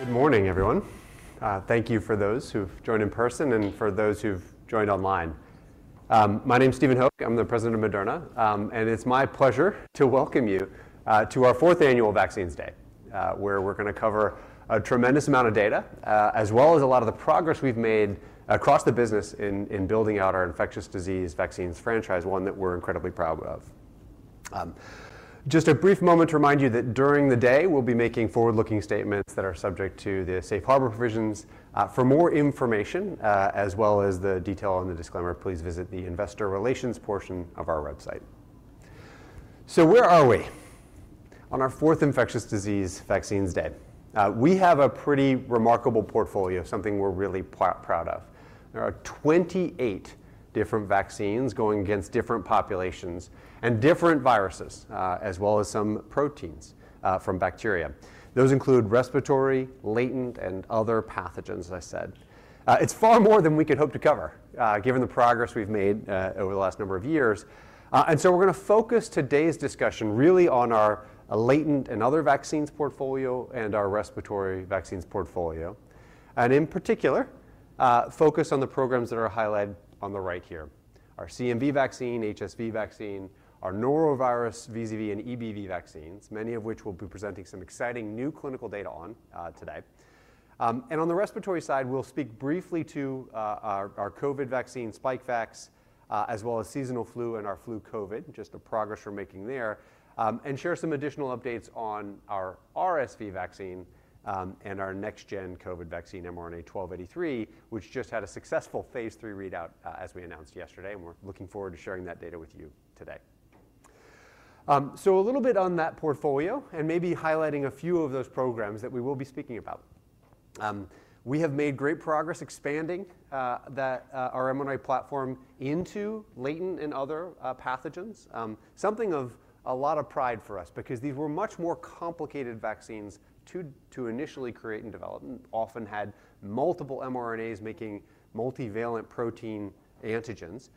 Good morning, everyone. Thank you for those who've joined in person and for those who've joined online. My name's Stephen Hoge. I'm the president of Moderna, and it's my pleasure to welcome you to our fourth annual Vaccines Day, where we're going to cover a tremendous amount of data as well as a lot of the progress we've made across the business in building out our infectious disease vaccines franchise, one that we're incredibly proud of. Just a brief moment to remind you that during the day we'll be making forward-looking statements that are subject to the Safe Harbor provisions. For more information as well as the detail on the disclaimer, please visit the investor relations portion of our website. So where are we on our fourth infectious disease vaccines day? We have a pretty remarkable portfolio of something we're really proud of. There are 28 different vaccines going against different populations and different viruses as well as some proteins from bacteria. Those include respiratory, latent, and other pathogens, as I said. It's far more than we could hope to cover given the progress we've made over the last number of years. And so we're going to focus today's discussion really on our latent and other vaccines portfolio and our respiratory vaccines portfolio, and in particular focus on the programs that are highlighted on the right here: our CMV vaccine, HSV vaccine, our norovirus, VZV, and EBV vaccines, many of which we'll be presenting some exciting new clinical data on today. On the respiratory side, we'll speak briefly to our COVID vaccine, Spikevax, as well as seasonal flu and our flu/COVID, just the progress we're making there, and share some additional updates on our RSV vaccine and our next-gen COVID vaccine, mRNA-1283, which just had a successful phase III readout as we announced yesterday. We're looking forward to sharing that data with you today. A little bit on that portfolio and maybe highlighting a few of those programs that we will be speaking about. We have made great progress expanding our mRNA platform into latent and other pathogens, something of a lot of pride for us because these were much more complicated vaccines to initially create and develop and often had multiple mRNAs making multivalent protein antigens.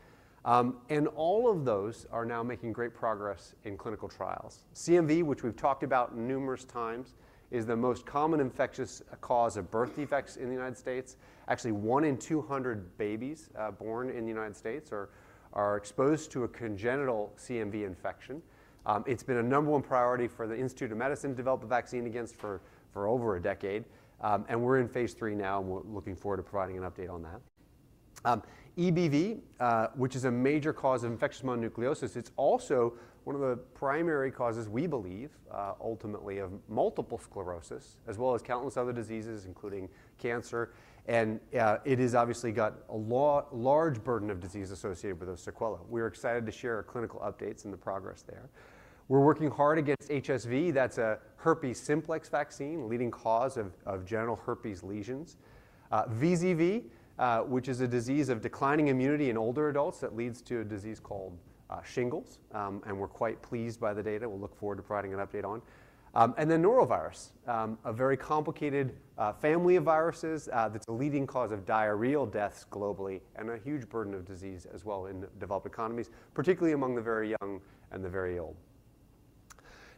All of those are now making great progress in clinical trials. CMV, which we've talked about numerous times, is the most common infectious cause of birth defects in the United States. Actually, one in 200 babies born in the United States are exposed to a congenital CMV infection. It's been a number one priority for the Institute of Medicine to develop a vaccine against for over a decade. We're in phase III now, and we're looking forward to providing an update on that. EBV, which is a major cause of infectious mononucleosis, it's also one of the primary causes, we believe, ultimately, of multiple sclerosis as well as countless other diseases including cancer. It has obviously got a large burden of disease associated with sequelae. We're excited to share clinical updates and the progress there. We're working hard against HSV. That's a herpes simplex vaccine, leading cause of genital herpes lesions. VZV, which is a disease of declining immunity in older adults that leads to a disease called shingles. We're quite pleased by the data. We'll look forward to providing an update on. Then norovirus, a very complicated family of viruses that's a leading cause of diarrheal deaths globally and a huge burden of disease as well in developed economies, particularly among the very young and the very old.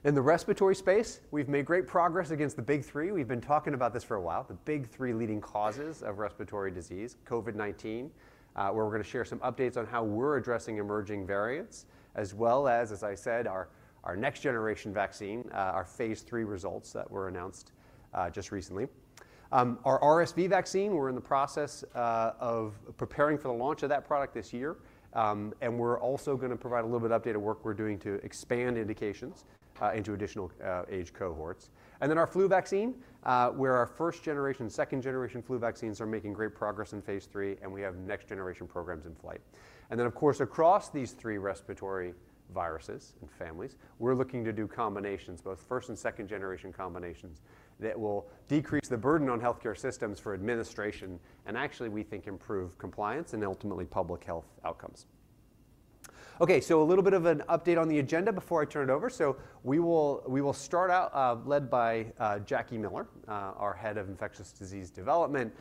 In the respiratory space, we've made great progress against the big three. We've been talking about this for a while, the big three leading causes of respiratory disease, COVID-19, where we're going to share some updates on how we're addressing emerging variants as well as, as I said, our next generation vaccine, our phase III results that were announced just recently. Our RSV vaccine, we're in the process of preparing for the launch of that product this year. And we're also going to provide a little bit of update of work we're doing to expand indications into additional age cohorts. And then our flu vaccine, where our 1st-gen, 2nd-gen flu vaccines are making great progress in phase III, and we have next-generation programs in flight. And then, of course, across these three respiratory viruses and families, we're looking to do combinations, both 1st- and 2nd-gen combinations, that will decrease the burden on health care systems for administration and actually, we think, improve compliance and ultimately public health outcomes. OK, so a little bit of an update on the agenda before I turn it over. So we will start out led by Jacqueline Miller, our Head of Infectious Disease Development,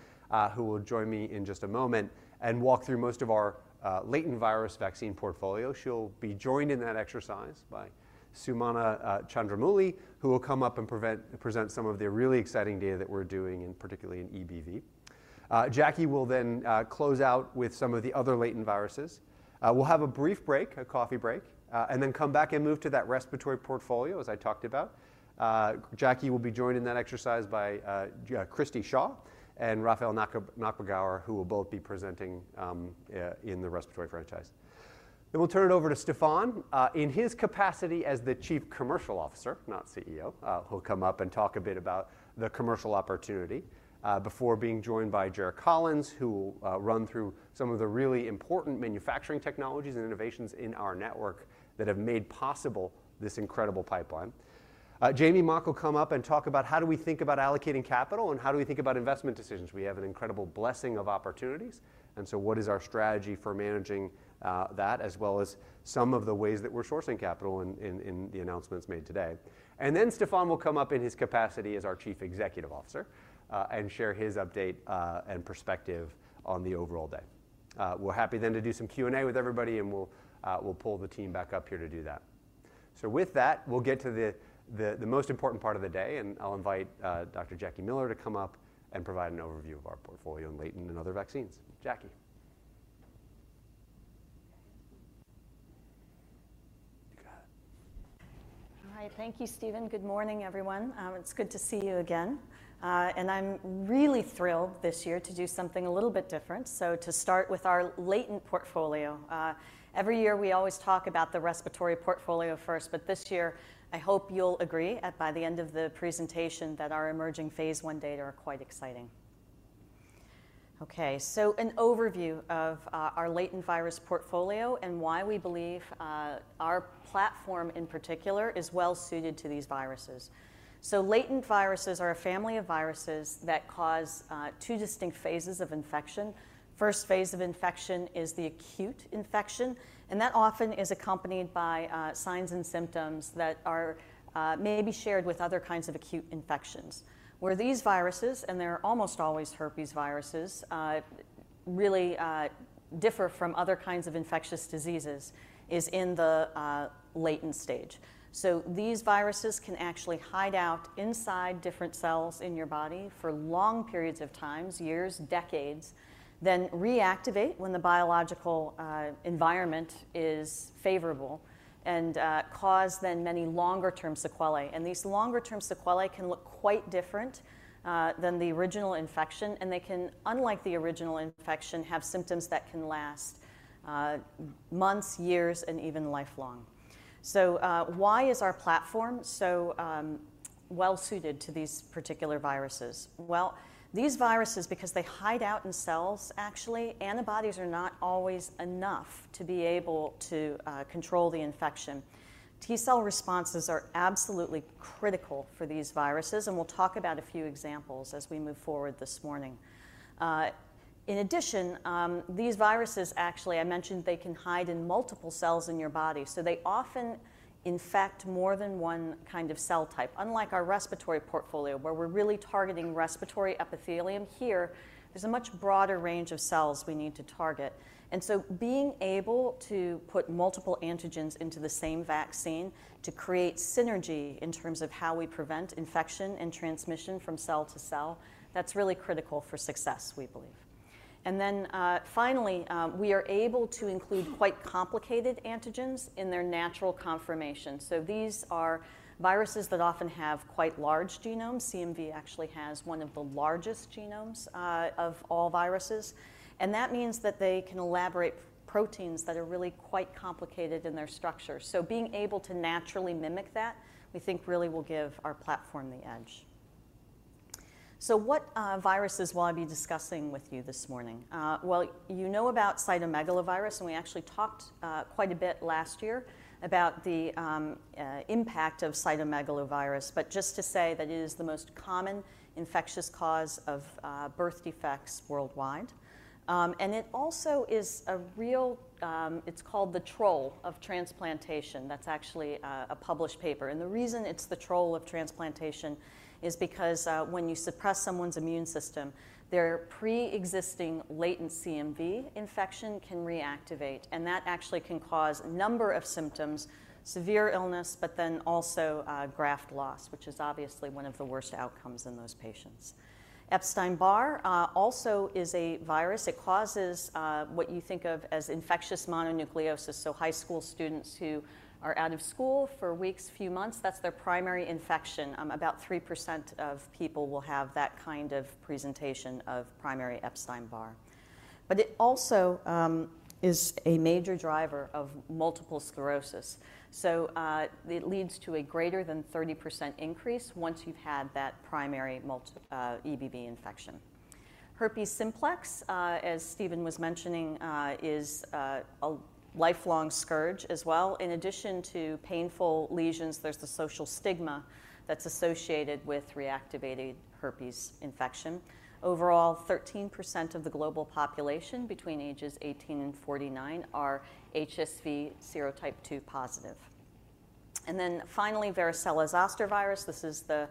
who will join me in just a moment and walk through most of our latent virus vaccine portfolio. She'll be joined in that exercise by Sumana Chandramouli, who will come up and present some of the really exciting data that we're doing, particularly in EBV. Jacqueline will then close out with some of the other latent viruses. We'll have a brief break, a coffee break, and then come back and move to that respiratory portfolio, as I talked about. Jacqueline will be joined in that exercise by Christine Shaw and Raffael Nachbagauer, who will both be presenting in the respiratory franchise. Then we'll turn it over to Stéphane. In his capacity as the Chief Commercial Officer, not CEO, he'll come up and talk a bit about the commercial opportunity before being joined by Jerh Collins, who will run through some of the really important manufacturing technologies and innovations in our network that have made possible this incredible pipeline. Jamey Mock will come up and talk about how do we think about allocating capital and how do we think about investment decisions. We have an incredible blessing of opportunities. And so what is our strategy for managing that as well as some of the ways that we're sourcing capital in the announcements made today. And then Stéphane will come up in his capacity as our Chief Executive Officer and share his update and perspective on the overall day. We're happy then to do some Q&A with everybody, and we'll pull the team back up here to do that. So with that, we'll get to the most important part of the day, and I'll invite Dr. Jacqueline Miller to come up and provide an overview of our portfolio in latent and other vaccines. Jacqueline. All right. Thank you, Stephen. Good morning, everyone. It's good to see you again. And I'm really thrilled this year to do something a little bit different. So to start with our latent portfolio, every year we always talk about the respiratory portfolio first. But this year, I hope you'll agree that by the end of the presentation, our emerging phase I data are quite exciting. OK, so an overview of our latent virus portfolio and why we believe our platform in particular is well suited to these viruses. So latent viruses are a family of viruses that cause two distinct phases of infection. First phase of infection is the acute infection, and that often is accompanied by signs and symptoms that may be shared with other kinds of acute infections. Where these viruses, and they're almost always herpes viruses, really differ from other kinds of infectious diseases is in the latent stage. So these viruses can actually hide out inside different cells in your body for long periods of time, years, decades, then reactivate when the biological environment is favorable and cause then many longer-term sequelae. And these longer-term sequelae can look quite different than the original infection, and they can, unlike the original infection, have symptoms that can last months, years, and even lifelong. So why is our platform so well suited to these particular viruses? Well, these viruses, because they hide out in cells, actually, antibodies are not always enough to be able to control the infection. T-cell responses are absolutely critical for these viruses, and we'll talk about a few examples as we move forward this morning. In addition, these viruses actually, I mentioned, they can hide in multiple cells in your body. So they often infect more than one kind of cell type, unlike our respiratory portfolio, where we're really targeting respiratory epithelium. Here, there's a much broader range of cells we need to target. And so being able to put multiple antigens into the same vaccine to create synergy in terms of how we prevent infection and transmission from cell to cell, that's really critical for success, we believe. And then finally, we are able to include quite complicated antigens in their natural conformation. So these are viruses that often have quite large genomes. CMV actually has one of the largest genomes of all viruses. And that means that they can elaborate proteins that are really quite complicated in their structure. So being able to naturally mimic that, we think, really will give our platform the edge. So what viruses will I be discussing with you this morning? Well, you know about cytomegalovirus, and we actually talked quite a bit last year about the impact of cytomegalovirus. But just to say that it is the most common infectious cause of birth defects worldwide. And it also is a real it's called the Troll of Transplantation. That's actually a published paper. And the reason it's the Troll of Transplantation is because when you suppress someone's immune system, their preexisting latent CMV infection can reactivate. And that actually can cause a number of symptoms, severe illness, but then also graft loss, which is obviously one of the worst outcomes in those patients. Epstein-Barr also is a virus. It causes what you think of as infectious mononucleosis. So high school students who are out of school for weeks, few months, that's their primary infection. About 3% of people will have that kind of presentation of primary Epstein-Barr. But it also is a major driver of multiple sclerosis. So it leads to a greater than 30% increase once you've had that primary EBV infection. Herpes simplex, as Stephen was mentioning, is a lifelong scourge as well. In addition to painful lesions, there's the social stigma that's associated with reactivated herpes infection. Overall, 13% of the global population between ages 18 and 49 are HSV serotype 2 positive. And then finally, varicella-zoster virus. This is the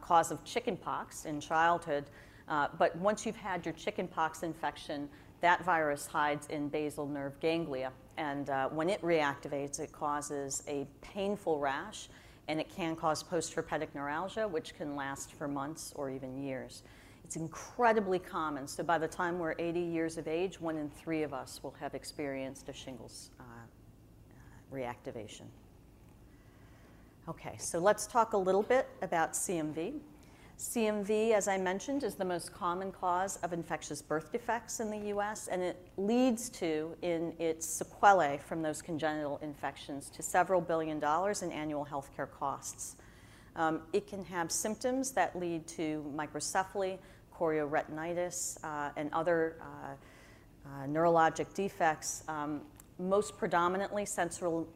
cause of chickenpox in childhood. But once you've had your chickenpox infection, that virus hides in basal nerve ganglia. And when it reactivates, it causes a painful rash, and it can cause postherpetic neuralgia, which can last for months or even years. It's incredibly common. So by the time we're 80 years of age, one in three of us will have experienced a shingles reactivation. OK, so let's talk a little bit about CMV. CMV, as I mentioned, is the most common cause of infectious birth defects in the U.S. It leads to, in its sequelae from those congenital infections, several billion dollars in annual health care costs. It can have symptoms that lead to microcephaly, chorioretinitis, and other neurologic defects, most predominantly sensorineural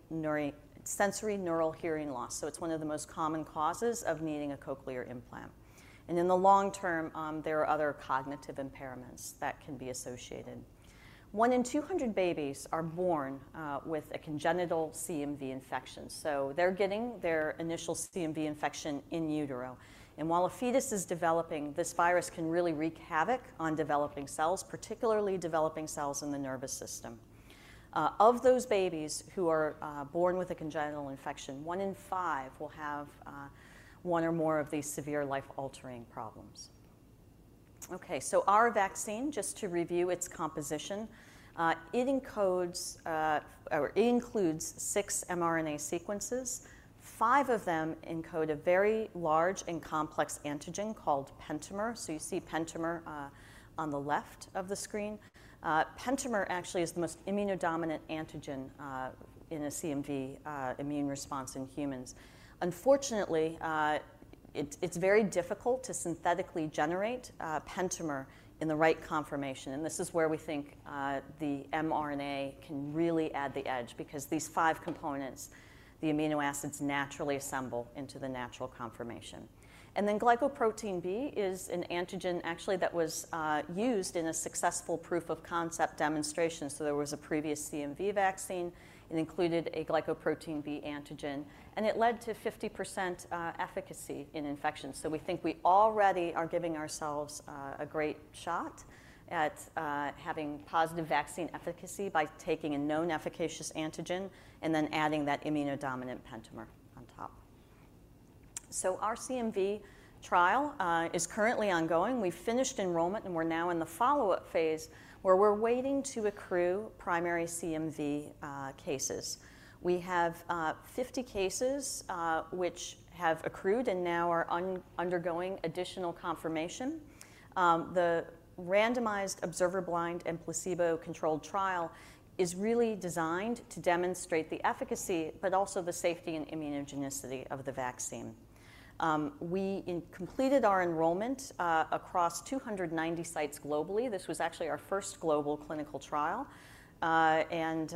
hearing loss. It's one of the most common causes of needing a cochlear implant. In the long term, there are other cognitive impairments that can be associated. One in 200 babies are born with a congenital CMV infection. They're getting their initial CMV infection in utero. And while a fetus is developing, this virus can really wreak havoc on developing cells, particularly developing cells in the nervous system. Of those babies who are born with a congenital infection, one in five will have one or more of these severe life-altering problems. OK, so our vaccine, just to review its composition, it encodes or it includes six mRNA sequences. Five of them encode a very large and complex antigen called pentamer. So you see pentamer on the left of the screen. Pentamer actually is the most immunodominant antigen in a CMV immune response in humans. Unfortunately, it's very difficult to synthetically generate pentamer in the right conformation. And this is where we think the mRNA can really add the edge because these five components, the amino acids, naturally assemble into the natural conformation. Then glycoprotein B is an antigen actually that was used in a successful proof of concept demonstration. So there was a previous CMV vaccine. It included a glycoprotein B antigen. And it led to 50% efficacy in infections. So we think we already are giving ourselves a great shot at having positive vaccine efficacy by taking a known efficacious antigen and then adding that immunodominant pentamer on top. So our CMV trial is currently ongoing. We've finished enrollment, and we're now in the follow-up phase where we're waiting to accrue primary CMV cases. We have 50 cases which have accrued and now are undergoing additional confirmation. The randomized observer-blind and placebo-controlled trial is really designed to demonstrate the efficacy but also the safety and immunogenicity of the vaccine. We completed our enrollment across 290 sites globally. This was actually our first global clinical trial. And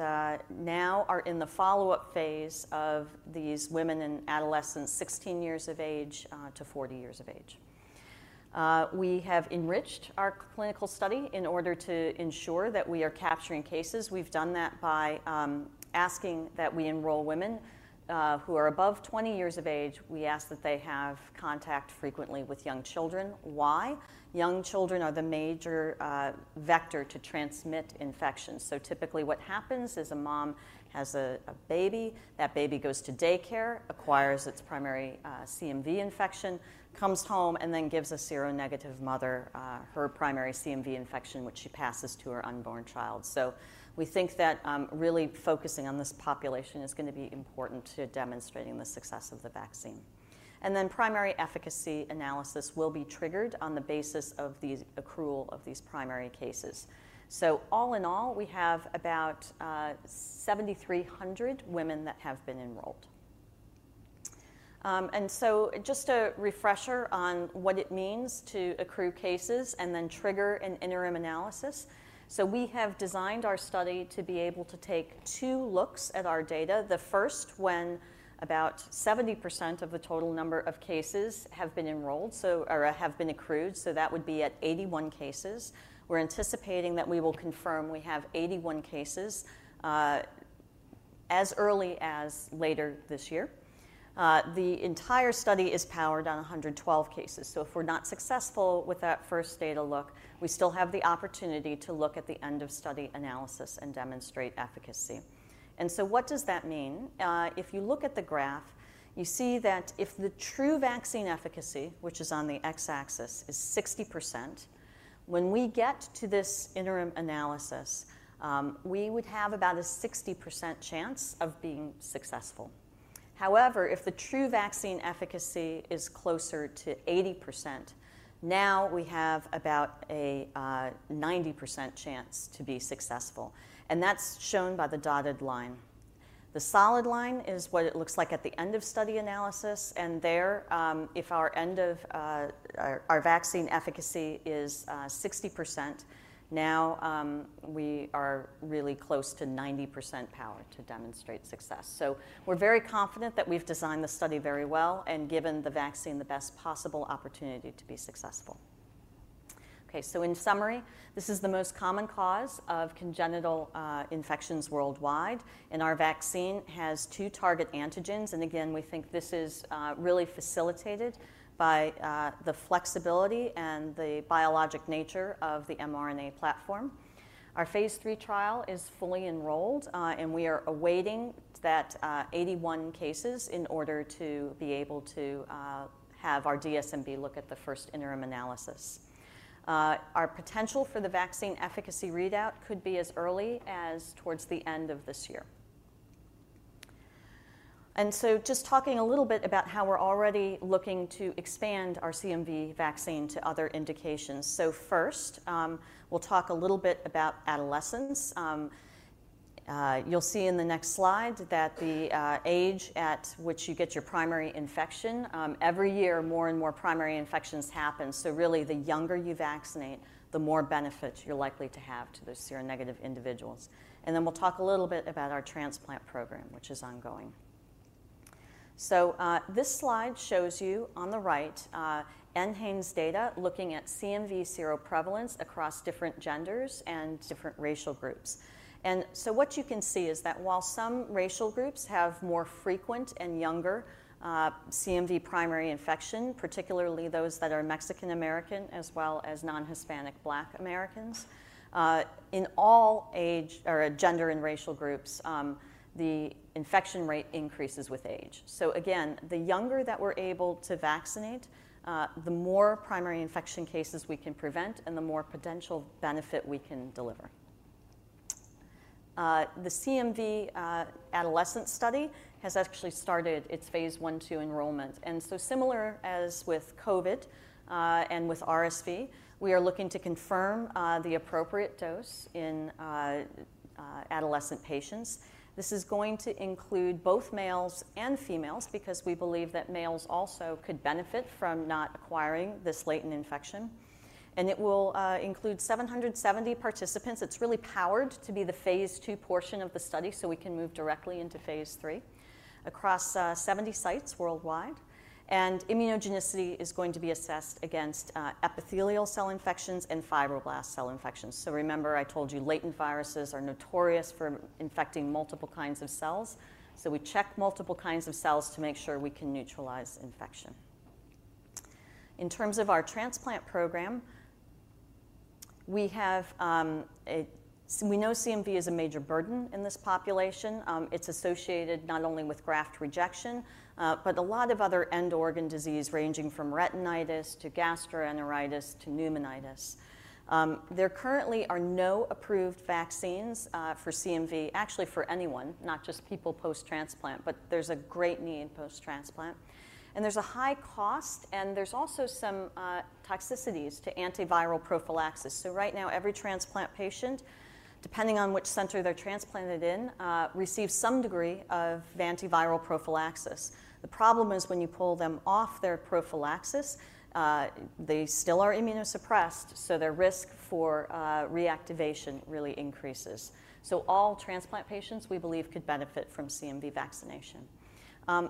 now are in the follow-up phase of these women and adolescents, 16 years of age to 40 years of age. We have enriched our clinical study in order to ensure that we are capturing cases. We've done that by asking that we enroll women who are above 20 years of age. We ask that they have contact frequently with young children. Why? Young children are the major vector to transmit infections. So typically what happens is a mom has a baby. That baby goes to daycare, acquires its primary CMV infection, comes home, and then gives a seronegative mother her primary CMV infection, which she passes to her unborn child. So we think that really focusing on this population is going to be important to demonstrating the success of the vaccine. And then primary efficacy analysis will be triggered on the basis of the accrual of these primary cases. So all in all, we have about 7,300 women that have been enrolled. And so just a refresher on what it means to accrue cases and then trigger an interim analysis. So we have designed our study to be able to take two looks at our data. The first when about 70% of the total number of cases have been enrolled or have been accrued. So that would be at 81 cases. We're anticipating that we will confirm we have 81 cases as early as later this year. The entire study is powered on 112 cases. So if we're not successful with that first data look, we still have the opportunity to look at the end of study analysis and demonstrate efficacy. And so what does that mean? If you look at the graph, you see that if the true vaccine efficacy, which is on the x-axis, is 60%, when we get to this interim analysis, we would have about a 60% chance of being successful. However, if the true vaccine efficacy is closer to 80%, now we have about a 90% chance to be successful. And that's shown by the dotted line. The solid line is what it looks like at the end of study analysis. And there, if our end of our vaccine efficacy is 60%, now we are really close to 90% power to demonstrate success. So we're very confident that we've designed the study very well and given the vaccine the best possible opportunity to be successful. OK, so in summary, this is the most common cause of congenital infections worldwide. And our vaccine has two target antigens. Again, we think this is really facilitated by the flexibility and the biologic nature of the mRNA platform. Our phase III trial is fully enrolled, and we are awaiting that 81 cases in order to be able to have our DSMB look at the first interim analysis. Our potential for the vaccine efficacy readout could be as early as towards the end of this year. Just talking a little bit about how we're already looking to expand our CMV vaccine to other indications. First, we'll talk a little bit about adolescents. You'll see in the next slide that the age at which you get your primary infection every year, more and more primary infections happen. Really, the younger you vaccinate, the more benefit you're likely to have to those seronegative individuals. Then we'll talk a little bit about our transplant program, which is ongoing. So this slide shows you on the right enhanced data looking at CMV seroprevalence across different genders and different racial groups. And so what you can see is that while some racial groups have more frequent and younger CMV primary infection, particularly those that are Mexican-American as well as non-Hispanic Black Americans, in all age or gender and racial groups, the infection rate increases with age. So again, the younger that we're able to vaccinate, the more primary infection cases we can prevent and the more potential benefit we can deliver. The CMV adolescent study has actually started its phase I/II enrollment. And so similar as with COVID and with RSV, we are looking to confirm the appropriate dose in adolescent patients. This is going to include both males and females because we believe that males also could benefit from not acquiring this latent infection. It will include 770 participants. It's really powered to be the phase II portion of the study so we can move directly into phase III across 70 sites worldwide. Immunogenicity is going to be assessed against epithelial cell infections and fibroblast cell infections. So remember, I told you latent viruses are notorious for infecting multiple kinds of cells. So we check multiple kinds of cells to make sure we can neutralize infection. In terms of our transplant program, we know CMV is a major burden in this population. It's associated not only with graft rejection but a lot of other end organ disease ranging from retinitis to gastroenteritis to pneumonitis. There currently are no approved vaccines for CMV, actually for anyone, not just people post-transplant. But there's a great need post-transplant. There's a high cost, and there's also some toxicities to antiviral prophylaxis. So right now, every transplant patient, depending on which center they're transplanted in, receives some degree of antiviral prophylaxis. The problem is when you pull them off their prophylaxis, they still are immunosuppressed. So their risk for reactivation really increases. So all transplant patients, we believe, could benefit from CMV vaccination.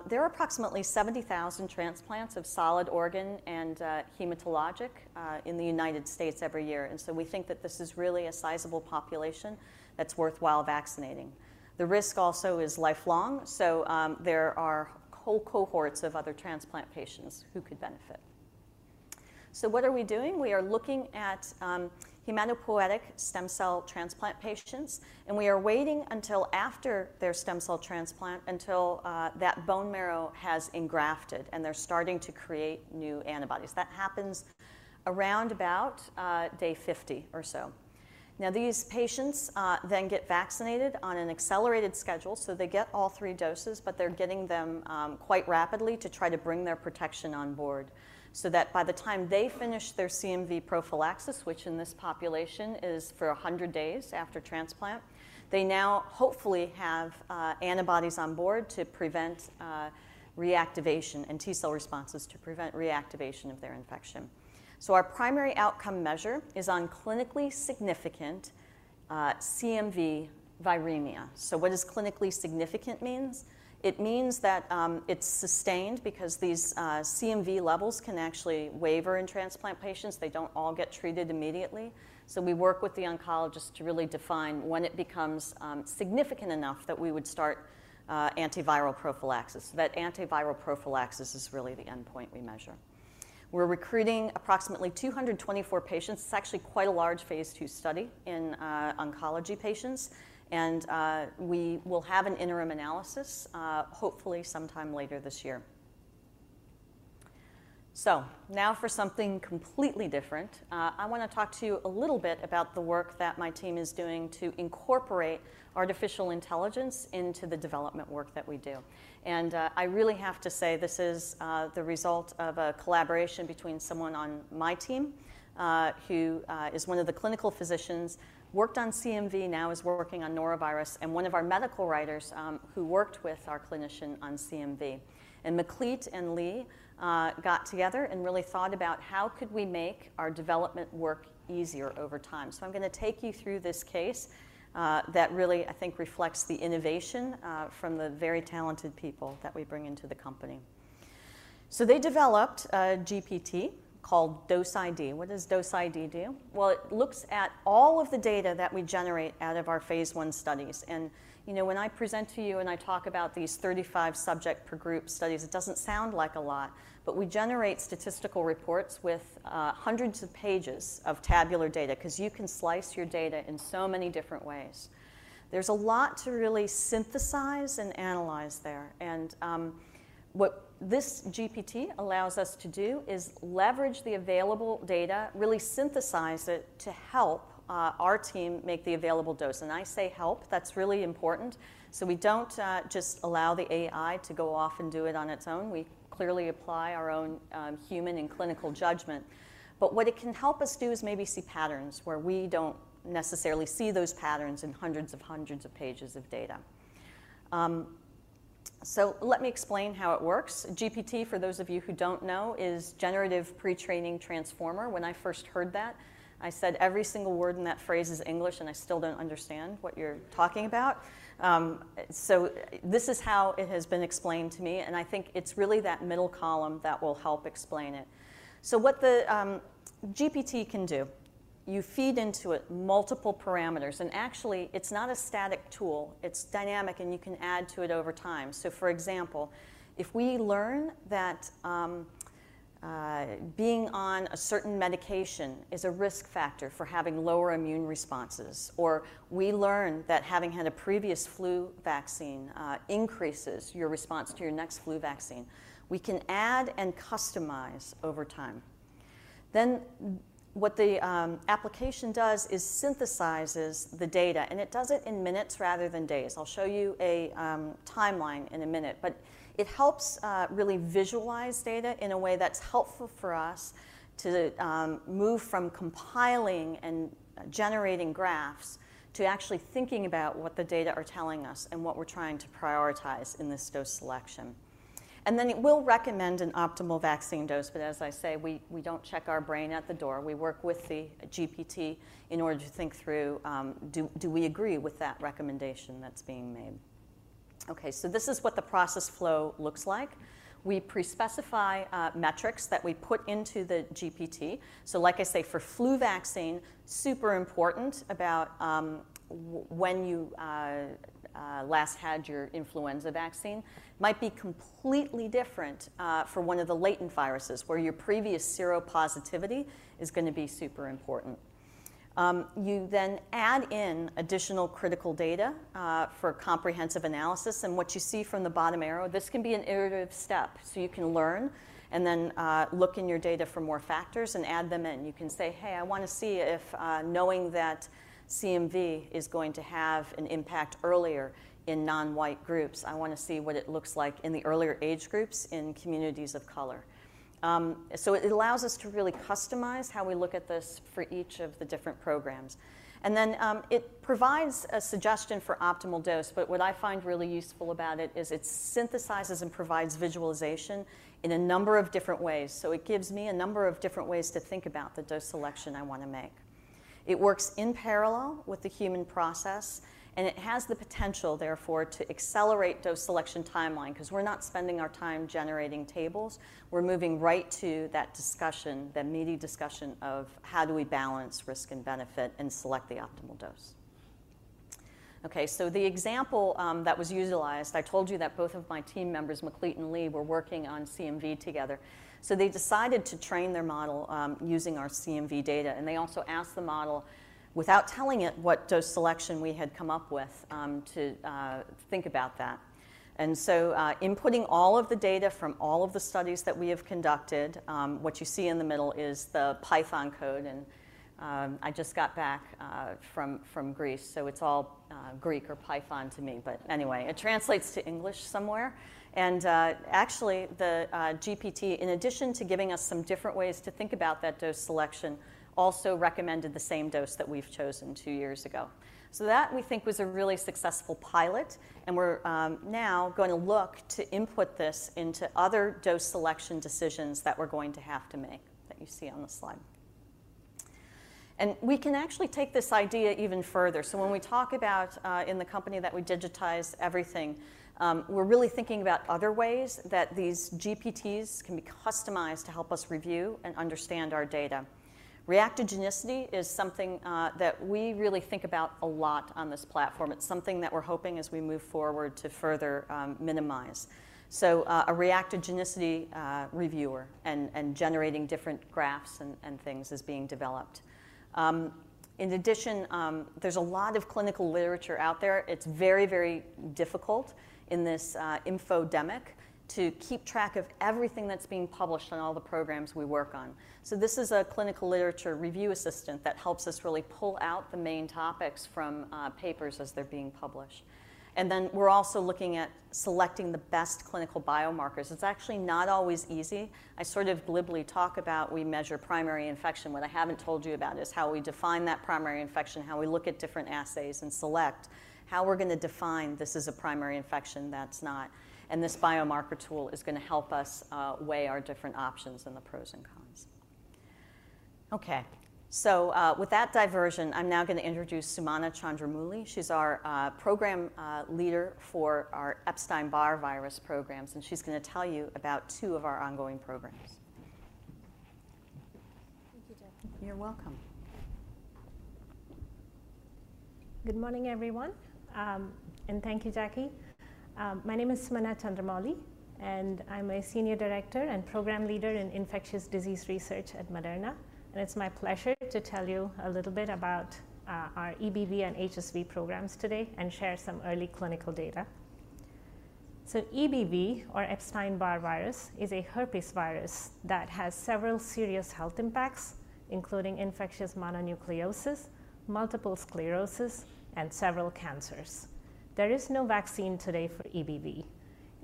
There are approximately 70,000 transplants of solid organ and hematologic in the United States every year. And so we think that this is really a sizable population that's worthwhile vaccinating. The risk also is lifelong. So there are whole cohorts of other transplant patients who could benefit. So what are we doing? We are looking at hematopoietic stem cell transplant patients. And we are waiting until after their stem cell transplant, until that bone marrow has engrafted, and they're starting to create new antibodies. That happens around about day 50 or so. Now, these patients then get vaccinated on an accelerated schedule. So they get all three doses, but they're getting them quite rapidly to try to bring their protection on board so that by the time they finish their CMV prophylaxis, which in this population is for 100 days after transplant, they now hopefully have antibodies on board to prevent reactivation and T cell responses to prevent reactivation of their infection. So our primary outcome measure is on clinically significant CMV viremia. So what does clinically significant mean? It means that it's sustained because these CMV levels can actually waver in transplant patients. They don't all get treated immediately. So we work with the oncologist to really define when it becomes significant enough that we would start antiviral prophylaxis, that antiviral prophylaxis is really the end point we measure. We're recruiting approximately 224 patients. It's actually quite a large phase II study in oncology patients. We will have an interim analysis hopefully sometime later this year. Now for something completely different, I want to talk to you a little bit about the work that my team is doing to incorporate artificial intelligence into the development work that we do. I really have to say this is the result of a collaboration between someone on my team who is one of the clinical physicians, worked on CMV, now is working on norovirus, and one of our medical writers who worked with our clinician on CMV. Meklit and Lee got together and really thought about how could we make our development work easier over time. I'm going to take you through this case that really, I think, reflects the innovation from the very talented people that we bring into the company. So they developed a GPT called DoseID. What does DoseID do? Well, it looks at all of the data that we generate out of our phase I studies. And you know when I present to you and I talk about these 35 subject per group studies, it doesn't sound like a lot. But we generate statistical reports with hundreds of pages of tabular data because you can slice your data in so many different ways. There's a lot to really synthesize and analyze there. And what this GPT allows us to do is leverage the available data, really synthesize it to help our team make the available dose. And I say help. That's really important. So we don't just allow the AI to go off and do it on its own. We clearly apply our own human and clinical judgment. But what it can help us do is maybe see patterns where we don't necessarily see those patterns in hundreds of hundreds of pages of data. So let me explain how it works. GPT, for those of you who don't know, is Generative Pre-trained Transformer. When I first heard that, I said every single word in that phrase is English, and I still don't understand what you're talking about. So this is how it has been explained to me. And I think it's really that middle column that will help explain it. So what the GPT can do, you feed into it multiple parameters. And actually, it's not a static tool. It's dynamic, and you can add to it over time. So for example, if we learn that being on a certain medication is a risk factor for having lower immune responses, or we learn that having had a previous flu vaccine increases your response to your next flu vaccine, we can add and customize over time. Then what the application does is synthesizes the data. And it does it in minutes rather than days. I'll show you a timeline in a minute. But it helps really visualize data in a way that's helpful for us to move from compiling and generating graphs to actually thinking about what the data are telling us and what we're trying to prioritize in this dose selection. And then it will recommend an optimal vaccine dose. But as I say, we don't check our brain at the door. We work with the GPT in order to think through, do we agree with that recommendation that's being made? OK, so this is what the process flow looks like. We pre-specify metrics that we put into the GPT. So like I say, for flu vaccine, super important about when you last had your influenza vaccine might be completely different for one of the latent viruses where your previous seropositivity is going to be super important. You then add in additional critical data for comprehensive analysis. And what you see from the bottom arrow, this can be an iterative step. So you can learn and then look in your data for more factors and add them in. You can say, hey, I want to see if knowing that CMV is going to have an impact earlier in non-white groups, I want to see what it looks like in the earlier age groups in communities of color. So it allows us to really customize how we look at this for each of the different programs. And then it provides a suggestion for optimal dose. But what I find really useful about it is it synthesizes and provides visualization in a number of different ways. So it gives me a number of different ways to think about the dose selection I want to make. It works in parallel with the human process. And it has the potential, therefore, to accelerate dose selection timeline because we're not spending our time generating tables. We're moving right to that discussion, that meaty discussion of how do we balance risk and benefit and select the optimal dose. OK, so the example that was utilized, I told you that both of my team members, Meklit and Lee, were working on CMV together. So they decided to train their model using our CMV data. And they also asked the model, without telling it, what dose selection we had come up with to think about that. And so inputting all of the data from all of the studies that we have conducted, what you see in the middle is the Python code. And I just got back from Greece. So it's all Greek or Python to me. But anyway, it translates to English somewhere. And actually, the GPT, in addition to giving us some different ways to think about that dose selection, also recommended the same dose that we've chosen two years ago. So that we think was a really successful pilot. And we're now going to look to input this into other dose selection decisions that we're going to have to make that you see on the slide. And we can actually take this idea even further. So when we talk about in the company that we digitize everything, we're really thinking about other ways that these GPTs can be customized to help us review and understand our data. Reactogenicity is something that we really think about a lot on this platform. It's something that we're hoping, as we move forward, to further minimize. So a reactogenicity reviewer and generating different graphs and things is being developed. In addition, there's a lot of clinical literature out there. It's very, very difficult in this infodemic to keep track of everything that's being published in all the programs we work on. So this is a clinical literature review assistant that helps us really pull out the main topics from papers as they're being published. And then we're also looking at selecting the best clinical biomarkers. It's actually not always easy. I sort of glibly talk about we measure primary infection. What I haven't told you about is how we define that primary infection, how we look at different assays and select, how we're going to define this is a primary infection, that's not. And this biomarker tool is going to help us weigh our different options and the pros and cons. OK, so with that diversion, I'm now going to introduce Sumana Chandramouli. She's our program leader for our Epstein-Barr virus programs. She's going to tell you about two of our ongoing programs. Thank you, Jacqueline. You're welcome. Good morning, everyone. Thank you, Jackie. My name is Sumana Chandramouli. I'm a senior director and program leader in infectious disease research at Moderna. It's my pleasure to tell you a little bit about our EBV and HSV programs today and share some early clinical data. EBV, or Epstein-Barr virus, is a herpes virus that has several serious health impacts, including infectious mononucleosis, multiple sclerosis, and several cancers. There is no vaccine today for EBV.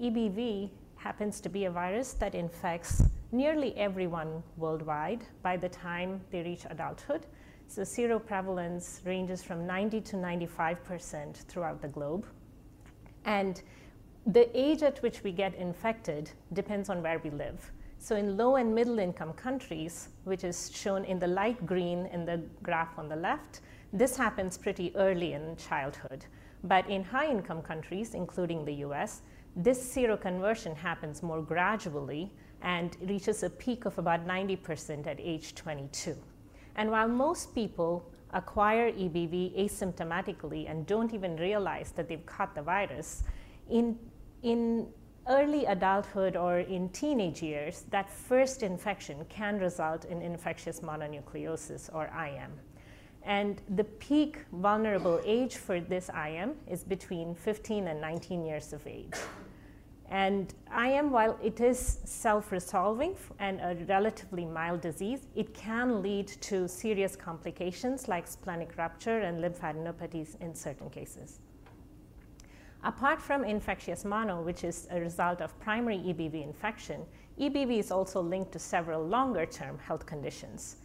EBV happens to be a virus that infects nearly everyone worldwide by the time they reach adulthood. Seroprevalence ranges from 90%-95% throughout the globe. The age at which we get infected depends on where we live. In low and middle-income countries, which is shown in the graph on the left, this happens pretty early in childhood. But in high-income countries, including the U.S., this seroconversion happens more gradually and reaches a peak of about 90% at age 22. And while most people acquire EBV asymptomatically and don't even realize that they've caught the virus, in early adulthood or in teenage years, that first infection can result in infectious mononucleosis, or IM. And the peak vulnerable age for this IM is between 15 and 19 years of age. And IM, while it is self-resolving and a relatively mild disease, it can lead to serious complications like splenic rupture and lymphadenopathies in certain cases. Apart from infectious mono, which is a result of primary EBV infection, EBV is also linked to several longer-term health conditions.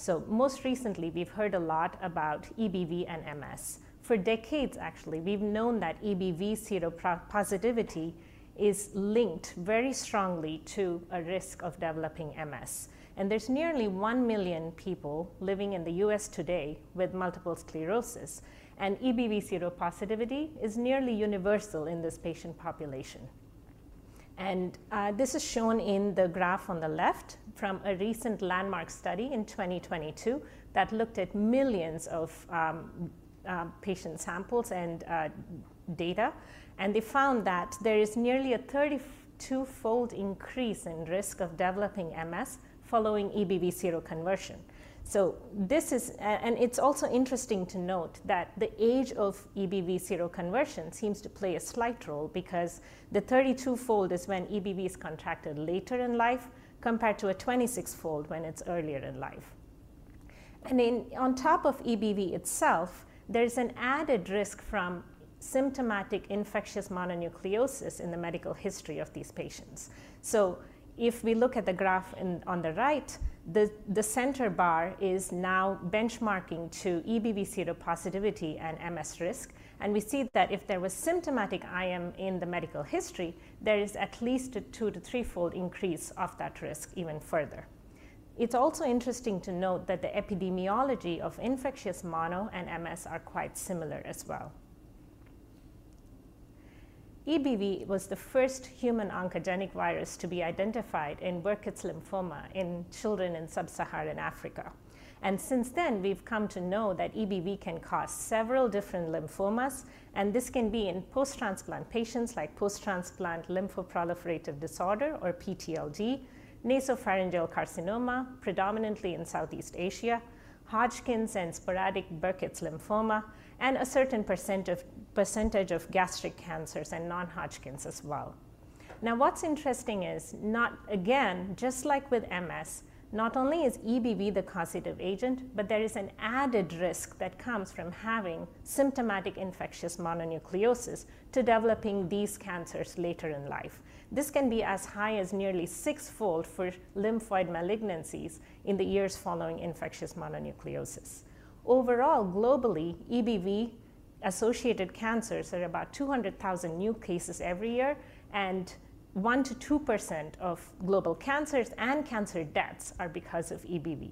So most recently, we've heard a lot about EBV and MS. For decades, actually, we've known that EBV seropositivity is linked very strongly to a risk of developing MS. There's nearly 1 million people living in the U.S. today with multiple sclerosis. EBV seropositivity is nearly universal in this patient population. This is shown in the graph on the left from a recent landmark study in 2022 that looked at millions of patient samples and data. They found that there is nearly a 32-fold increase in risk of developing MS following EBV seroconversion. So this is and it's also interesting to note that the age of EBV seroconversion seems to play a slight role because the 32-fold is when EBV is contracted later in life compared to a 26-fold when it's earlier in life. On top of EBV itself, there is an added risk from symptomatic infectious mononucleosis in the medical history of these patients. So if we look at the graph on the right, the center bar is now benchmarking to EBV seropositivity and MS risk. And we see that if there was symptomatic IM in the medical history, there is at least a two- to three-fold increase of that risk even further. It's also interesting to note that the epidemiology of infectious mono and MS are quite similar as well. EBV was the first human oncogenic virus to be identified in Burkitt's lymphoma in children in Sub-Saharan Africa. And since then, we've come to know that EBV can cause several different lymphomas. And this can be in post-transplant patients like post-transplant lymphoproliferative disorder, or PTLD, nasopharyngeal carcinoma, predominantly in Southeast Asia, Hodgkin's, and sporadic Burkitt's lymphoma, and a certain percentage of gastric cancers and non-Hodgkin's as well. Now what's interesting is not again, just like with MS, not only is EBV the causative agent, but there is an added risk that comes from having symptomatic infectious mononucleosis to developing these cancers later in life. This can be as high as nearly sixfold for lymphoid malignancies in the years following infectious mononucleosis. Overall, globally, EBV-associated cancers are about 200,000 new cases every year. 1%-2% of global cancers and cancer deaths are because of EBV.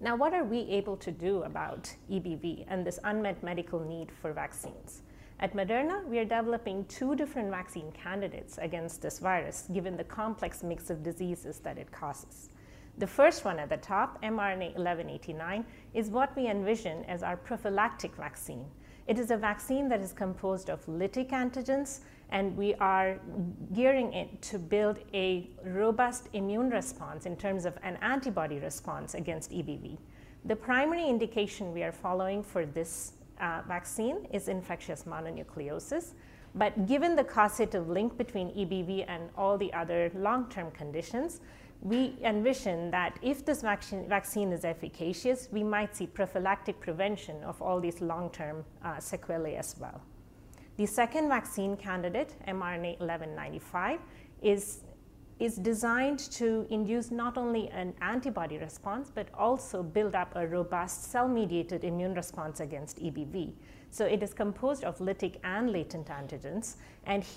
Now what are we able to do about EBV and this unmet medical need for vaccines? At Moderna, we are developing two different vaccine candidates against this virus given the complex mix of diseases that it causes. The first one at the top, mRNA-1189, is what we envision as our prophylactic vaccine. It is a vaccine that is composed of lytic antigens. We are gearing it to build a robust immune response in terms of an antibody response against EBV. The primary indication we are following for this vaccine is infectious mononucleosis. Given the causative link between EBV and all the other long-term conditions, we envision that if this vaccine is efficacious, we might see prophylactic prevention of all these long-term sequelae as well. The second vaccine candidate, mRNA-1195, is designed to induce not only an antibody response but also build up a robust cell-mediated immune response against EBV. It is composed of lytic and latent antigens.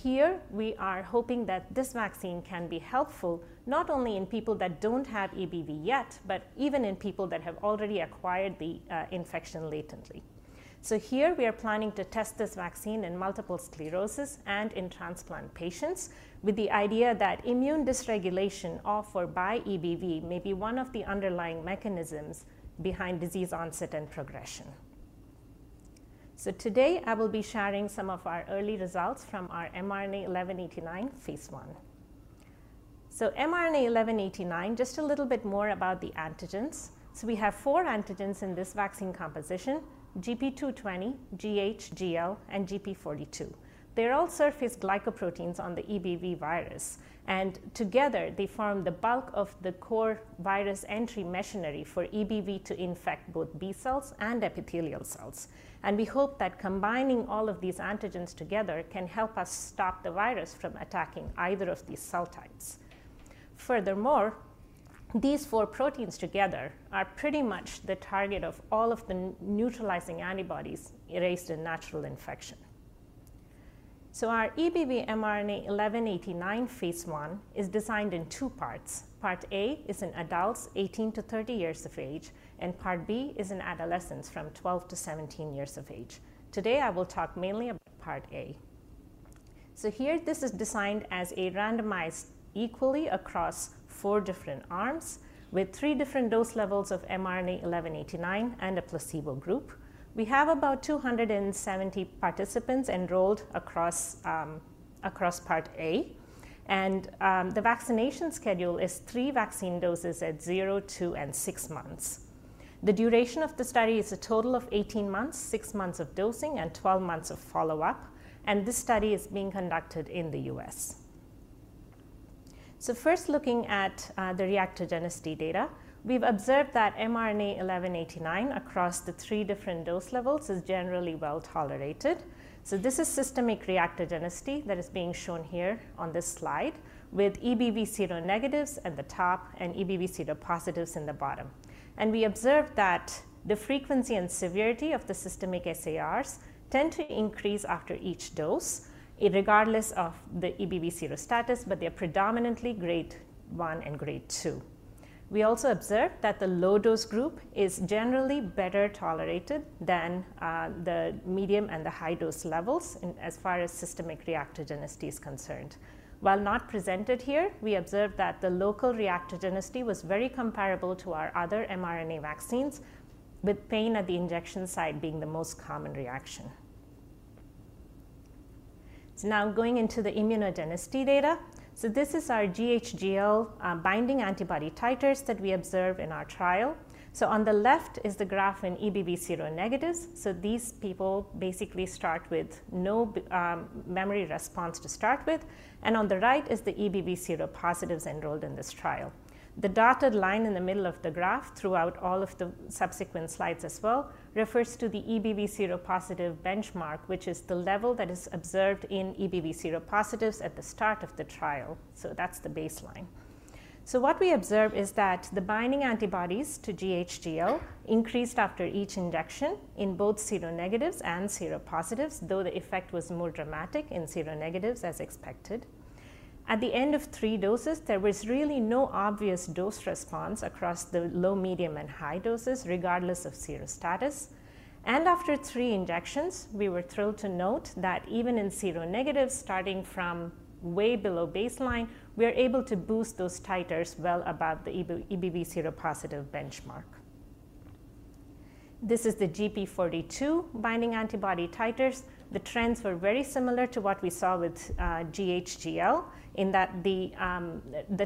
Here, we are hoping that this vaccine can be helpful not only in people that don't have EBV yet but even in people that have already acquired the infection latently. So here, we are planning to test this vaccine in multiple sclerosis and in transplant patients with the idea that immune dysregulation or by EBV may be one of the underlying mechanisms behind disease onset and progression. Today, I will be sharing some of our early results from our mRNA-1189 phase I. mRNA-1189, just a little bit more about the antigens. We have four antigens in this vaccine composition: gB, gH/gL, and gp42. They're all surface glycoproteins on the EBV virus. And together, they form the bulk of the core virus entry machinery for EBV to infect both B cells and epithelial cells. And we hope that combining all of these antigens together can help us stop the virus from attacking either of these cell types. Furthermore, these four proteins together are pretty much the target of all of the neutralizing antibodies raised in natural infection. So our EBV mRNA-1189 phase I is designed in two parts. Part A is in adults, 18-30 years of age. Part B is in adolescents, from 12-17 years of age. Today, I will talk mainly about part A. So here, this is designed as a randomized, equally across four different arms with three different dose levels of mRNA-1189 and a placebo group. We have about 270 participants enrolled across part A. The vaccination schedule is three vaccine doses at zero, two, and six months. The duration of the study is a total of 18 months, six months of dosing, and 12 months of follow-up. This study is being conducted in the U.S. So first, looking at the reactogenicity data, we've observed that mRNA-1189 across the three different dose levels is generally well tolerated. So this is systemic reactogenicity that is being shown here on this slide with EBV seronegatives at the top and EBV seropositives in the bottom. We observed that the frequency and severity of the systemic SARs tend to increase after each dose regardless of the EBV serostatus. But they're predominantly grade I and grade II. We also observed that the low-dose group is generally better tolerated than the medium and the high-dose levels as far as systemic reactogenicity is concerned. While not presented here, we observed that the local reactogenicity was very comparable to our other mRNA vaccines, with pain at the injection site being the most common reaction. Now going into the immunogenicity data. This is our gH/gL binding antibody titers that we observed in our trial. On the left is the graph in EBV seronegatives. So these people basically start with no memory response to start with. On the right is the EBV seropositives enrolled in this trial. The dotted line in the middle of the graph throughout all of the subsequent slides as well refers to the EBV seropositive benchmark, which is the level that is observed in EBV seropositives at the start of the trial. So that's the baseline. So what we observe is that the binding antibodies to gH/gL increased after each injection in both seronegatives and seropositives, though the effect was more dramatic in seronegatives as expected. At the end of three doses, there was really no obvious dose response across the low, medium, and high doses regardless of serostatus. After three injections, we were thrilled to note that even in seronegatives starting from way below baseline, we were able to boost those titers well above the EBV seropositive benchmark. This is the gp42 binding antibody titers. The trends were very similar to what we saw with gH/gL in that the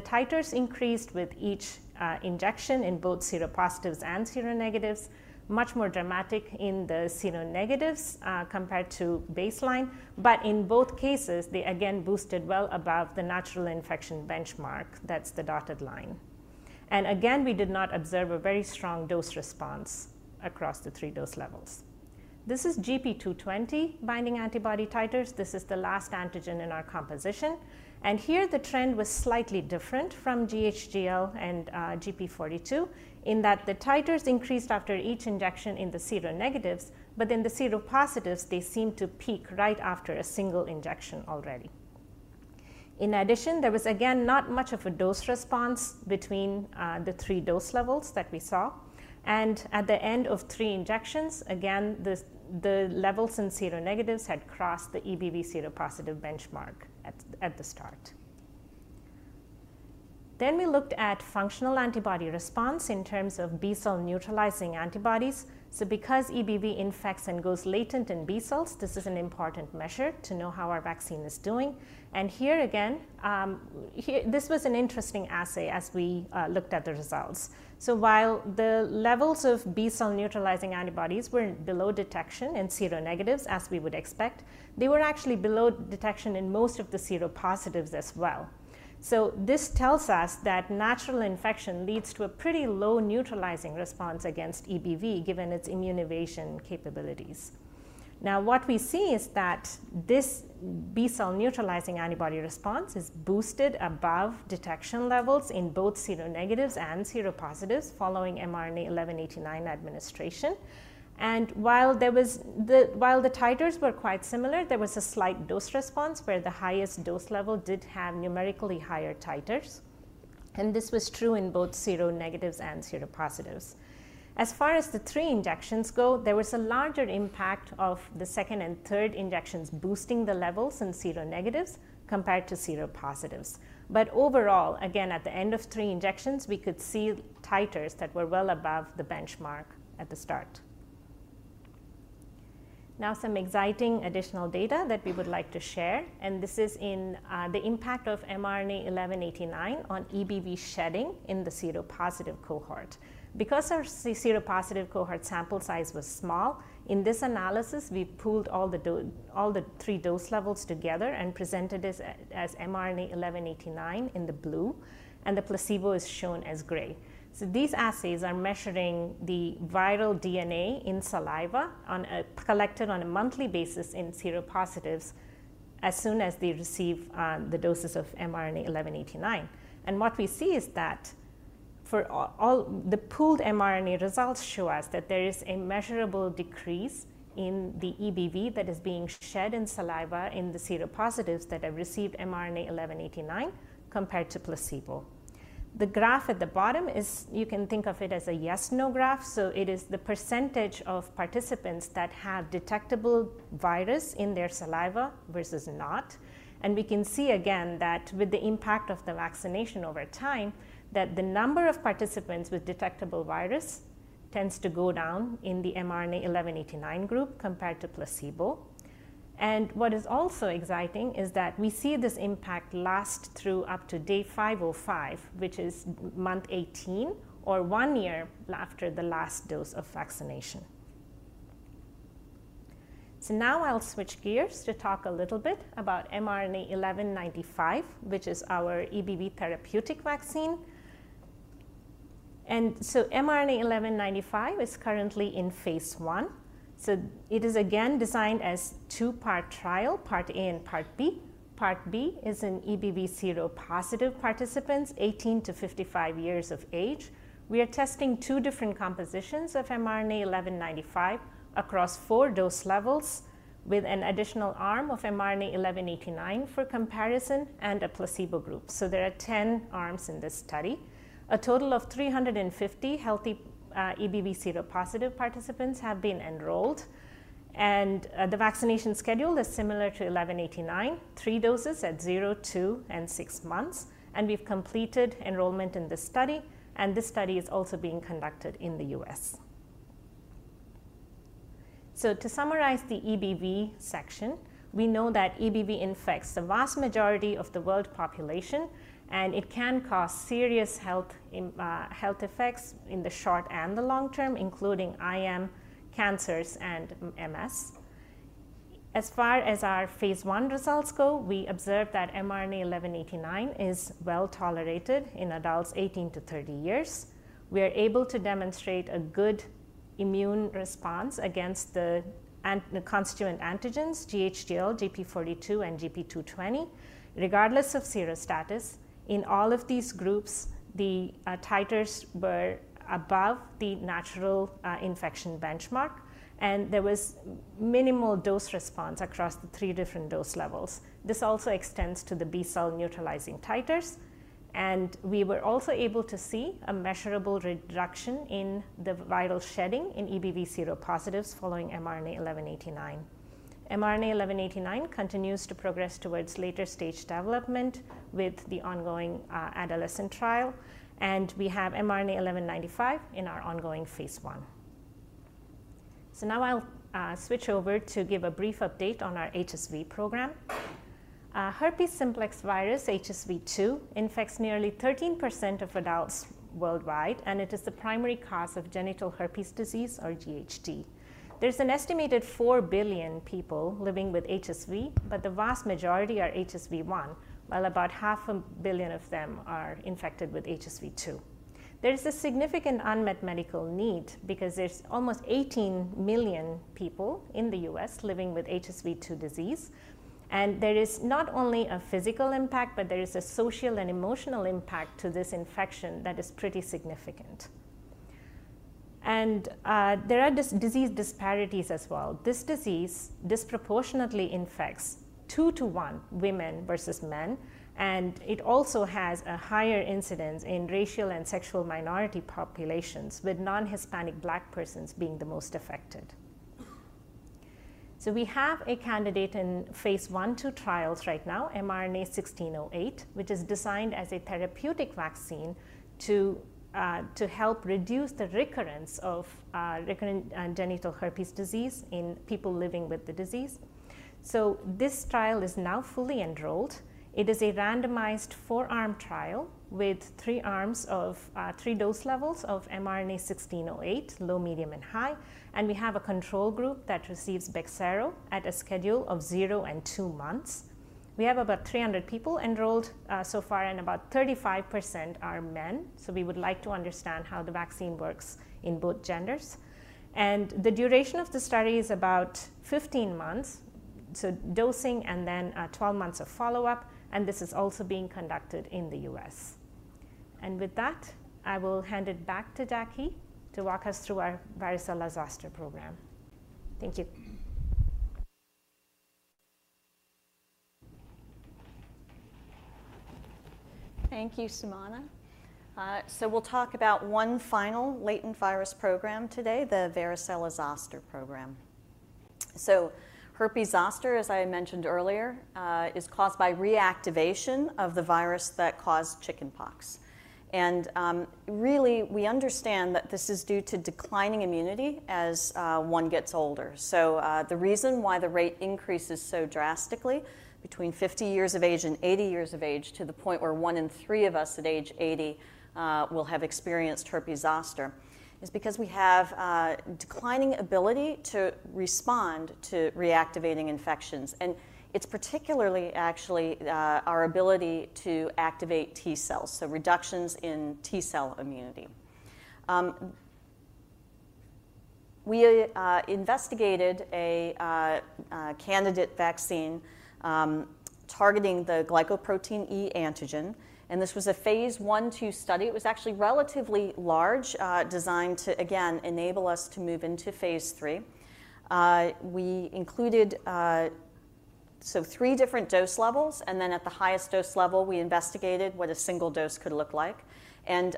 titers increased with each injection in both seropositives and seronegatives, much more dramatic in the seronegatives compared to baseline. But in both cases, they again boosted well above the natural infection benchmark. That's the dotted line. And again, we did not observe a very strong dose response across the three dose levels. This is gp220 binding antibody titers. This is the last antigen in our composition. And here, the trend was slightly different from gH/gL and gp42 in that the titers increased after each injection in the seronegatives. But in the seropositives, they seem to peak right after a single injection already. In addition, there was again not much of a dose response between the three dose levels that we saw. And at the end of three injections, again, the levels in seronegatives had crossed the EBV seropositive benchmark at the start. Then we looked at functional antibody response in terms of B cell neutralizing antibodies. So because EBV infects and goes latent in B cells, this is an important measure to know how our vaccine is doing. And here again, this was an interesting assay as we looked at the results. So while the levels of B cell neutralizing antibodies were below detection in seronegatives, as we would expect, they were actually below detection in most of the seropositives as well. So this tells us that natural infection leads to a pretty low neutralizing response against EBV given its immunization capabilities. Now what we see is that this B cell neutralizing antibody response is boosted above detection levels in both seronegatives and seropositives following mRNA-1189 administration. And while the titers were quite similar, there was a slight dose response where the highest dose level did have numerically higher titers. And this was true in both seronegatives and seropositives. As far as the three injections go, there was a larger impact of the second and third injections boosting the levels in seronegatives compared to seropositives. But overall, again, at the end of three injections, we could see titers that were well above the benchmark at the start. Now some exciting additional data that we would like to share. This is in the impact of mRNA-1189 on EBV shedding in the seropositive cohort. Because our seropositive cohort sample size was small, in this analysis, we pooled all the three dose levels together and presented as mRNA-1189 in the blue. The placebo is shown as gray. These assays are measuring the viral DNA in saliva collected on a monthly basis in seropositives as soon as they receive the doses of mRNA-1189. What we see is that the pooled mRNA results show us that there is a measurable decrease in the EBV that is being shed in saliva in the seropositives that have received mRNA-1189 compared to placebo. The graph at the bottom is, you can think of it as, a yes/no graph. It is the percentage of participants that have detectable virus in their saliva versus not. We can see again that with the impact of the vaccination over time, that the number of participants with detectable virus tends to go down in the mRNA-1189 group compared to placebo. What is also exciting is that we see this impact last through up to day 505, which is month 18 or one year after the last dose of vaccination. Now I'll switch gears to talk a little bit about mRNA-1195, which is our EBV therapeutic vaccine. mRNA-1195 is currently in phase I. It is again designed as a two-part trial, part A and part B. Part B is in EBV seropositive participants, 18 to 55 years of age. We are testing two different compositions of mRNA-1195 across four dose levels with an additional arm of mRNA-1189 for comparison and a placebo group. There are 10 arms in this study. A total of 350 healthy EBV seropositive participants have been enrolled. The vaccination schedule is similar to 1189, three doses at zero, two, and six months. We've completed enrollment in this study. This study is also being conducted in the U.S. So to summarize the EBV section, we know that EBV infects the vast majority of the world population. It can cause serious health effects in the short and the long term, including IM, cancers, and MS. As far as our phase I results go, we observe that mRNA 1189 is well tolerated in adults 18-30 years. We are able to demonstrate a good immune response against the constituent antigens, gH/gL, gp42, and gp220, regardless of sero status. In all of these groups, the titers were above the natural infection benchmark. There was minimal dose response across the three different dose levels. This also extends to the B cell neutralizing titers. We were also able to see a measurable reduction in the viral shedding in EBV seropositives following mRNA-1189. mRNA-1189 continues to progress towards later stage development with the ongoing adolescent trial. And we have mRNA-1195 in our ongoing phase I. So now I'll switch over to give a brief update on our HSV program. Herpes Simplex Virus, HSV II, infects nearly 13% of adults worldwide. It is the primary cause of genital herpes disease or GHD. There's an estimated 4 billion people living with HSV. But the vast majority are HSV I, while about 500 million of them are infected with HSV II. There's a significant unmet medical need because there's almost 18 million people in the U.S. living with HSV II disease. There is not only a physical impact, but there is a social and emotional impact to this infection that is pretty significant. There are disease disparities as well. This disease disproportionately infects two to one women versus men. And it also has a higher incidence in racial and sexual minority populations, with non-Hispanic Black persons being the most affected. We have a candidate in phase II trials right now, mRNA-1608, which is designed as a therapeutic vaccine to help reduce the recurrence of genital herpes disease in people living with the disease. This trial is now fully enrolled. It is a randomized four-arm trial with three dose levels of mRNA-1608, low, medium, and high. And we have a control group that receives Bexsero at a schedule of zero and two months. We have about 300 people enrolled so far. And about 35% are men. So we would like to understand how the vaccine works in both genders. The duration of the study is about 15 months, so dosing and then 12 months of follow-up. This is also being conducted in the U.S. With that, I will hand it back to Jacqueline to walk us through our Varicella-Zoster program. Thank you. Thank you, Sumana. So we'll talk about one final latent virus program today, the Varicella-Zoster program. So herpes zoster, as I mentioned earlier, is caused by reactivation of the virus that caused chickenpox. And really, we understand that this is due to declining immunity as one gets older. So the reason why the rate increases so drastically between 50 years of age and 80 years of age, to the point where one in three of us at age 80 will have experienced herpes zoster, is because we have declining ability to respond to reactivating infections. And it's particularly, actually, our ability to activate T cells, so reductions in T cell immunity. We investigated a candidate vaccine targeting the glycoprotein E antigen. And this was a phase I-II study. It was actually relatively large, designed to, again, enable us to move into phase III. We included three different dose levels. And then at the highest dose level, we investigated what a single dose could look like. And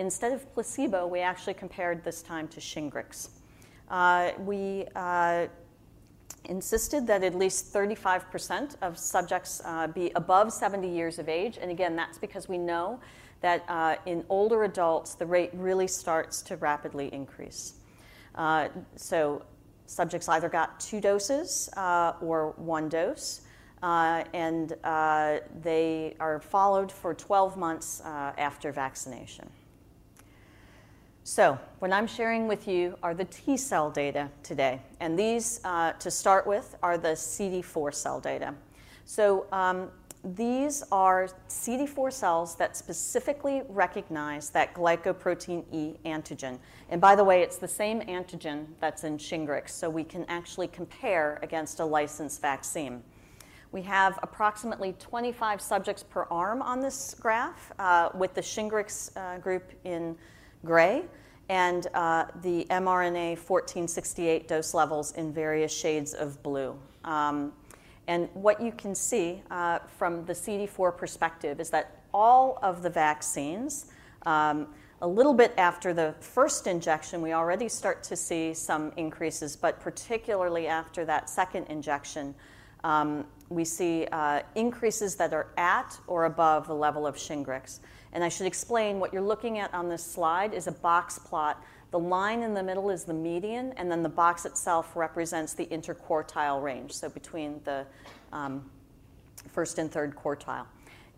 instead of placebo, we actually compared this time to Shingrix. We insisted that at least 35% of subjects be above 70 years of age. And again, that's because we know that in older adults, the rate really starts to rapidly increase. So subjects either got two doses or one dose. And they are followed for 12 months after vaccination. So what I'm sharing with you are the T cell data today. And these, to start with, are the CD4 cell data. So these are CD4 cells that specifically recognize that glycoprotein E antigen. And by the way, it's the same antigen that's in Shingrix. So we can actually compare against a licensed vaccine. We have approximately 25 subjects per arm on this graph, with the Shingrix group in gray and the mRNA-1468 dose levels in various shades of blue. What you can see from the CD4 perspective is that all of the vaccines, a little bit after the first injection, we already start to see some increases. But particularly after that second injection, we see increases that are at or above the level of Shingrix. I should explain. What you're looking at on this slide is a box plot. The line in the middle is the median. Then the box itself represents the interquartile range, so between the first and third quartile.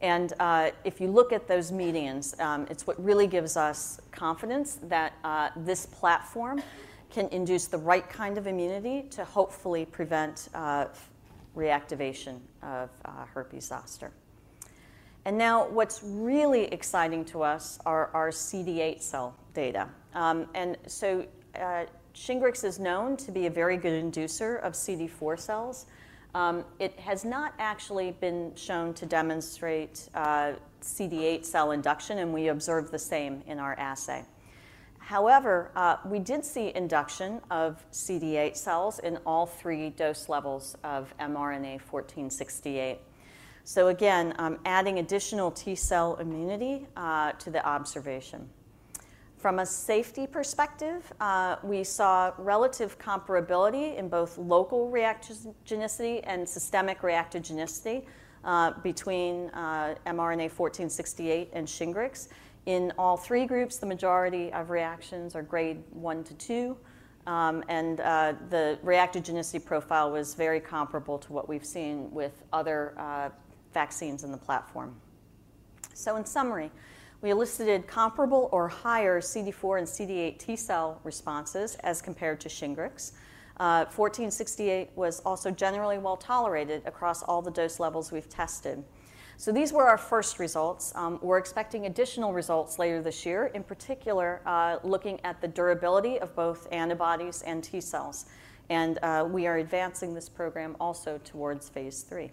If you look at those medians, it's what really gives us confidence that this platform can induce the right kind of immunity to hopefully prevent reactivation of herpes zoster. And now what's really exciting to us are our CD8 cell data. And so Shingrix is known to be a very good inducer of CD4 cells. It has not actually been shown to demonstrate CD8 cell induction. And we observed the same in our assay. However, we did see induction of CD8 cells in all three dose levels of mRNA-1468. So again, adding additional T cell immunity to the observation. From a safety perspective, we saw relative comparability in both local reactogenicity and systemic reactogenicity between mRNA-1468 and Shingrix. In all three groups, the majority of reactions are grade I to II. And the reactogenicity profile was very comparable to what we've seen with other vaccines in the platform. So in summary, we elicited comparable or higher CD4 and CD8 T cell responses as compared to Shingrix. 1468 was also generally well tolerated across all the dose levels we've tested. So these were our first results. We're expecting additional results later this year, in particular looking at the durability of both antibodies and T cells. And we are advancing this program also towards phase III.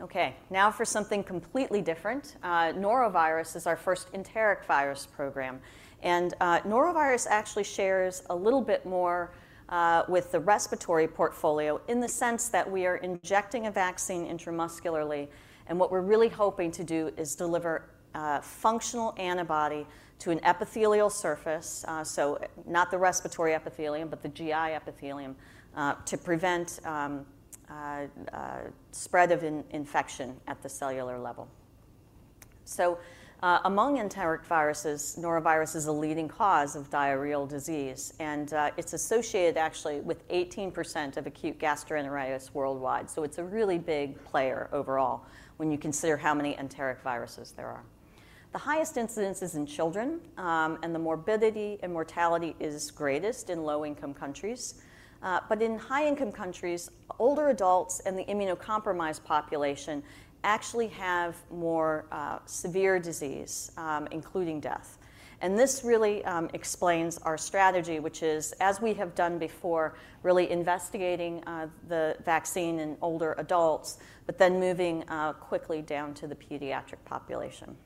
OK. Now for something completely different. Norovirus is our first enteric virus program. And Norovirus actually shares a little bit more with the respiratory portfolio in the sense that we are injecting a vaccine intramuscularly. And what we're really hoping to do is deliver a functional antibody to an epithelial surface, so not the respiratory epithelium but the GI epithelium, to prevent spread of infection at the cellular level. So among enteric viruses, Norovirus is a leading cause of diarrheal disease. And it's associated, actually, with 18% of acute gastroenteritis worldwide. So it's a really big player overall when you consider how many enteric viruses there are. The highest incidence is in children. And the morbidity and mortality is greatest in low-income countries. But in high-income countries, older adults and the immunocompromised population actually have more severe disease, including death. And this really explains our strategy, which is, as we have done before, really investigating the vaccine in older adults but then moving quickly down to the pediatric population.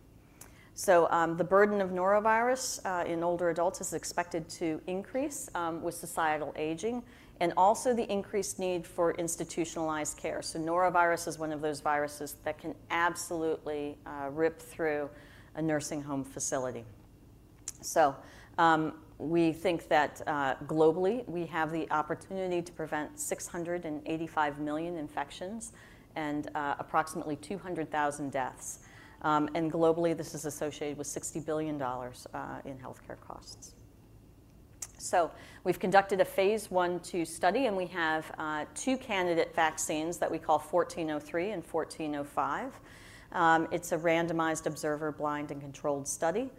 So the burden of Norovirus in older adults is expected to increase with societal aging and also the increased need for institutionalized care. So Norovirus is one of those viruses that can absolutely rip through a nursing home facility. So we think that globally, we have the opportunity to prevent 685 million infections and approximately 200,000 deaths. And globally, this is associated with $60 billion in health care costs. So we've conducted a phase I-II study. We have two candidate vaccines that we call 1403 and 1405. It's a randomized observer, blind, and controlled study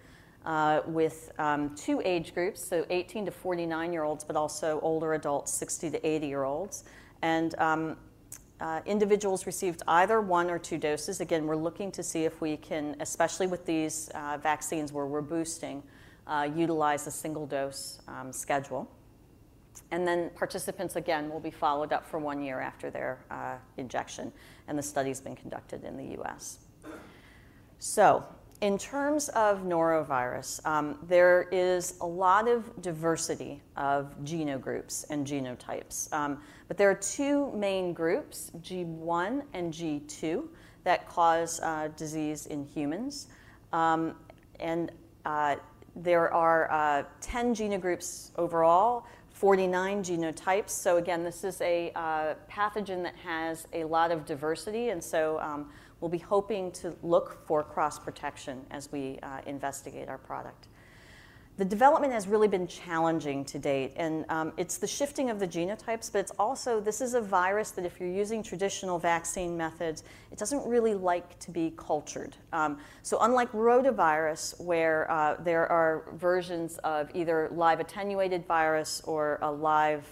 with two age groups, so 18-49-year-olds but also older adults, 60-80-year-olds. Individuals received either one or two doses. Again, we're looking to see if we can, especially with these vaccines where we're boosting, utilize a single dose schedule. Participants, again, will be followed up for one year after their injection. The study's been conducted in the U.S. In terms of Norovirus, there is a lot of diversity of geno groups and genotypes. There are two main groups, G1 and G2, that cause disease in humans. There are 10 geno groups overall, 49 genotypes. Again, this is a pathogen that has a lot of diversity. So we'll be hoping to look for cross-protection as we investigate our product. The development has really been challenging to date. It's the shifting of the genotypes. But it's also, this is a virus that if you're using traditional vaccine methods, it doesn't really like to be cultured. So unlike rotavirus, where there are versions of either live attenuated virus or a live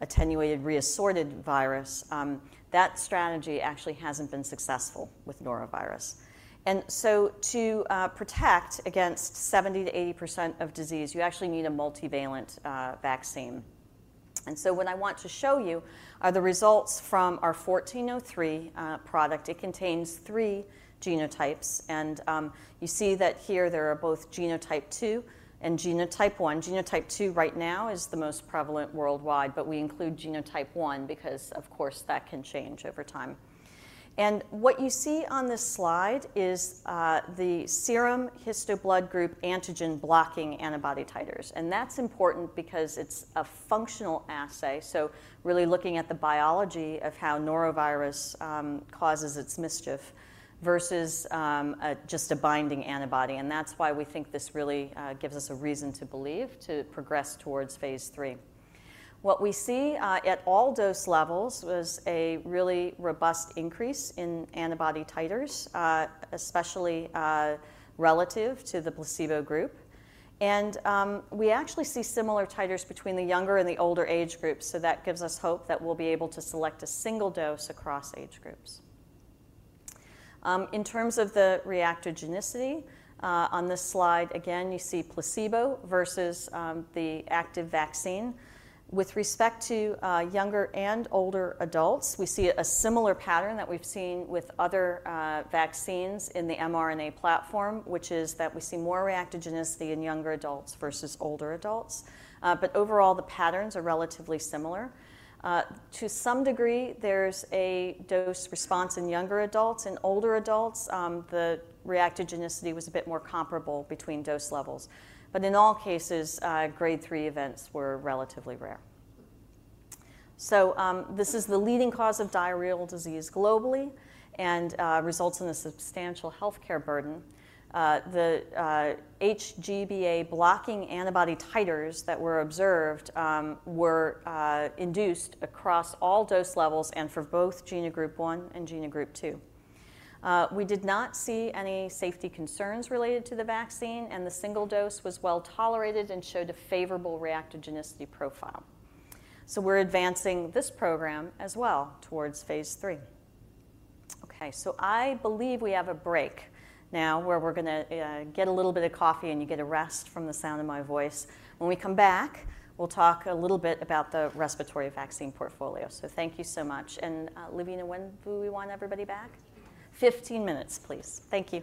attenuated reassorted virus, that strategy actually hasn't been successful with Norovirus. To protect against 70%-80% of disease, you actually need a multivalent vaccine. What I want to show you are the results from our 1403 product. It contains three genotypes. You see that here there are both genotype II and genotype I. Genotype II right now is the most prevalent worldwide. But we include genotype I because, of course, that can change over time. What you see on this slide is the serum histo-blood group antigen blocking antibody titers. That's important because it's a functional assay. So really looking at the biology of how Norovirus causes its mischief versus just a binding antibody. That's why we think this really gives us a reason to believe to progress towards phase III. What we see at all dose levels was a really robust increase in antibody titers, especially relative to the placebo group. We actually see similar titers between the younger and the older age groups. So that gives us hope that we'll be able to select a single dose across age groups. In terms of the reactogenicity, on this slide, again, you see placebo versus the active vaccine. With respect to younger and older adults, we see a similar pattern that we've seen with other vaccines in the mRNA platform, which is that we see more reactogenicity in younger adults versus older adults. But overall, the patterns are relatively similar. To some degree, there's a dose response in younger adults. In older adults, the reactogenicity was a bit more comparable between dose levels. But in all cases, grade III events were relatively rare. So this is the leading cause of diarrheal disease globally and results in a substantial health care burden. The HBGA blocking antibody titers that were observed were induced across all dose levels and for both genogroup I and genogroup II. We did not see any safety concerns related to the vaccine. And the single dose was well tolerated and showed a favorable reactogenicity profile. So we're advancing this program as well towards phase III. OK. So I believe we have a break now where we're going to get a little bit of coffee. And you get a rest from the sound of my voice. When we come back, we'll talk a little bit about the respiratory vaccine portfolio. So thank you so much. And Lavina Talukdar, we want everybody back? 15 minutes, please. Thank you.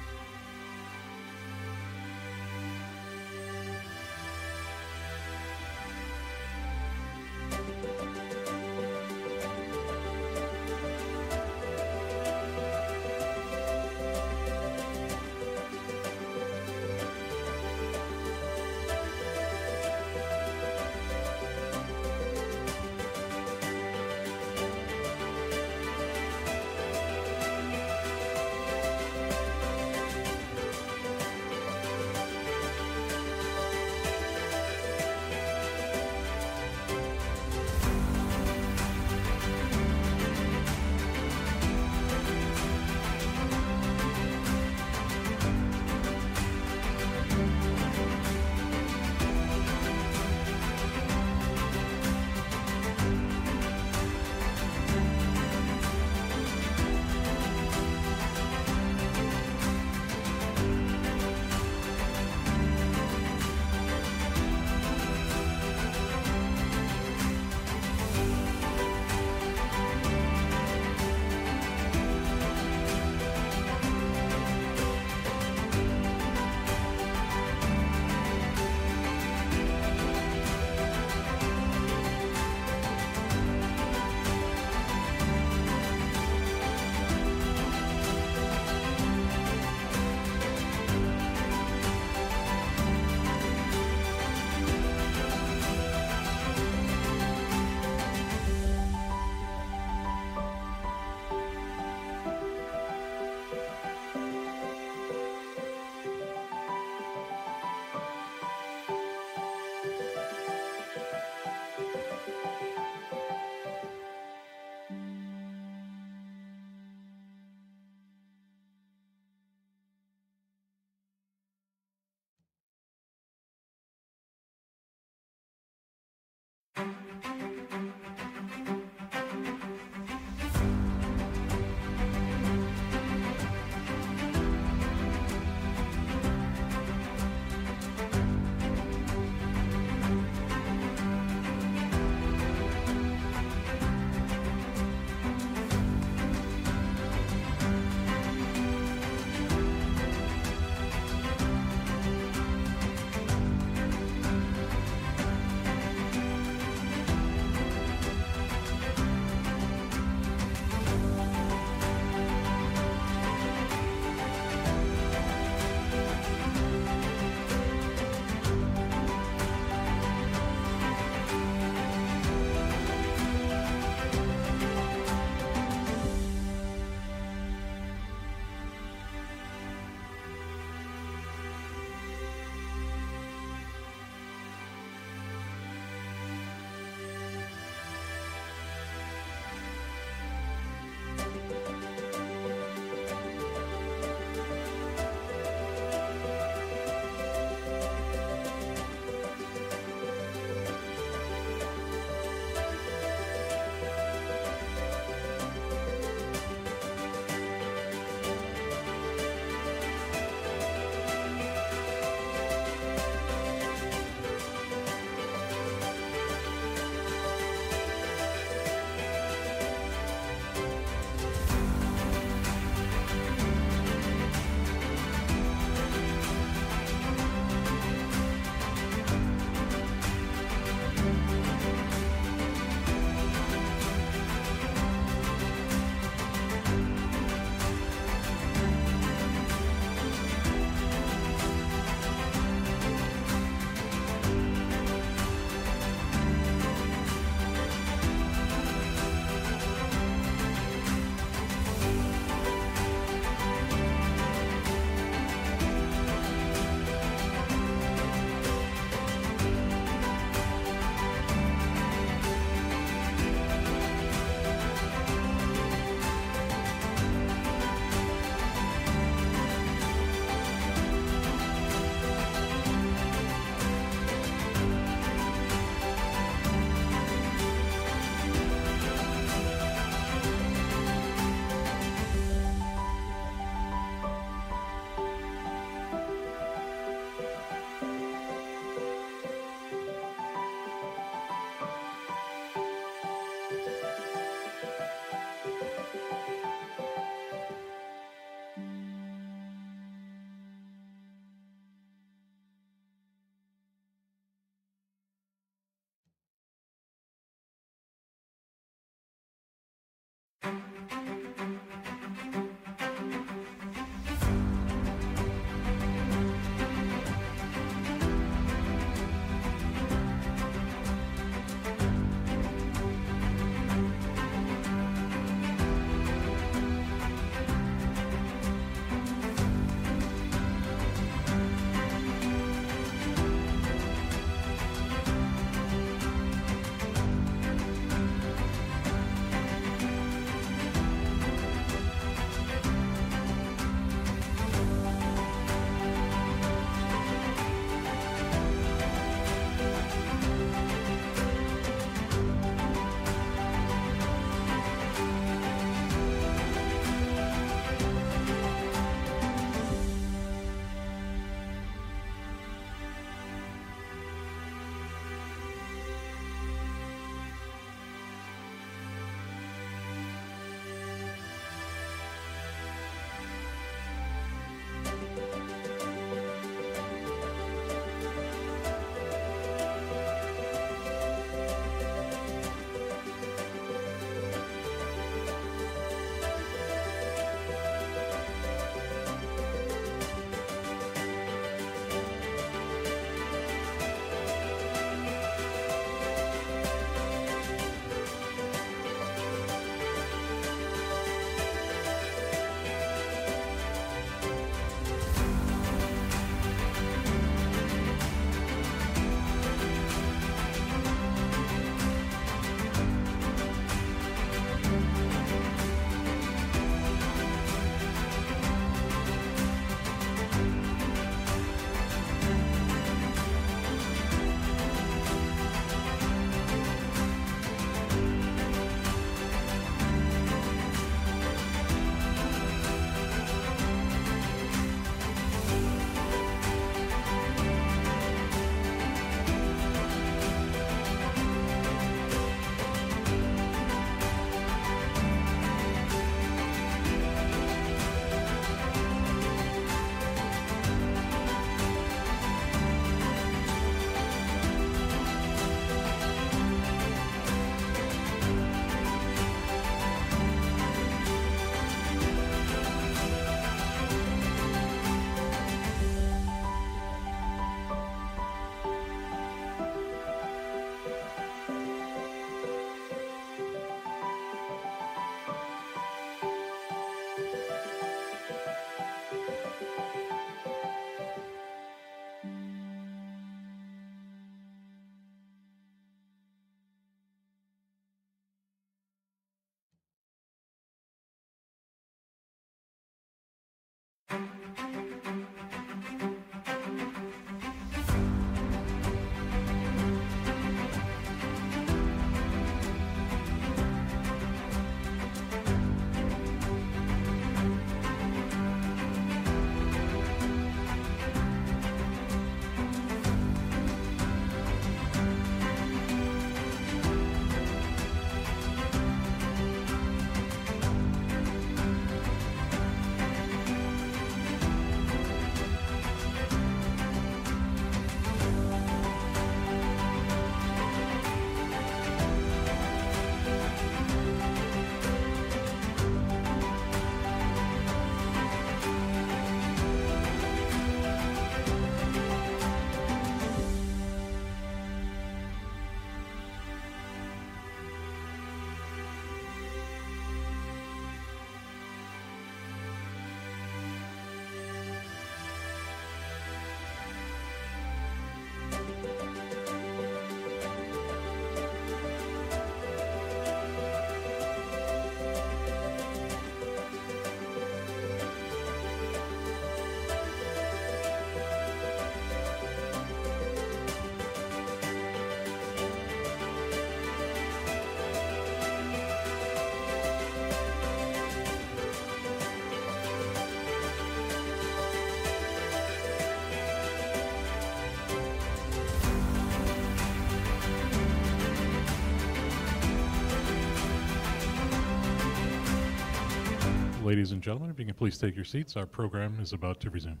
Ladies and gentlemen, if you can please take your seats. Our program is about to resume.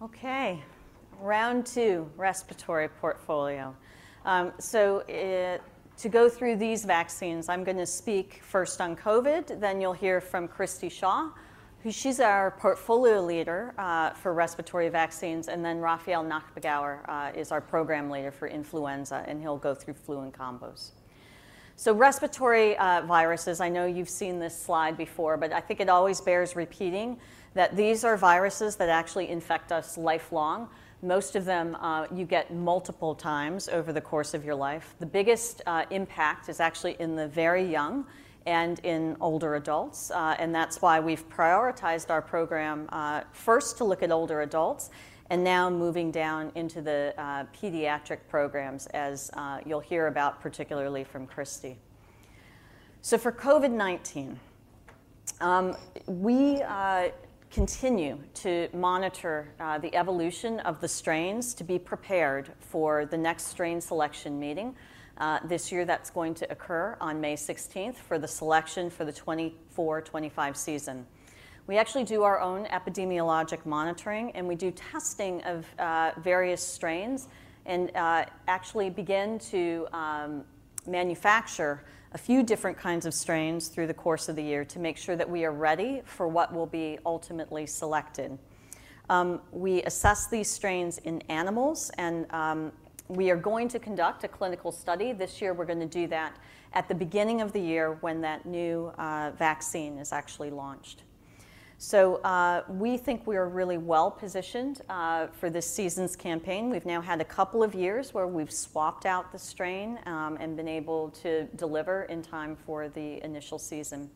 Okay. Round two: Respiratory Portfolio. So, to go through these vaccines, I'm gonna speak first on COVID, then you'll hear from Christy Shaw, who she's our portfolio leader for respiratory vaccines, and then Raffael Nachbagauer is our program leader for influenza, and he'll go through flu and combos. So respiratory viruses, I know you've seen this slide before, but I think it always bears repeating that these are viruses that actually infect us lifelong. Most of them, you get multiple times over the course of your life. The biggest impact is actually in the very young and in older adults, and that's why we've prioritized our program, first to look at older adults and now moving down into the pediatric programs as you'll hear about particularly from Kristin. So for COVID-19, we continue to monitor the evolution of the strains to be prepared for the next strain selection meeting. This year that's going to occur on May 16th for the selection for the 2024-2025 season. We actually do our own epidemiologic monitoring, and we do testing of various strains and actually begin to manufacture a few different kinds of strains through the course of the year to make sure that we are ready for what will be ultimately selected. We assess these strains in animals, and we are going to conduct a clinical study. This year we're gonna do that at the beginning of the year when that new vaccine is actually launched. So, we think we are really well positioned for this season's campaign. We've now had a couple of years where we've swapped out the strain, and been able to deliver in time for the initial season.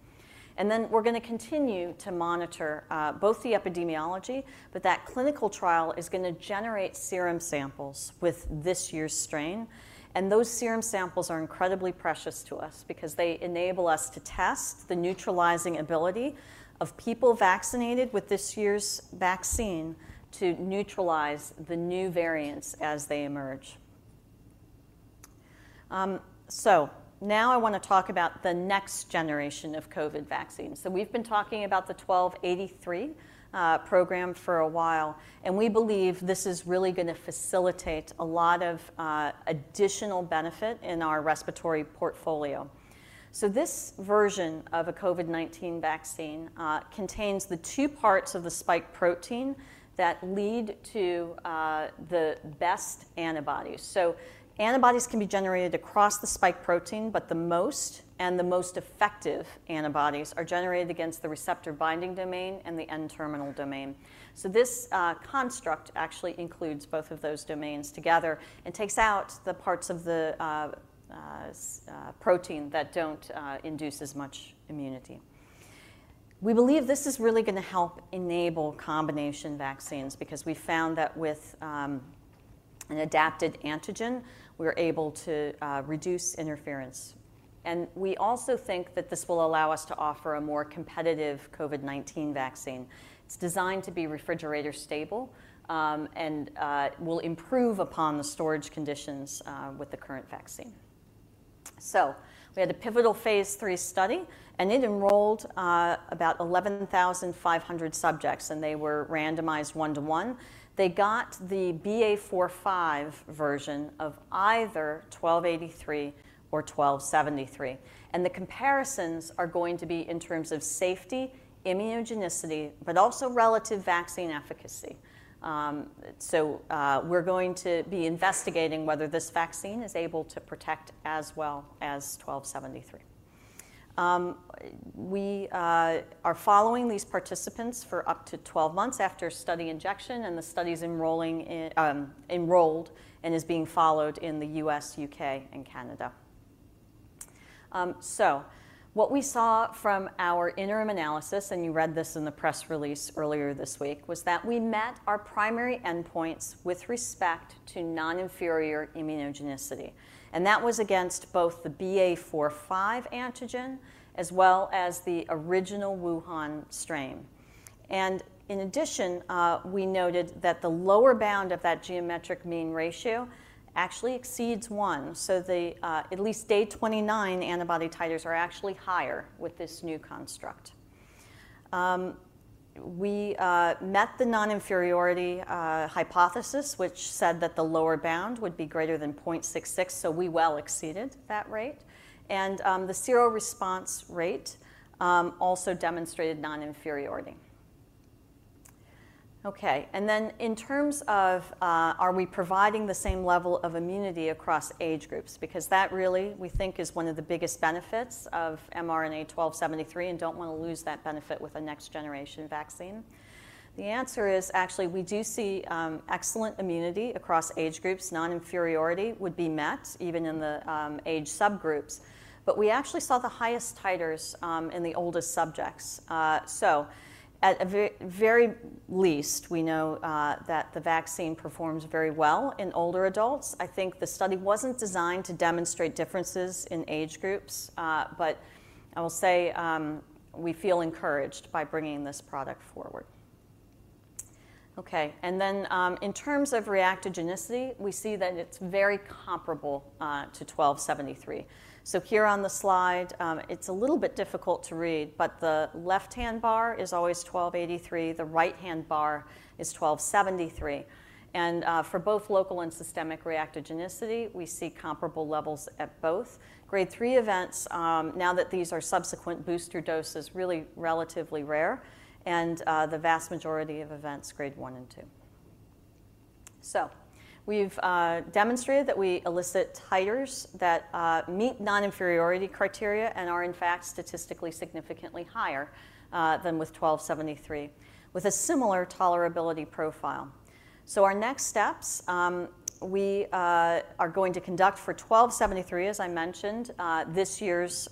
Then we're gonna continue to monitor both the epidemiology, but that clinical trial is gonna generate serum samples with this year's strain, and those serum samples are incredibly precious to us because they enable us to test the neutralizing ability of people vaccinated with this year's vaccine to neutralize the new variants as they emerge. So now I wanna talk about the next generation of COVID vaccines. We've been talking about the 1283 program for a while, and we believe this is really gonna facilitate a lot of additional benefit in our respiratory portfolio. This version of a COVID-19 vaccine contains the two parts of the spike protein that lead to the best antibodies. Antibodies can be generated across the spike protein, but the most and the most effective antibodies are generated against the receptor binding domain and the N-terminal domain. So this construct actually includes both of those domains together and takes out the parts of the S protein that don't induce as much immunity. We believe this is really gonna help enable combination vaccines because we found that with an adapted antigen, we're able to reduce interference. And we also think that this will allow us to offer a more competitive COVID-19 vaccine. It's designed to be refrigerator stable, and will improve upon the storage conditions with the current vaccine. So we had a pivotal phase III study, and it enrolled about 11,500 subjects, and they were randomized one to one. They got the BA.4/5 version of either 1283 or 1273, and the comparisons are going to be in terms of safety, immunogenicity, but also relative vaccine efficacy. So we're going to be investigating whether this vaccine is able to protect as well as 1273. We are following these participants for up to 12 months after study injection, and the study's enrolling and enrolled and is being followed in the U.S., U.K., and Canada. So what we saw from our interim analysis, and you read this in the press release earlier this week, was that we met our primary endpoints with respect to non-inferior immunogenicity, and that was against both the BA.4/5 antigen as well as the original Wuhan strain. And in addition, we noted that the lower bound of that geometric mean ratio actually exceeds one, so the at least day 29 antibody titers are actually higher with this new construct. We met the non-inferiority hypothesis, which said that the lower bound would be greater than 0.66, so we well exceeded that rate. And the sero response rate also demonstrated non-inferiority. Okay. And then in terms of are we providing the same level of immunity across age groups? Because that really, we think, is one of the biggest benefits of mRNA-1273, and don't wanna lose that benefit with a next-generation vaccine. The answer is actually we do see excellent immunity across age groups. Non-inferiority would be met even in the age subgroups, but we actually saw the highest titers in the oldest subjects. So at a very least, we know that the vaccine performs very well in older adults. I think the study wasn't designed to demonstrate differences in age groups, but I will say we feel encouraged by bringing this product forward. Okay. And then in terms of reactogenicity, we see that it's very comparable to mRNA-1273. So here on the slide, it's a little bit difficult to read, but the left-hand bar is always mRNA-1283. The right-hand bar is 1273. For both local and systemic reactogenicity, we see comparable levels at both. Grade three events, now that these are subsequent booster doses, really relatively rare, and the vast majority of events, grade one and two. So we've demonstrated that we elicit titers that meet non-inferiority criteria and are, in fact, statistically significantly higher than with 1273 with a similar tolerability profile. So our next steps, we are going to conduct for 1273, as I mentioned, this year's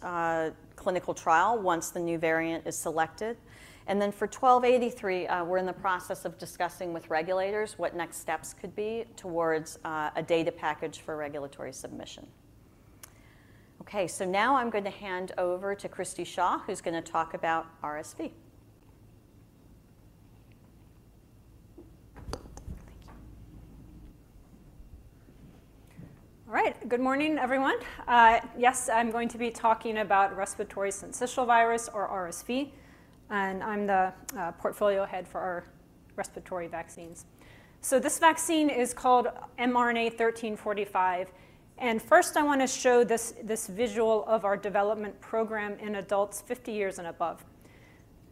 clinical trial once the new variant is selected. And then for 1283, we're in the process of discussing with regulators what next steps could be towards a data package for regulatory submission. Okay. So now I'm gonna hand over to Christy Shaw, who's gonna talk about RSV. Thank you. All right. Good morning, everyone. Yes, I'm going to be talking about respiratory syncytial virus, or RSV, and I'm the portfolio head for our respiratory vaccines. So this vaccine is called mRNA-1345, and first I wanna show this, this visual of our development program in adults 50 years and above.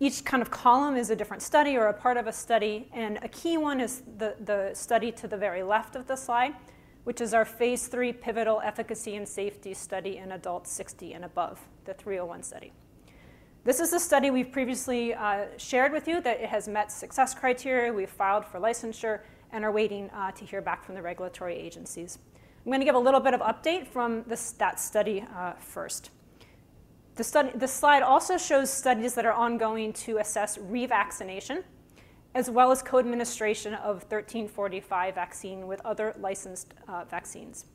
Each kind of column is a different study or a part of a study, and a key one is the, the study to the very left of the slide, which is our phase III pivotal efficacy and safety study in adults 60 and above, the 301 study. This is a study we've previously shared with you that it has met success criteria. We've filed for licensure and are waiting to hear back from the regulatory agencies. I'm gonna give a little bit of update from that study, first. The study this slide also shows studies that are ongoing to assess revaccination as well as co-administration of 1345 vaccine with other licensed vaccines.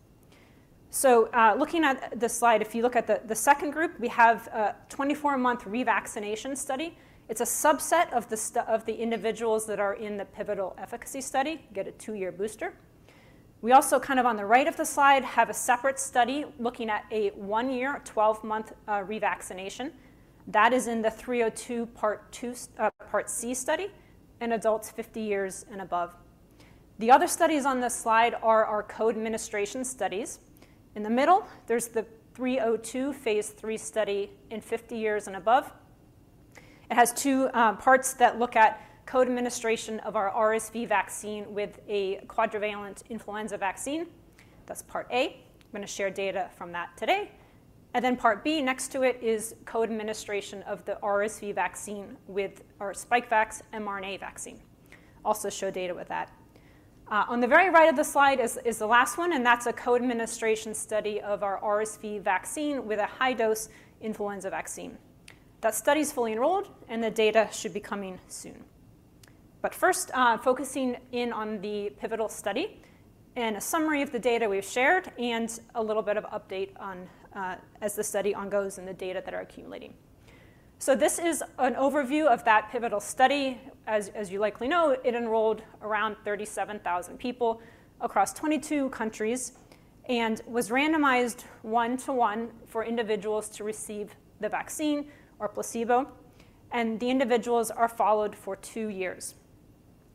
So, looking at the slide, if you look at the second group, we have 24-month revaccination study. It's a subset of the individuals that are in the pivotal efficacy study get a two-year booster. We also kind of on the right of the slide have a separate study looking at a one-year, 12-month, revaccination. That is in the 302 part twos part C study in adults 50 years and above. The other studies on this slide are our co-administration studies. In the middle, there's the 302 phase III study in 50 years and above. It has two parts that look at co-administration of our RSV vaccine with a quadrivalent influenza vaccine. That's part A. I'm gonna share data from that today. Then part B next to it is co-administration of the RSV vaccine with our Spikevax mRNA vaccine. Also show data with that. On the very right of the slide is the last one, and that's a co-administration study of our RSV vaccine with a high-dose influenza vaccine. That study's fully enrolled, and the data should be coming soon. But first, focusing in on the pivotal study and a summary of the data we've shared and a little bit of update on as the study ongoing and the data that are accumulating. So this is an overview of that pivotal study. As you likely know, it enrolled around 37,000 people across 22 countries and was randomized one to one for individuals to receive the vaccine or placebo, and the individuals are followed for two years.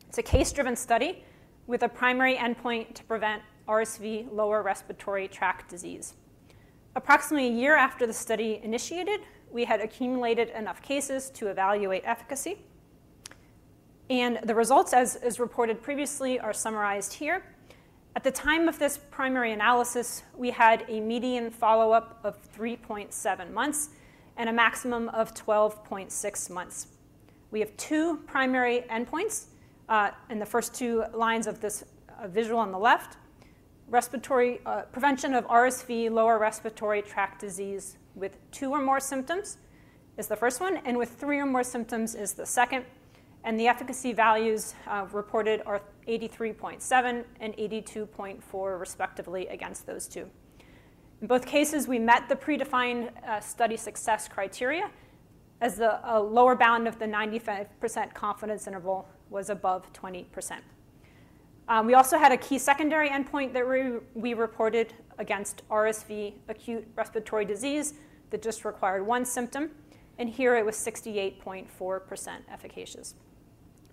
It's a case-driven study with a primary endpoint to prevent RSV lower respiratory tract disease. Approximately a year after the study initiated, we had accumulated enough cases to evaluate efficacy, and the results, as reported previously, are summarized here. At the time of this primary analysis, we had a median follow-up of 3.7 months and a maximum of 12.6 months. We have two primary endpoints, in the first two lines of this visual on the left. Respiratory prevention of RSV lower respiratory tract disease with two or more symptoms is the first one, and with three or more symptoms is the second. And the efficacy values reported are 83.7 and 82.4 respectively against those two. In both cases, we met the predefined study success criteria as the lower bound of the 95% confidence interval was above 20%. We also had a key secondary endpoint that we reported against RSV acute respiratory disease that just required one symptom, and here it was 68.4% efficacious.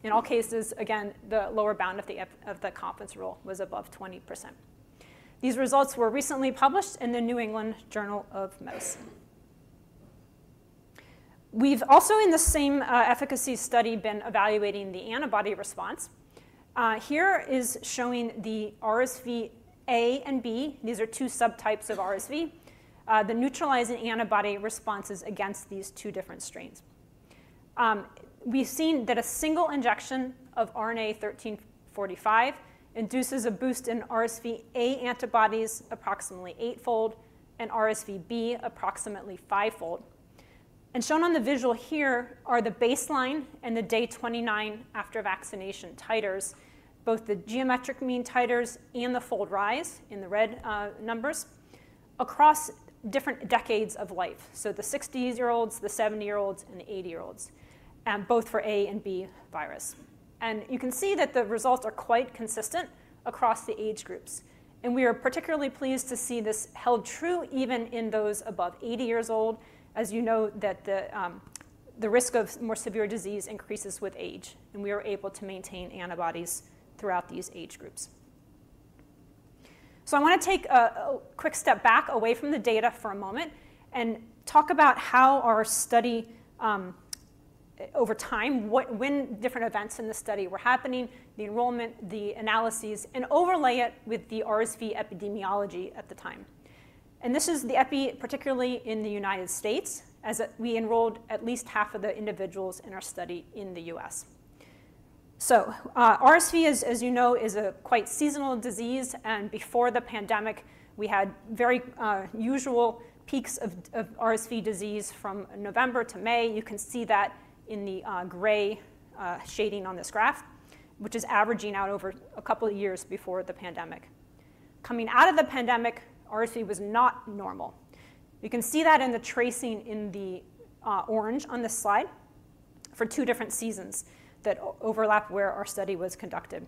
In all cases, again, the lower bound of the 95% confidence interval was above 20%. These results were recently published in the New England Journal of Medicine. We've also, in the same efficacy study, been evaluating the antibody response. Here is showing the RSV A and B. These are two subtypes of RSV, the neutralizing antibody responses against these two different strains. We've seen that a single injection of mRNA-1345 induces a boost in RSV A antibodies approximately eightfold and RSV B approximately fivefold. Shown on the visual here are the baseline and the day 29 after vaccination titers, both the geometric mean titers and the fold rise in the red numbers across different decades of life, so the 60-year-olds, the 70-year-olds, and the 80-year-olds, both for A and B virus. You can see that the results are quite consistent across the age groups, and we are particularly pleased to see this held true even in those above 80 years old, as you know that the risk of more severe disease increases with age, and we are able to maintain antibodies throughout these age groups. So I wanna take a quick step back away from the data for a moment and talk about how our study over time, what when different events in the study were happening, the enrollment, the analyses, and overlay it with the RSV epidemiology at the time. And this is the epi particularly in the United States as we enrolled at least half of the individuals in our study in the U.S. So, RSV is, as you know, a quite seasonal disease, and before the pandemic, we had very usual peaks of RSV disease from November to May. You can see that in the gray shading on this graph, which is averaging out over a couple of years before the pandemic. Coming out of the pandemic, RSV was not normal. You can see that in the tracing in the orange on this slide for two different seasons that overlap where our study was conducted.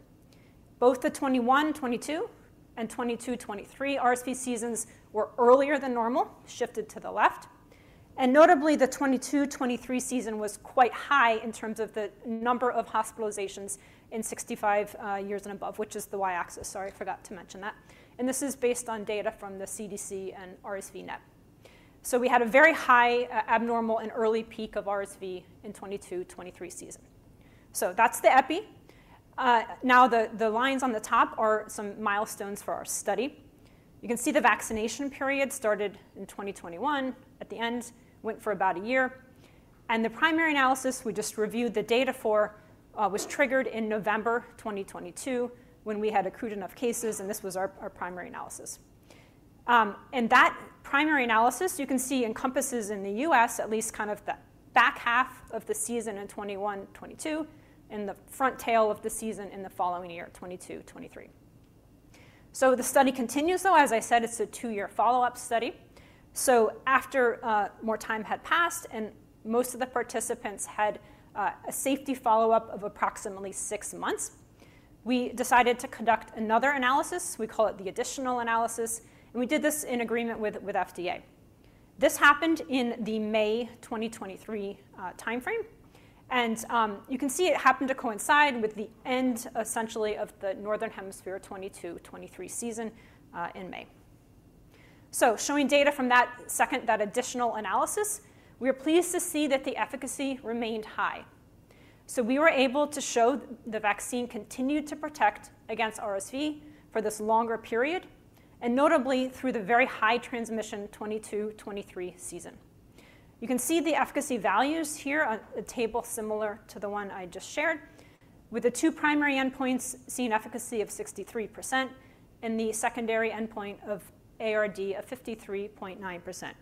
Both the 2021-2022 and 2022-2023 RSV seasons were earlier than normal, shifted to the left. And notably, the 2022-2023 season was quite high in terms of the number of hospitalizations in 65 years and above, which is the Y-axis. Sorry, I forgot to mention that. And this is based on data from the CDC and RSV-NET. So we had a very high, abnormal and early peak of RSV in 2022-2023 season. So that's the epi. Now the lines on the top are some milestones for our study. You can see the vaccination period started in 2021 at the end, went for about a year, and the primary analysis we just reviewed the data for, was triggered in November 2022 when we had accrued enough cases, and this was our, our primary analysis. That primary analysis, you can see, encompasses in the U.S. at least kind of the back half of the season in 2021, 2022 and the front tail of the season in the following year, 2022, 2023. So the study continues, though. As I said, it's a two-year follow-up study. So after, more time had passed and most of the participants had, a safety follow-up of approximately six months, we decided to conduct another analysis. We call it the additional analysis, and we did this in agreement with, with FDA. This happened in the May 2023 timeframe, and you can see it happened to coincide with the end, essentially, of the Northern Hemisphere 2022-2023 season, in May. So showing data from that second, that additional analysis, we are pleased to see that the efficacy remained high. So we were able to show the vaccine continued to protect against RSV for this longer period and notably through the very high transmission 2022-2023 season. You can see the efficacy values here on a table similar to the one I just shared with the two primary endpoints seeing efficacy of 63% and the secondary endpoint of ARD of 53.9%.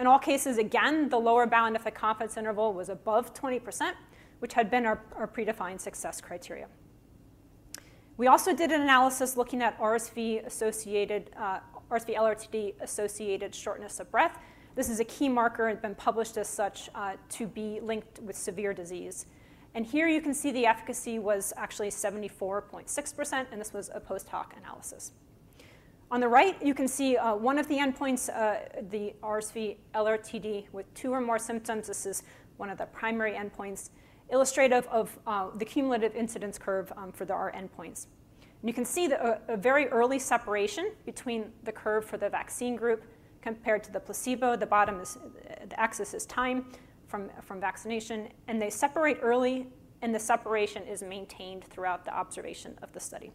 In all cases, again, the lower bound of the confidence interval was above 20%, which had been our predefined success criteria. We also did an analysis looking at RSV-associated, RSV LRTD-associated shortness of breath. This is a key marker and been published as such, to be linked with severe disease. Here you can see the efficacy was actually 74.6%, and this was a post-hoc analysis. On the right, you can see, one of the endpoints, the RSV LRTD with two or more symptoms. This is one of the primary endpoints illustrative of, the cumulative incidence curve, for the R endpoints. And you can see a very early separation between the curve for the vaccine group compared to the placebo. The bottom axis is time from vaccination, and they separate early, and the separation is maintained throughout the observation of the study.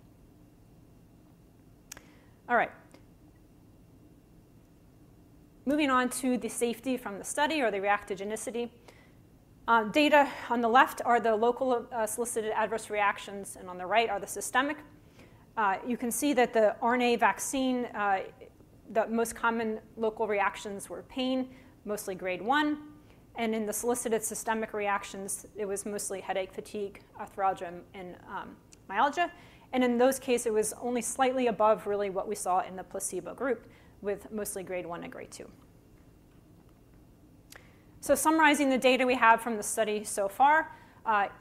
All right. Moving on to the safety from the study or the reactogenicity data on the left are the local, solicited adverse reactions, and on the right are the systemic. You can see that the RNA vaccine, the most common local reactions were pain, mostly grade one, and in the solicited systemic reactions, it was mostly headache, fatigue, arthralgia, and myalgia. And in those cases, it was only slightly above really what we saw in the placebo group with mostly grade one and grade two. So summarizing the data we have from the study so far,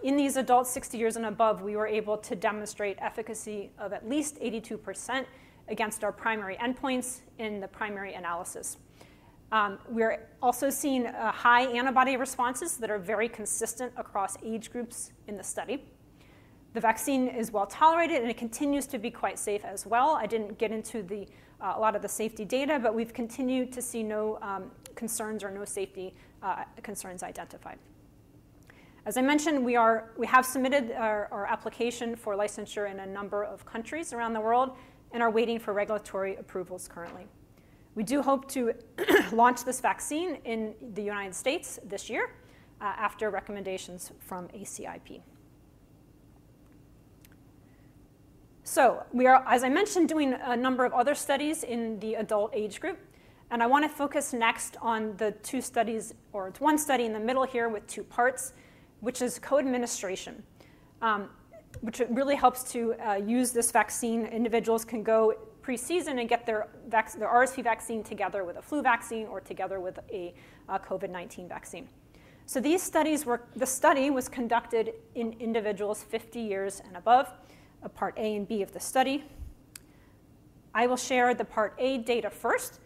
in these adults 60 years and above, we were able to demonstrate efficacy of at least 82% against our primary endpoints in the primary analysis. We are also seeing high antibody responses that are very consistent across age groups in the study. The vaccine is well tolerated, and it continues to be quite safe as well. I didn't get into a lot of the safety data, but we've continued to see no concerns or no safety concerns identified. As I mentioned, we have submitted our application for licensure in a number of countries around the world and are waiting for regulatory approvals currently. We do hope to launch this vaccine in the United States this year, after recommendations from ACIP. So we are, as I mentioned, doing a number of other studies in the adult age group, and I wanna focus next on the two studies or it's one study in the middle here with two parts, which is co-administration, which it really helps to use this vaccine. Individuals can go pre-season and get their vax, the RSV vaccine together with a flu vaccine or together with a COVID-19 vaccine. So the study was conducted in individuals 50 years and above, part A and B of the study. I will share the part A data first.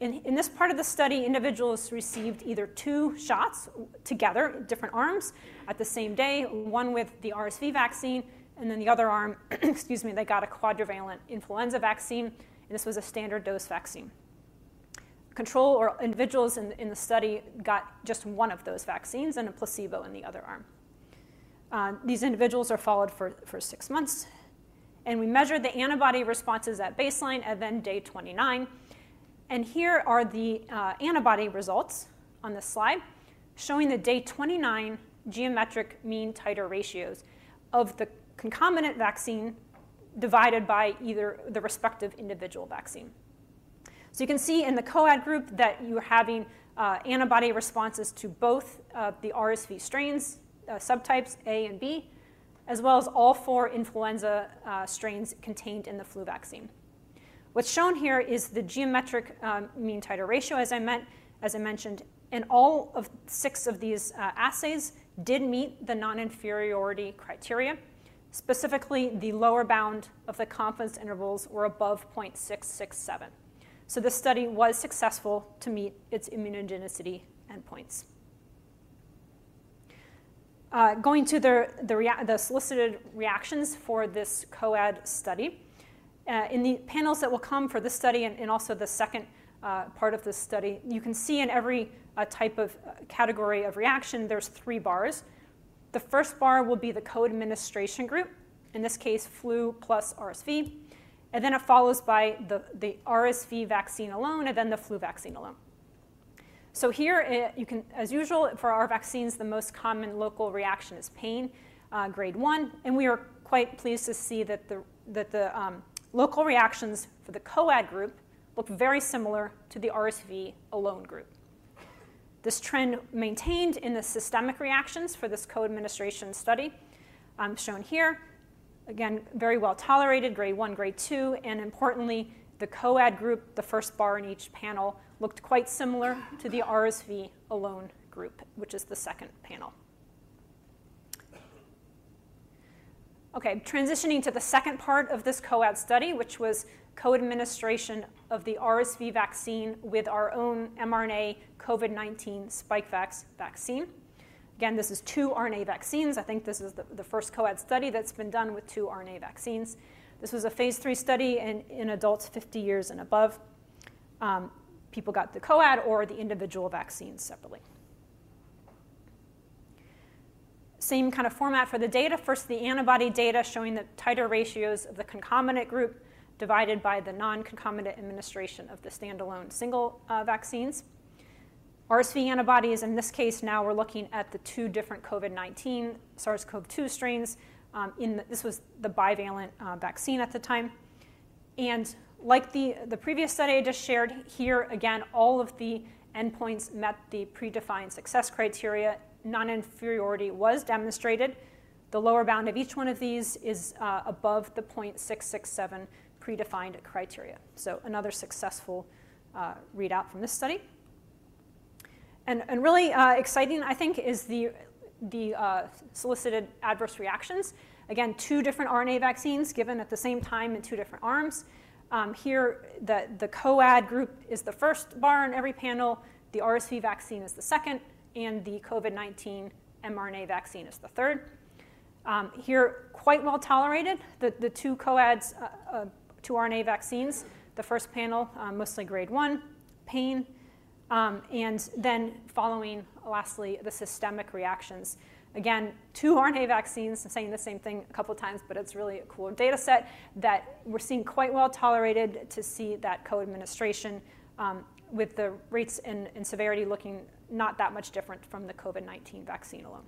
In this part of the study, individuals received either two shots with together different arms at the same day, one with the RSV vaccine and then the other arm excuse me, they got a quadrivalent influenza vaccine, and this was a standard dose vaccine. Controls or individuals in the study got just one of those vaccines and a placebo in the other arm. These individuals are followed for six months, and we measured the antibody responses at baseline and then day 29. Here are the antibody results on this slide showing the day 29 geometric mean titer ratios of the concomitant vaccine divided by either the respective individual vaccine. So you can see in the co-ad group that you are having antibody responses to both the RSV strains, subtypes A and B, as well as all four influenza strains contained in the flu vaccine. What's shown here is the geometric mean titer ratio, as I meant as I mentioned, and all six of these assays did meet the non-inferiority criteria. Specifically, the lower bound of the confidence intervals were above 0.667. So this study was successful to meet its immunogenicity endpoints. Going to the solicited reactions for this co-ad study, in the panels that will come for this study and also the second part of this study, you can see in every type of category of reaction, there's three bars. The first bar will be the co-administration group, in this case, flu plus RSV, and then it follows by the RSV vaccine alone and then the flu vaccine alone. So here, you can, as usual, for our vaccines, the most common local reaction is pain, grade I, and we are quite pleased to see that the local reactions for the co-ad group look very similar to the RSV alone group. This trend maintained in the systemic reactions for this co-administration study, shown here. Again, very well tolerated, grade I, grade II, and importantly, the co-ad group, the first bar in each panel, looked quite similar to the RSV alone group, which is the second panel. Okay. Transitioning to the second part of this co-ad study, which was co-administration of the RSV vaccine with our own mRNA COVID-19 Spikevax vaccine. Again, this is two RNA vaccines. I think this is the first co-ad study that's been done with two RNA vaccines. This was a phase III study in adults 50 years and above. People got the co-ad or the individual vaccine separately. Same kind of format for the data. First, the antibody data showing the titer ratios of the concomitant group divided by the non-concomitant administration of the standalone single vaccines. RSV antibodies, in this case, now we're looking at the two different COVID-19 SARS-CoV-2 strains, in this this was the bivalent vaccine at the time. And like the, the previous study I just shared here, again, all of the endpoints met the predefined success criteria. Non-inferiority was demonstrated. The lower bound of each one of these is above the 0.667 predefined criteria. So another successful readout from this study. And, and really exciting, I think, is the solicited adverse reactions. Again, two different RNA vaccines given at the same time in two different arms. Here, the co-ad group is the first bar in every panel. The RSV vaccine is the second, and the COVID-19 mRNA vaccine is the third. Here, quite well tolerated, the two co-ads, two RNA vaccines, the first panel, mostly grade I pain, and then following lastly, the systemic reactions. Again, two RNA vaccines and saying the same thing a couple of times, but it's really a cool data set that we're seeing quite well tolerated to see that co-administration, with the rates in severity looking not that much different from the COVID-19 vaccine alone.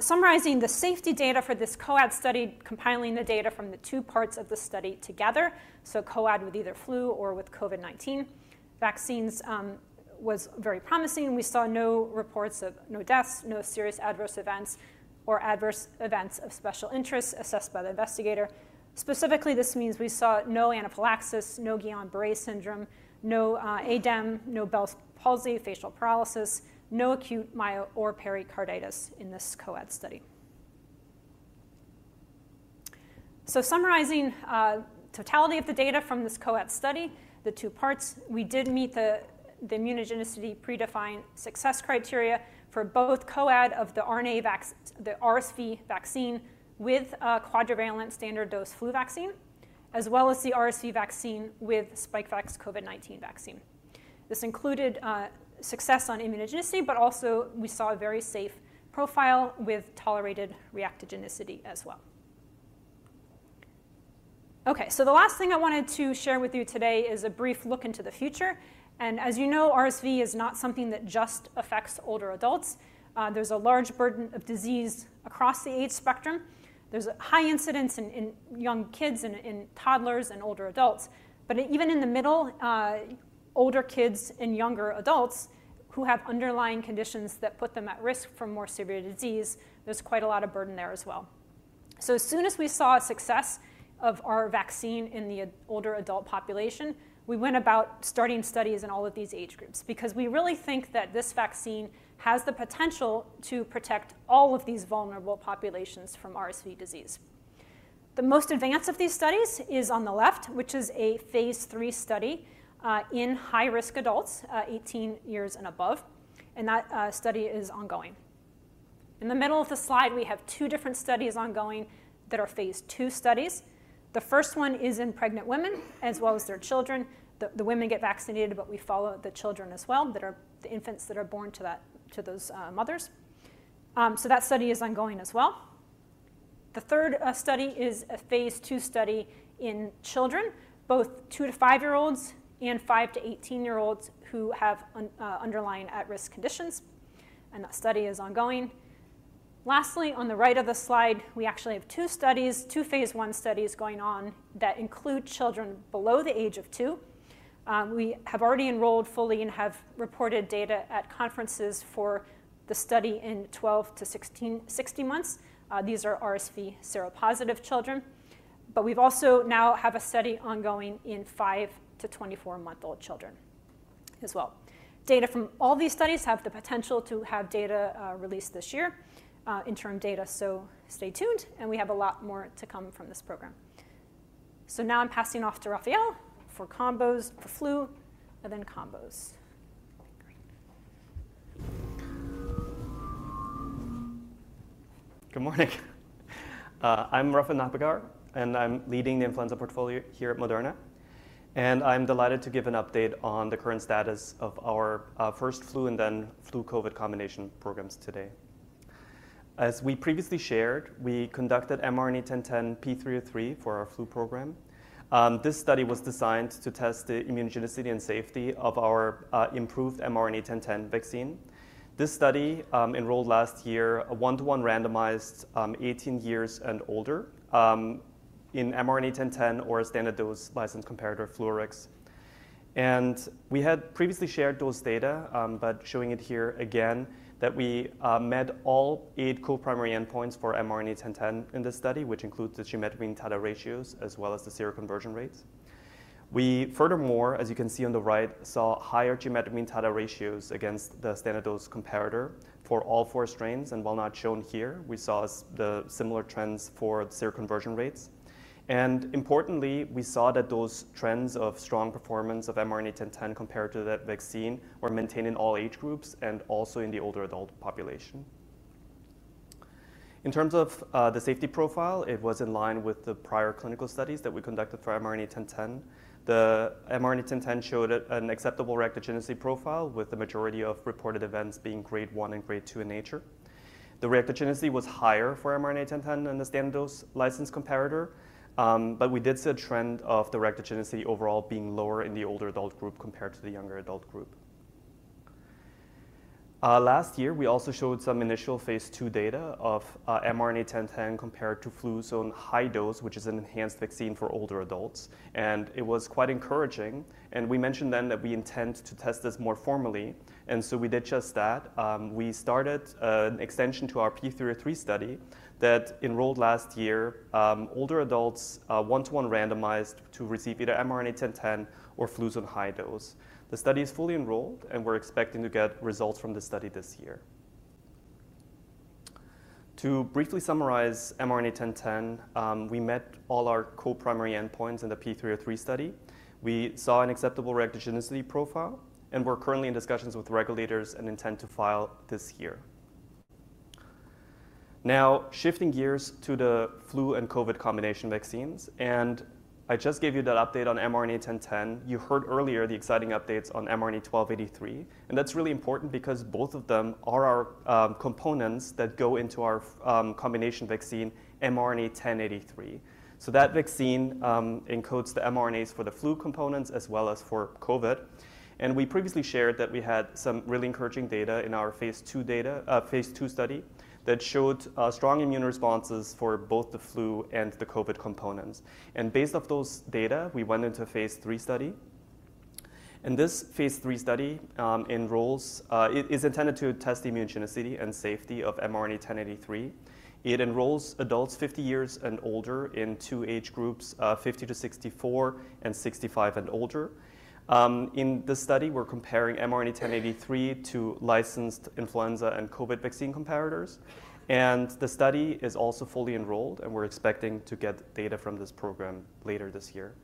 Summarizing the safety data for this co-ad study, compiling the data from the two parts of the study together, so co-ad with either flu or with COVID-19 vaccines, was very promising. We saw no reports of no deaths, no serious adverse events, or adverse events of special interest assessed by the investigator. Specifically, this means we saw no anaphylaxis, no Guillain-Barré syndrome, no ADEM, no Bell's palsy, facial paralysis, no acute myo or pericarditis in this co-ad study. So summarizing, totality of the data from this co-ad study, the two parts, we did meet the, the immunogenicity predefined success criteria for both co-ad of the RNA vax the RSV vaccine with a quadrivalent standard dose flu vaccine as well as the RSV vaccine with Spikevax COVID-19 vaccine. This included success on immunogenicity, but also we saw a very safe profile with tolerated reactogenicity as well. Okay. So the last thing I wanted to share with you today is a brief look into the future. And as you know, RSV is not something that just affects older adults. There's a large burden of disease across the age spectrum. There's a high incidence in young kids and toddlers and older adults. But even in the middle, older kids and younger adults who have underlying conditions that put them at risk for more severe disease, there's quite a lot of burden there as well. So as soon as we saw a success of our vaccine in the older adult population, we went about starting studies in all of these age groups because we really think that this vaccine has the potential to protect all of these vulnerable populations from RSV disease. The most advanced of these studies is on the left, which is a phase III study, in high-risk adults, 18 years and above, and that study is ongoing. In the middle of the slide, we have two different studies ongoing that are phase II studies. The first one is in pregnant women as well as their children. The women get vaccinated, but we follow the children as well that are the infants that are born to those mothers. So that study is ongoing as well. The third study is a phase II study in children, both two- to five-year-olds and five- to 18-year-olds who have an underlying at-risk conditions, and that study is ongoing. Lastly, on the right of the slide, we actually have two studies, two phase I studies going on that include children below the age of two. We have already enrolled fully and have reported data at conferences for the study in 12- to 23-month-olds. These are RSV seropositive children. But we've also now have a study ongoing in five- to 24-month-old children as well. Data from all these studies have the potential to have data, released this year, interim data, so stay tuned, and we have a lot more to come from this program. So now I'm passing off to Raffael. For combos, for flu, and then combos. Great. Good morning. I'm Raffael Nachbagauer, and I'm leading the influenza portfolio here at Moderna. I'm delighted to give an update on the current status of our first flu and then flu/COVID combination programs today. As we previously shared, we conducted mRNA-1010 P303 for our flu program. This study was designed to test the immunogenicity and safety of our improved mRNA-1010 vaccine. This study enrolled last year a one-to-one randomized 18 years and older in mRNA-1010 or a standard dose licensed comparator, Fluarix. We had previously shared those data, but showing it here again that we met all eight co-primary endpoints for mRNA-1010 in this study, which includes the geometric mean titer ratios as well as the seroconversion rates. We furthermore, as you can see on the right, saw higher geometric mean titer ratios against the standard dose comparator for all four strains, and while not shown here, we saw the similar trends for the seroconversion rates. Importantly, we saw that those trends of strong performance of mRNA-1010 compared to that vaccine were maintained in all age groups and also in the older adult population. In terms of the safety profile, it was in line with the prior clinical studies that we conducted for mRNA-1010. The mRNA-1010 showed an acceptable reactogenicity profile with the majority of reported events being grade one and grade two in nature. The reactogenicity was higher for mRNA-1010 than the standard dose licensed comparator, but we did see a trend of the reactogenicity overall being lower in the older adult group compared to the younger adult group. Last year, we also showed some initial phase II data of mRNA-1010 compared to Fluzone High-Dose, which is an enhanced vaccine for older adults, and it was quite encouraging. We mentioned then that we intend to test this more formally, and so we did just that. We started an extension to our P303 study that enrolled last year older adults, one-to-one randomized to receive either mRNA-1010 or Fluzone High-Dose. The study is fully enrolled, and we're expecting to get results from this study this year. To briefly summarize mRNA-1010, we met all our co-primary endpoints in the P303 study. We saw an acceptable reactogenicity profile, and we're currently in discussions with regulators and intend to file this year. Now, shifting gears to the flu and COVID combination vaccines, and I just gave you that update on mRNA-1010. You heard earlier the exciting updates on mRNA-1283, and that's really important because both of them are our components that go into our combination vaccine, mRNA-1083. So that vaccine encodes the mRNAs for the flu components as well as for COVID. We previously shared that we had some really encouraging data in our phase II data phase II study that showed strong immune responses for both the flu and the COVID components. Based off those data, we went into a phase III study. This phase III study enrolls. It is intended to test immunogenicity and safety of mRNA-1083. It enrolls adults 50 years and older in two age groups, 50-64 and 65 and older. In this study, we're comparing mRNA-1083 to licensed influenza and COVID vaccine comparators, and the study is also fully enrolled, and we're expecting to get data from this program later this year.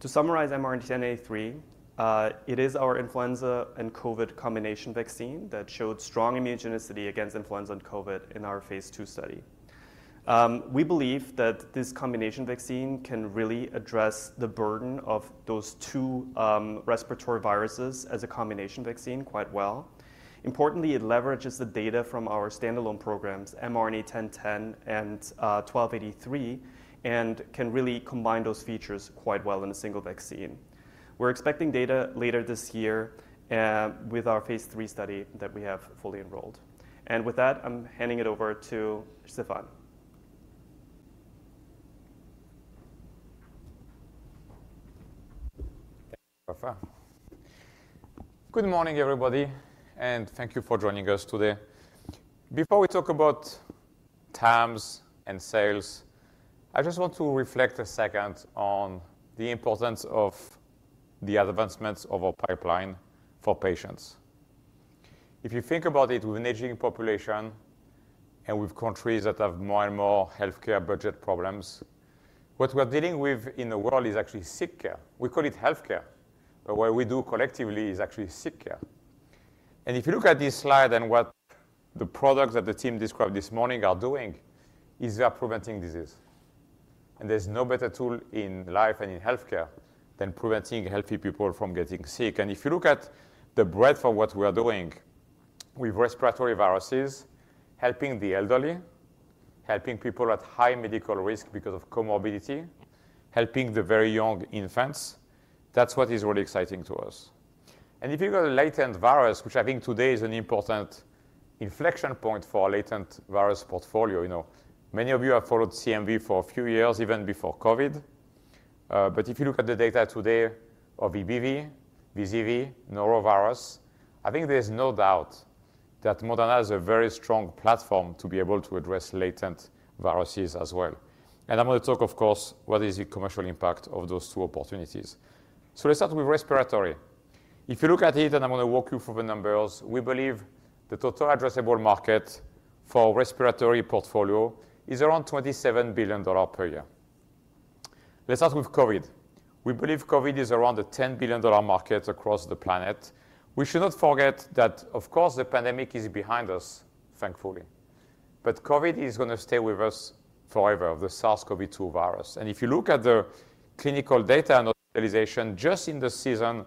To summarize mRNA-1083, it is our influenza and COVID combination vaccine that showed strong immunogenicity against influenza and COVID in our phase II study. We believe that this combination vaccine can really address the burden of those two, respiratory viruses as a combination vaccine quite well. Importantly, it leverages the data from our standalone programs, mRNA-1010 and mRNA-1283, and can really combine those features quite well in a single vaccine. We're expecting data later this year, with our phase III study that we have fully enrolled. And with that, I'm handing it over to Stéphane. Thank you, Raphael. Good morning, everybody, and thank you for joining us today. Before we talk about terms and sales, I just want to reflect a second on the importance of the advancements of our pipeline for patients. If you think about it, we're an aging population, and we've countries that have more and more healthcare budget problems. What we're dealing with in the world is actually sick care. We call it healthcare, but what we do collectively is actually sick care. And if you look at this slide and what the products that the team described this morning are doing, is they are preventing disease. And there's no better tool in life and in healthcare than preventing healthy people from getting sick. And if you look at the breadth of what we are doing with respiratory viruses, helping the elderly, helping people at high medical risk because of comorbidity, helping the very young infants, that's what is really exciting to us. And if you look at a latent virus, which I think today is an important inflection point for our latent virus portfolio, you know, many of you have followed CMV for a few years, even before COVID. But if you look at the data today of EBV, VZV, Norovirus, I think there's no doubt that Moderna is a very strong platform to be able to address latent viruses as well. And I'm gonna talk, of course, what is the commercial impact of those two opportunities. So let's start with respiratory. If you look at it, and I'm gonna walk you through the numbers, we believe the total addressable market for our respiratory portfolio is around $27 billion per year. Let's start with COVID. We believe COVID is around a $10 billion market across the planet. We should not forget that, of course, the pandemic is behind us, thankfully, but COVID is gonna stay with us forever, the SARS-CoV-2 virus. If you look at the clinical data and hospitalization just in the season,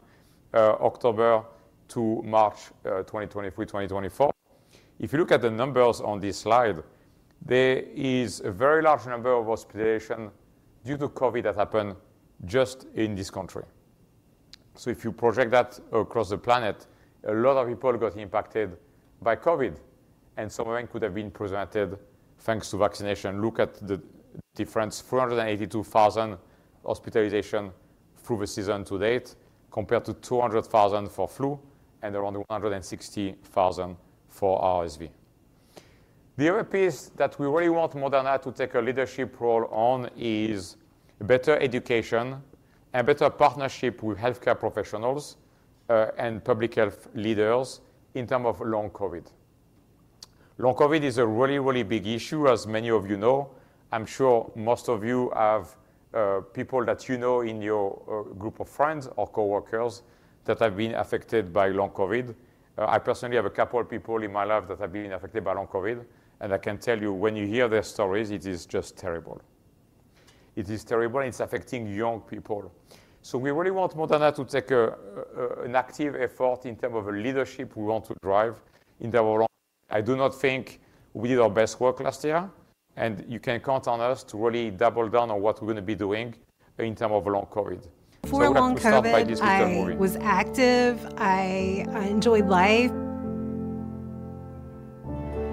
October to March, 2023-2024, if you look at the numbers on this slide, there is a very large number of hospitalization due to COVID that happened just in this country. So if you project that across the planet, a lot of people got impacted by COVID, and some of them could have been prevented thanks to vaccination. Look at the difference: 482,000 hospitalizations through the season to date compared to 200,000 for flu and around 160,000 for RSV. The other piece that we really want Moderna to take a leadership role on is better education and better partnership with healthcare professionals, and public health leaders in terms of Long COVID. Long COVID is a really, really big issue, as many of you know. I'm sure most of you have people that you know in your group of friends or coworkers that have been affected by Long COVID. I personally have a couple of people in my life that have been affected by Long COVID, and I can tell you when you hear their stories, it is just terrible. It is terrible, and it's affecting young people. We really want Moderna to take an active effort in terms of a leadership we want to drive in terms of. I do not think we did our best work last year, and you can count on us to really double down on what we're gonna be doing in terms of Long COVID. Before long COVID, I was active. I enjoyed life.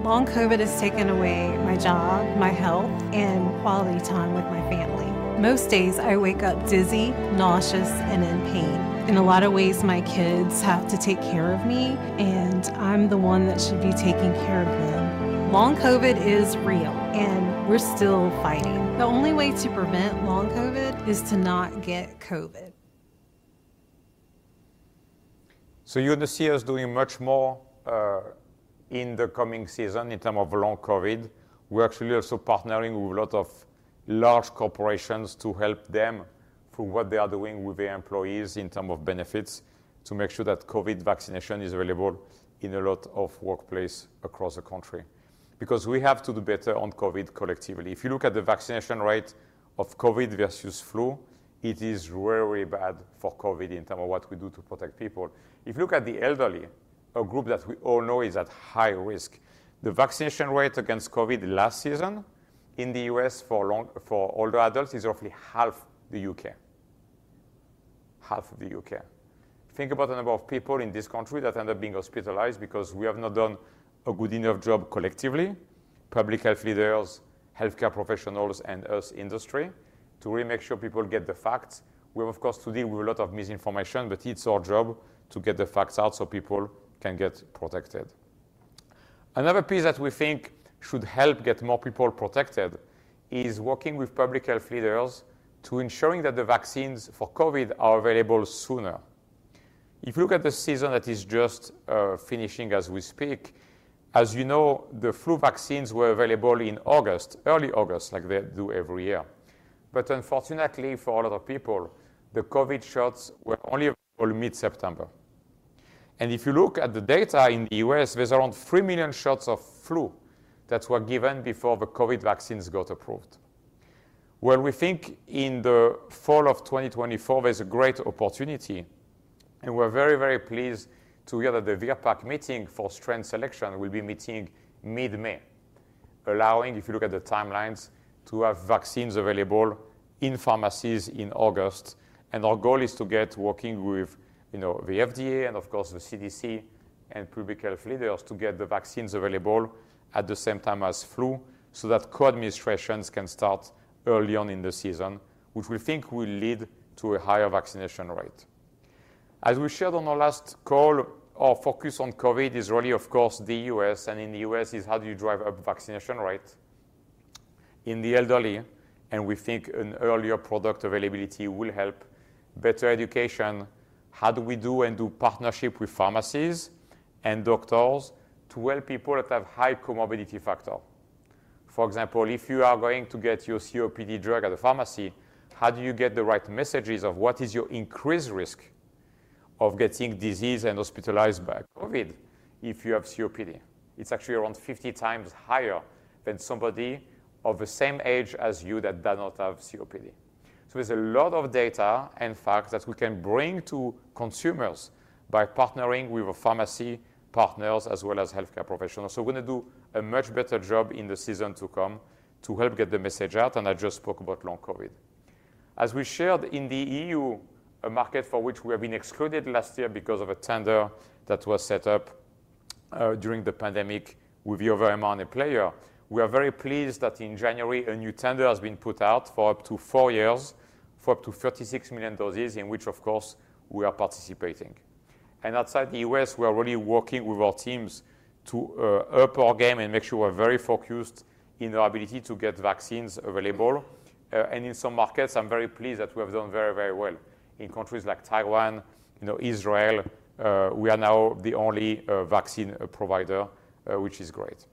Long COVID has taken away my job, my health, and quality time with my family. Most days, I wake up dizzy, nauseous, and in pain. In a lot of ways, my kids have to take care of me, and I'm the one that should be taking care of them. Long COVID is real, and we're still fighting. The only way to prevent long COVID is to not get COVID. So you and the CEOs are doing much more, in the coming season in terms of long COVID. We're actually also partnering with a lot of large corporations to help them through what they are doing with their employees in terms of benefits to make sure that COVID vaccination is available in a lot of workplaces across the country because we have to do better on COVID collectively. If you look at the vaccination rate of COVID versus flu, it is really, really bad for COVID in terms of what we do to protect people. If you look at the elderly, a group that we all know is at high risk, the vaccination rate against COVID last season in the U.S. for older adults is roughly half the U.K. Half the U.K. Think about the number of people in this country that end up being hospitalized because we have not done a good enough job collectively, public health leaders, healthcare professionals, and U.S. industry, to really make sure people get the facts. We have, of course, to deal with a lot of misinformation, but it's our job to get the facts out so people can get protected. Another piece that we think should help get more people protected is working with public health leaders to ensure that the vaccines for COVID are available sooner. If you look at the season that is just finishing as we speak, as you know, the flu vaccines were available in August, early August, like they do every year. But unfortunately, for a lot of people, the COVID shots were only available mid-September. If you look at the data in the U.S., there's around 3 million shots of flu that were given before the COVID vaccines got approved. Well, we think in the fall of 2024, there's a great opportunity, and we're very, very pleased to hear that the VRBPAC meeting for strain selection will be meeting mid-May, allowing, if you look at the timelines, to have vaccines available in pharmacies in August. And our goal is to get working with, you know, the FDA and, of course, the CDC and public health leaders to get the vaccines available at the same time as flu so that co-administrations can start early on in the season, which we think will lead to a higher vaccination rate. As we shared on our last call, our focus on COVID is really, of course, the U.S., and in the U.S., it's how do you drive up vaccination rate in the elderly, and we think an earlier product availability will help. Better education, how do we do and do partnership with pharmacies and doctors to help people that have high comorbidity factor? For example, if you are going to get your COPD drug at a pharmacy, how do you get the right messages of what is your increased risk of getting disease and hospitalized by COVID if you have COPD? It's actually around 50 times higher than somebody of the same age as you that does not have COPD. So there's a lot of data and facts that we can bring to consumers by partnering with our pharmacy partners as well as healthcare professionals. So we're gonna do a much better job in the season to come to help get the message out, and I just spoke about long COVID. As we shared, in the EU, a market for which we have been excluded last year because of a tender that was set up during the pandemic with the other mRNA player, we are very pleased that in January, a new tender has been put out for up to four years for up to 36 million doses in which, of course, we are participating. And outside the U.S., we are really working with our teams to up our game and make sure we're very focused in our ability to get vaccines available, and in some markets, I'm very pleased that we have done very, very well. In countries like Taiwan, you know, Israel, we are now the only vaccine provider, which is great.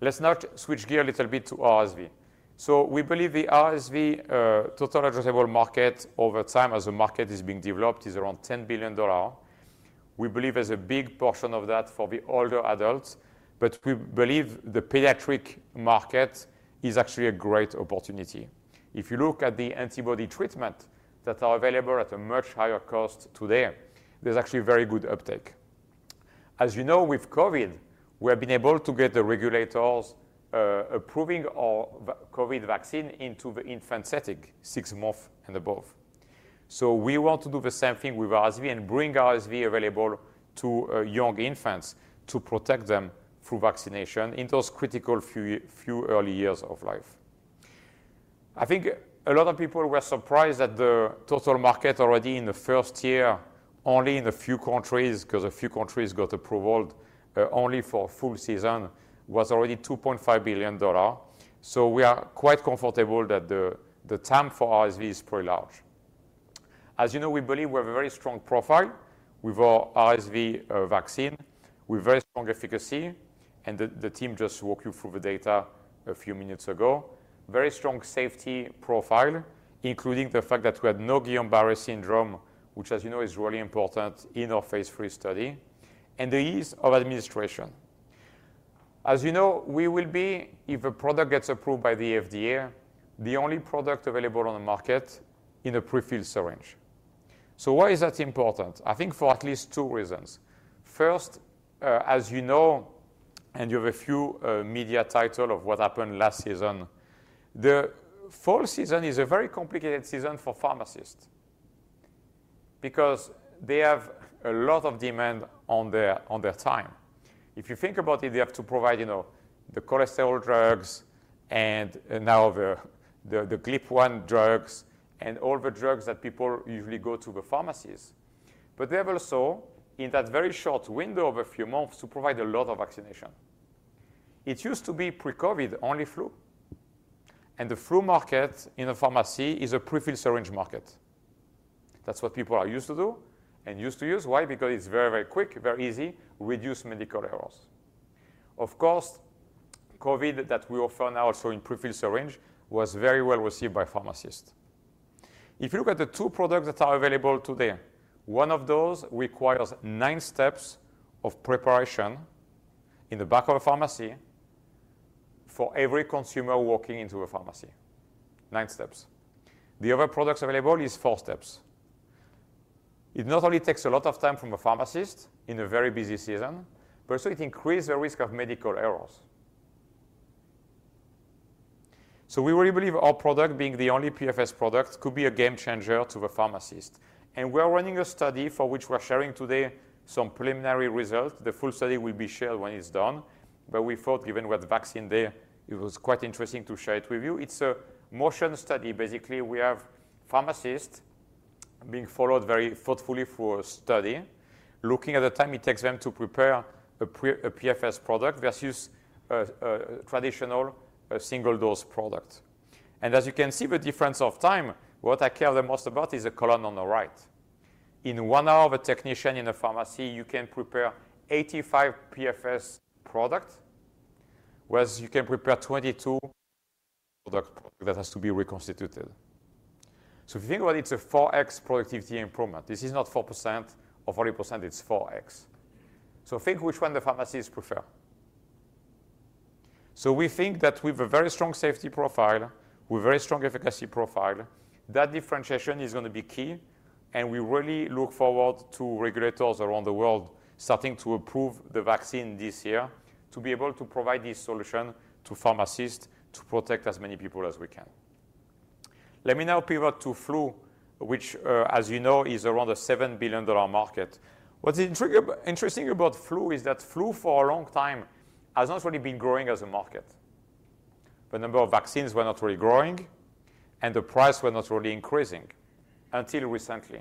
Let's now switch gears a little bit to RSV. So we believe the RSV, total addressable market over time, as the market is being developed, is around $10 billion. We believe there's a big portion of that for the older adults, but we believe the pediatric market is actually a great opportunity. If you look at the antibody treatment that are available at a much higher cost today, there's actually very good uptake. As you know, with COVID, we have been able to get the regulators approving our COVID vaccine into the infant setting, six months and above. So we want to do the same thing with RSV and bring RSV available to young infants to protect them through vaccination in those critical few early years of life. I think a lot of people were surprised that the total market already in the first year, only in a few countries because a few countries got approved, only for full season, was already $2.5 billion. So we are quite comfortable that the term for RSV is pretty large. As you know, we believe we have a very strong profile with our RSV vaccine with very strong efficacy, and the team just walked you through the data a few minutes ago. Very strong safety profile, including the fact that we have no Guillain-Barré syndrome, which, as you know, is really important in our phase III study, and the ease of administration. As you know, we will be, if a product gets approved by the FDA, the only product available on the market in a prefilled syringe. So why is that important? I think for at least two reasons. First, as you know, and you have a few media titles of what happened last season, the fall season is a very complicated season for pharmacists because they have a lot of demand on their time. If you think about it, they have to provide, you know, the cholesterol drugs and now the GLP-1 drugs and all the drugs that people usually go to the pharmacies. But they have also, in that very short window of a few months, to provide a lot of vaccination. It used to be pre-COVID only flu, and the flu market in a pharmacy is a prefilled syringe market. That's what people are used to do and used to use. Why? Because it's very, very quick, very easy, reduces medical errors. Of course, COVID that we offer now also in prefilled syringe was very well received by pharmacists. If you look at the two products that are available today, one of those requires nine steps of preparation in the back of a pharmacy for every consumer walking into a pharmacy. Nine steps. The other product available is four steps. It not only takes a lot of time from a pharmacist in a very busy season, but also it increases the risk of medical errors. So we really believe our product being the only PFS product could be a game changer to the pharmacist. And we are running a study for which we are sharing today some preliminary results. The full study will be shared when it's done. But we thought, given we had vaccine there, it was quite interesting to share it with you. It's a motion study, basically. We have pharmacists being followed very thoughtfully through a study, looking at the time it takes them to prepare a PFS product versus a traditional single-dose product. As you can see, the difference of time, what I care the most about is the column on the right. In one hour, the technician in a pharmacy, you can prepare 85 PFS products, whereas you can prepare 22 products that have to be reconstituted. If you think about it, it's a 4x productivity improvement. This is not 4% or 40%. It's 4x. Think which one the pharmacies prefer. We think that with a very strong safety profile, with a very strong efficacy profile, that differentiation is gonna be key. We really look forward to regulators around the world starting to approve the vaccine this year to be able to provide this solution to pharmacists to protect as many people as we can. Let me now pivot to flu, which, as you know, is around a $7 billion market. What's intriguing about flu is that flu, for a long time, has not really been growing as a market. The number of vaccines were not really growing, and the price were not really increasing until recently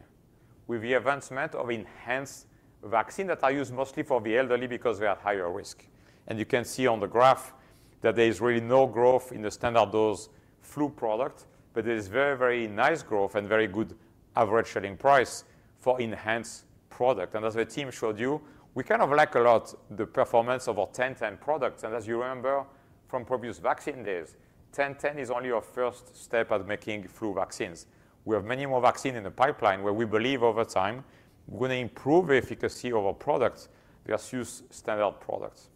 with the advancement of enhanced vaccines that are used mostly for the elderly because they are at higher risk. You can see on the graph that there is really no growth in the standard dose flu product, but there is very, very nice growth and very good average selling price for enhanced product. And as the team showed you, we kind of lack a lot in the performance of our 1010 products. And as you remember from previous vaccine days, 1010 is only our first step at making flu vaccines. We have many more vaccines in the pipeline where we believe over time we're gonna improve the efficacy of our products versus standard products.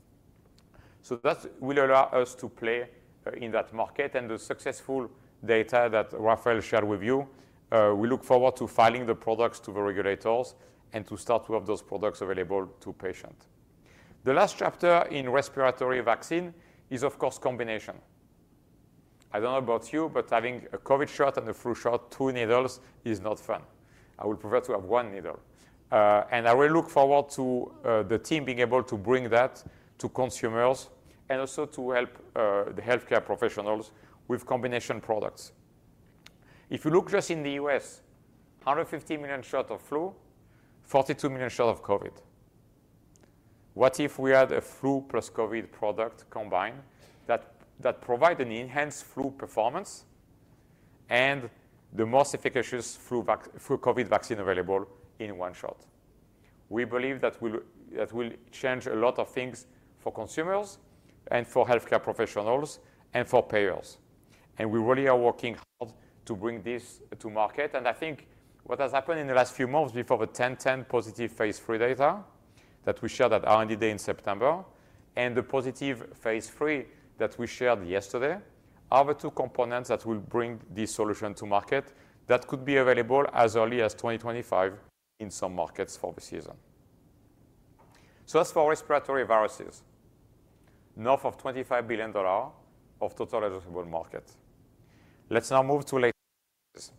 So that will allow us to play in that market. And the successful data that Raphael shared with you, we look forward to filing the products to the regulators and to start to have those products available to patients. The last chapter in respiratory vaccine is, of course, combination. I don't know about you, but having a COVID shot and a flu shot, two needles, is not fun. I would prefer to have one needle. I really look forward to the team being able to bring that to consumers and also to help the healthcare professionals with combination products. If you look just in the U.S., 150 million shots of flu, 42 million shots of COVID. What if we had a flu plus COVID product combined that provides an enhanced flu performance and the most efficacious flu vac flu COVID vaccine available in one shot? We believe that will change a lot of things for consumers and for healthcare professionals and for payers. And we really are working hard to bring this to market. I think what has happened in the last few months before the 1010 positive phase III data that we shared at R&D Day in September and the positive phase III that we shared yesterday are the two components that will bring this solution to market that could be available as early as 2025 in some markets for the season. So as for respiratory viruses, north of $25 billion of total addressable market. Let's now move to latent viruses.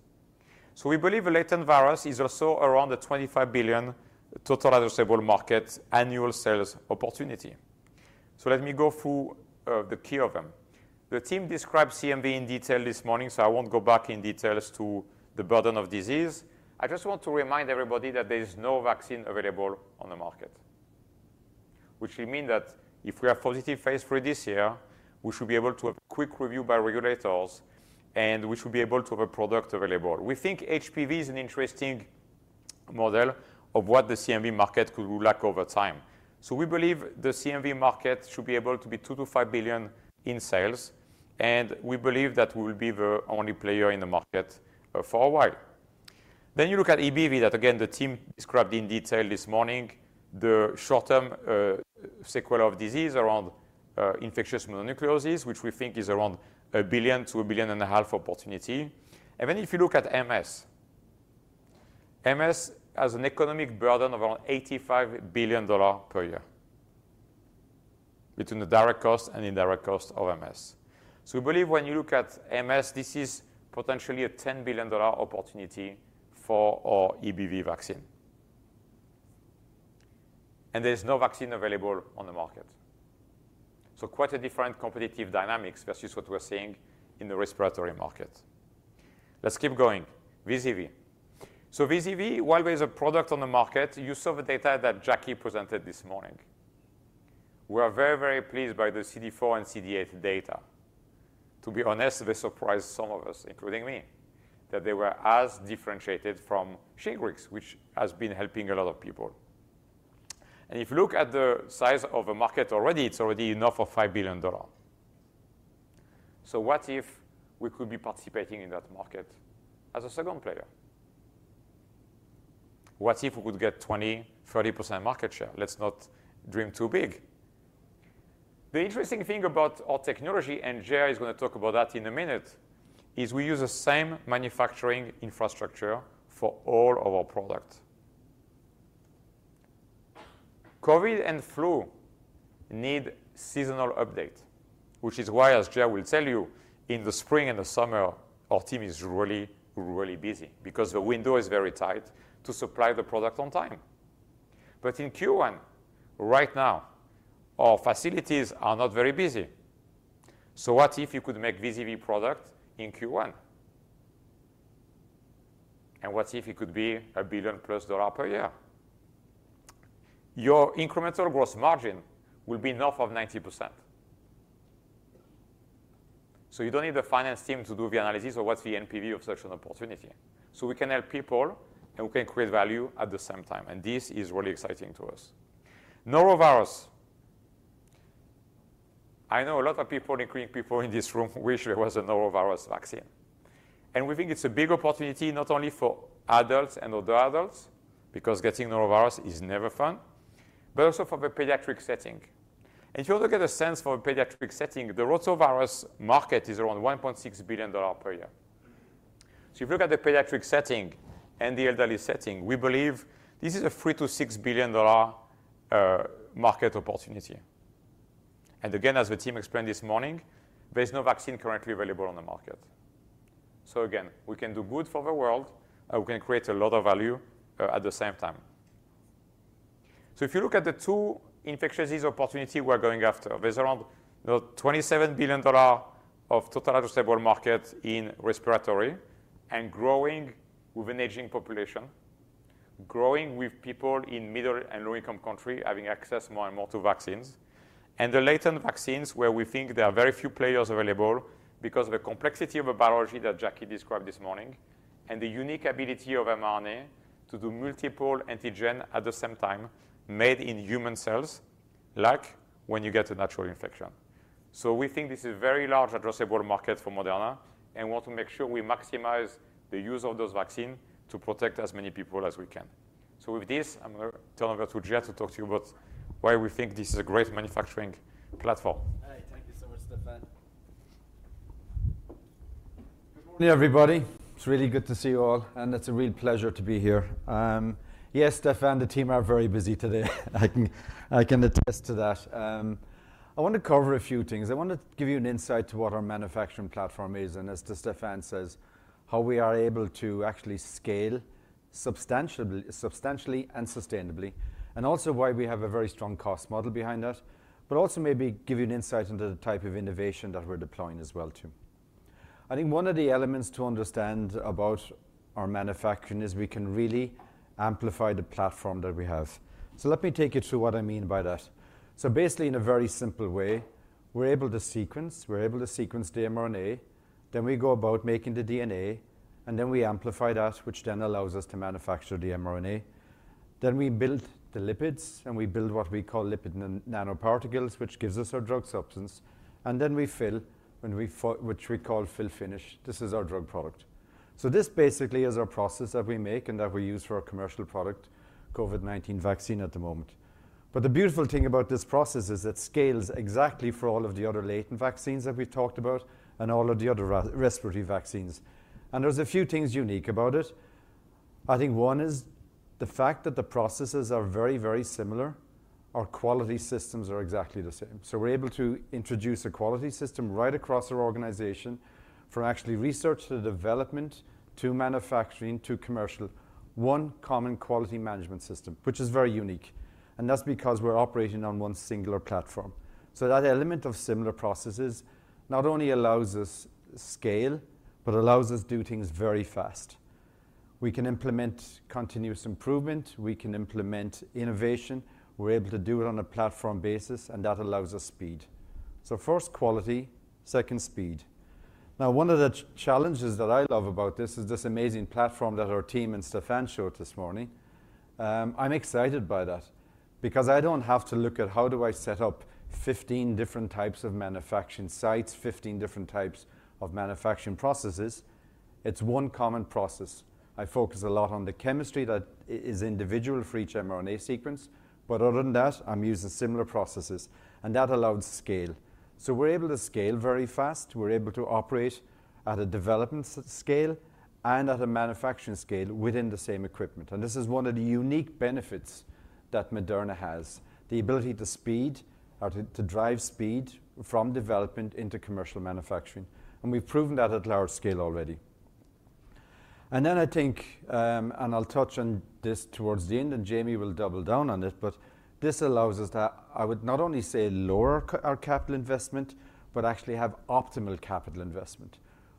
So we believe a latent virus is also around the $25 billion total addressable market annual sales opportunity. So let me go through the key of them. The team described CMV in detail this morning, so I won't go back in details to the burden of disease. I just want to remind everybody that there is no vaccine available on the market, which will mean that if we have positive phase III this year, we should be able to have a quick review by regulators, and we should be able to have a product available. We think HPV is an interesting model of what the CMV market could look like over time. So we believe the CMV market should be able to be $2 billion-$5 billion in sales, and we believe that we will be the only player in the market, for a while. Then you look at EBV that, again, the team described in detail this morning, the short-term, sequelae of disease around, infectious mononucleosis, which we think is around a $1 billion-$1.5 billion opportunity. If you look at MS, MS has an economic burden of around $85 billion per year between the direct cost and indirect cost of MS. So we believe when you look at MS, this is potentially a $10 billion opportunity for our EBV vaccine. And there is no vaccine available on the market. So quite a different competitive dynamics versus what we're seeing in the respiratory market. Let's keep going. VZV. So VZV, while there is a product on the market, you saw the data that Jackie presented this morning. We are very, very pleased by the CD4 and CD8 data. To be honest, they surprised some of us, including me, that they were as differentiated from Shingrix, which has been helping a lot of people. And if you look at the size of the market already, it's already enough for $5 billion. So what if we could be participating in that market as a second player? What if we could get 20%-30% market share? Let's not dream too big. The interesting thing about our technology, and Jerh is gonna talk about that in a minute, is we use the same manufacturing infrastructure for all of our products. COVID and flu need seasonal update, which is why, as Jerh will tell you, in the spring and the summer, our team is really, really busy because the window is very tight to supply the product on time. But in Q1, right now, our facilities are not very busy. So what if you could make VZV product in Q1? And what if it could be a $1 billion+ per year? Your incremental gross margin will be north of 90%. So you don't need the finance team to do the analysis of what's the NPV of such an opportunity. So we can help people, and we can create value at the same time. And this is really exciting to us. Norovirus. I know a lot of people, including people in this room, wish there was a Norovirus vaccine. And we think it's a big opportunity not only for adults and older adults because getting Norovirus is never fun, but also for the pediatric setting. And if you want to get a sense for the pediatric setting, the rotavirus market is around $1.6 billion per year. So if you look at the pediatric setting and the elderly setting, we believe this is a $3 billion-$6 billion market opportunity. And again, as the team explained this morning, there is no vaccine currently available on the market. So again, we can do good for the world, and we can create a lot of value, at the same time. So if you look at the two infectious disease opportunities we are going after, there's around, you know, $27 billion of total addressable market in respiratory and growing with an aging population, growing with people in middle and low-income countries having access more and more to vaccines. And the latent vaccines where we think there are very few players available because of the complexity of the biology that Jackie described this morning and the unique ability of mRNA to do multiple antigen at the same time made in human cells like when you get a natural infection. So we think this is a very large addressable market for Moderna and want to make sure we maximize the use of those vaccines to protect as many people as we can. So with this, I'm gonna turn over to Jerh to talk to you about why we think this is a great manufacturing platform. Hi. Thank you so much, Stéphane. Good morning, everybody. It's really good to see you all, and it's a real pleasure to be here. Yes, Stéphane and the team are very busy today. I can I can attest to that. I want to cover a few things. I want to give you an insight to what our manufacturing platform is. And as Stéphane says, how we are able to actually scale substantially substantially and sustainably, and also why we have a very strong cost model behind that, but also maybe give you an insight into the type of innovation that we're deploying as well too. I think one of the elements to understand about our manufacturing is we can really amplify the platform that we have. So let me take you through what I mean by that. So basically, in a very simple way, we're able to sequence we're able to sequence the mRNA. Then we go about making the DNA, and then we amplify that, which then allows us to manufacture the mRNA. Then we build the lipids, and we build what we call lipid nanoparticles, which gives us our drug substance. And then we fill, which we call fill-finish. This is our drug product. So this basically is our process that we make and that we use for our commercial product, COVID-19 vaccine, at the moment. But the beautiful thing about this process is it scales exactly for all of the other latent vaccines that we've talked about and all of the other respiratory vaccines. And there's a few things unique about it. I think one is the fact that the processes are very, very similar. Our quality systems are exactly the same. So we're able to introduce a quality system right across our organization from actually research to development to manufacturing to commercial, one common quality management system, which is very unique. And that's because we're operating on one singular platform. So that element of similar processes not only allows us scale, but allows us to do things very fast. We can implement continuous improvement. We can implement innovation. We're able to do it on a platform basis, and that allows us speed. So first, quality. Second, speed. Now, one of the challenges that I love about this is this amazing platform that our team and Stephen showed this morning. I'm excited by that because I don't have to look at how do I set up 15 different types of manufacturing sites, 15 different types of manufacturing processes. It's one common process. I focus a lot on the chemistry that is individual for each mRNA sequence. But other than that, I'm using similar processes. And that allows scale. So we're able to scale very fast. We're able to operate at a development scale and at a manufacturing scale within the same equipment. And this is one of the unique benefits that Moderna has, the ability to speed or to drive speed from development into commercial manufacturing. And we've proven that at large scale already. And then I think, and I'll touch on this towards the end, and Jamey will double down on it, but this allows us to I would not only say lower our capital investment but actually have optimal capital investment.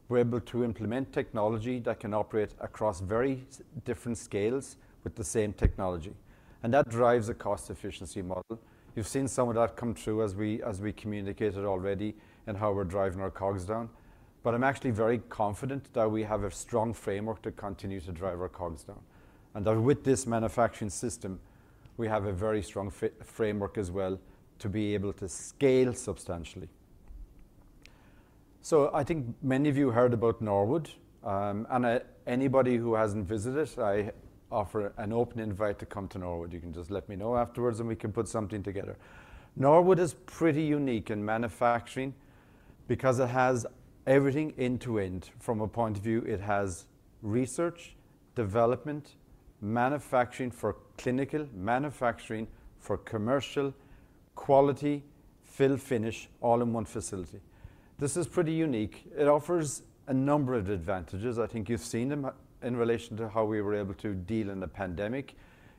We're able to implement technology that can operate across very different scales with the same technology. And that drives a cost-efficiency model. You've seen some of that come true as we communicated already and how we're driving our COGS down. But I'm actually very confident that we have a strong framework to continue to drive our COGS down and that with this manufacturing system, we have a very strong framework as well to be able to scale substantially. So I think many of you heard about Norwood, and if anybody who hasn't visited, I offer an open invite to come to Norwood. You can just let me know afterwards, and we can put something together. Norwood is pretty unique in manufacturing because it has everything end to end. From a point of view, it has research, development, manufacturing for clinical, manufacturing for commercial, quality, fill-finish, all-in-one facility. This is pretty unique. It offers a number of advantages. I think you've seen them in relation to how we were able to deal in the pandemic.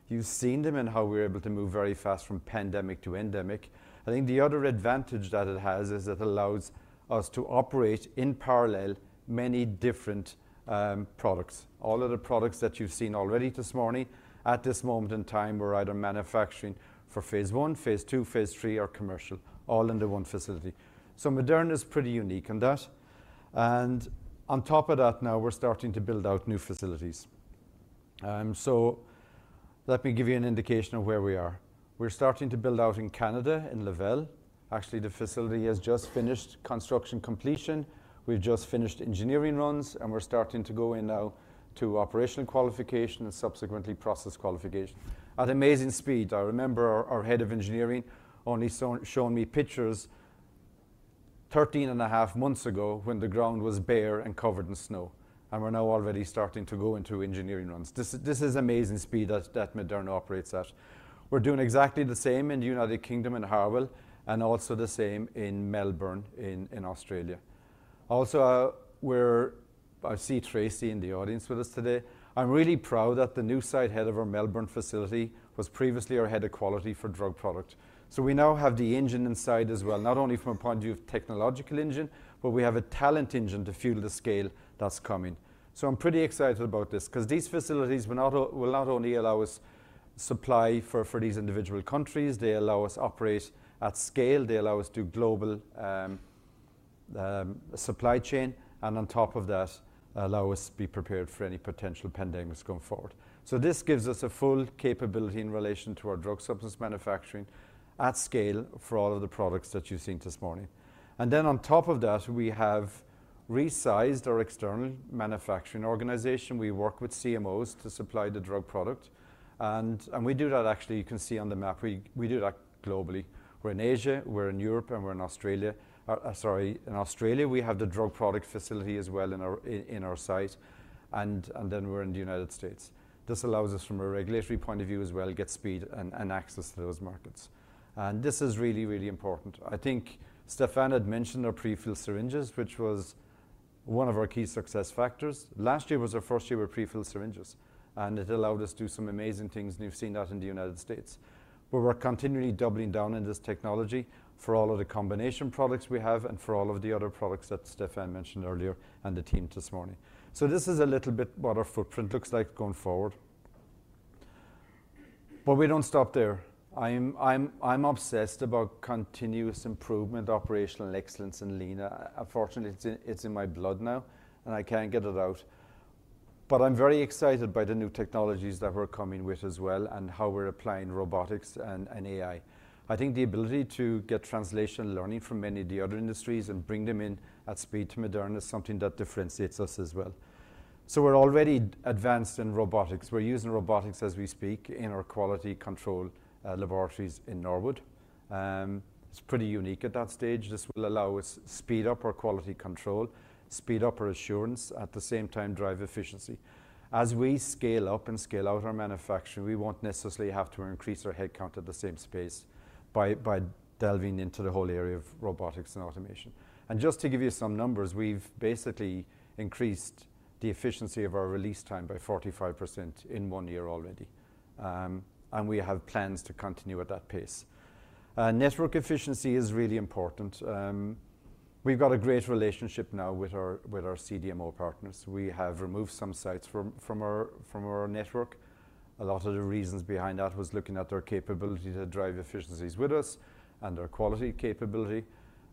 You've seen them in how we were able to move very fast from pandemic to endemic. I think the other advantage that it has is it allows us to operate in parallel many different products. All of the products that you've seen already this morning, at this moment in time, we're either manufacturing for phase I, phase II, phase III, or commercial, all in the one facility. So Moderna is pretty unique in that. And on top of that now, we're starting to build out new facilities. So let me give you an indication of where we are. We're starting to build out in Canada, in Laval. Actually, the facility has just finished construction completion. We've just finished engineering runs, and we're starting to go in now to operational qualification and subsequently process qualification at amazing speed. I remember our head of engineering only shown me pictures 13.5 months ago when the ground was bare and covered in snow. And we're now already starting to go into engineering runs. This is amazing speed that Moderna operates at. We're doing exactly the same in the United Kingdom and Harwell and also the same in Melbourne in Australia. Also, I see Tracey in the audience with us today. I'm really proud that the new site head of our Melbourne facility was previously our head of quality for drug product. So we now have the engine inside as well, not only from a point of view of technological engine, but we have a talent engine to fuel the scale that's coming. So I'm pretty excited about this because these facilities will not only allow us supply for these individual countries. They allow us to operate at scale. They allow us to do global, supply chain and on top of that, allow us to be prepared for any potential pandemics going forward. So this gives us a full capability in relation to our drug substance manufacturing at scale for all of the products that you've seen this morning. And then on top of that, we have resized our external manufacturing organization. We work with CMOs to supply the drug product. And we do that actually, you can see on the map. We do that globally. We're in Asia. We're in Europe, and we're in Australia. Sorry, in Australia, we have the drug product facility as well in our site. And then we're in the United States. This allows us from a regulatory point of view as well to get speed and access to those markets. And this is really, really important. I think Stéphane had mentioned our prefill syringes, which was one of our key success factors. Last year was our first year with prefill syringes, and it allowed us to do some amazing things. And you've seen that in the United States. But we're continually doubling down on this technology for all of the combination products we have and for all of the other products that Stéphane mentioned earlier and the team this morning. So this is a little bit what our footprint looks like going forward. But we don't stop there. I'm obsessed about continuous improvement, operational excellence, and Lean. Unfortunately, it's in my blood now, and I can't get it out. But I'm very excited by the new technologies that we're coming with as well and how we're applying robotics and AI. I think the ability to get translational learning from many of the other industries and bring them in at speed to Moderna is something that differentiates us as well. So we're already advanced in robotics. We're using robotics as we speak in our quality control laboratories in Norwood. It's pretty unique at that stage. This will allow us to speed up our quality control, speed up our assurance, at the same time drive efficiency. As we scale up and scale out our manufacturing, we won't necessarily have to increase our headcount at the same space by delving into the whole area of robotics and automation. Just to give you some numbers, we've basically increased the efficiency of our release time by 45% in one year already. And we have plans to continue at that pace. Network efficiency is really important. We've got a great relationship now with our CDMO partners. We have removed some sites from our network. A lot of the reasons behind that was looking at their capability to drive efficiencies with us and their quality capability.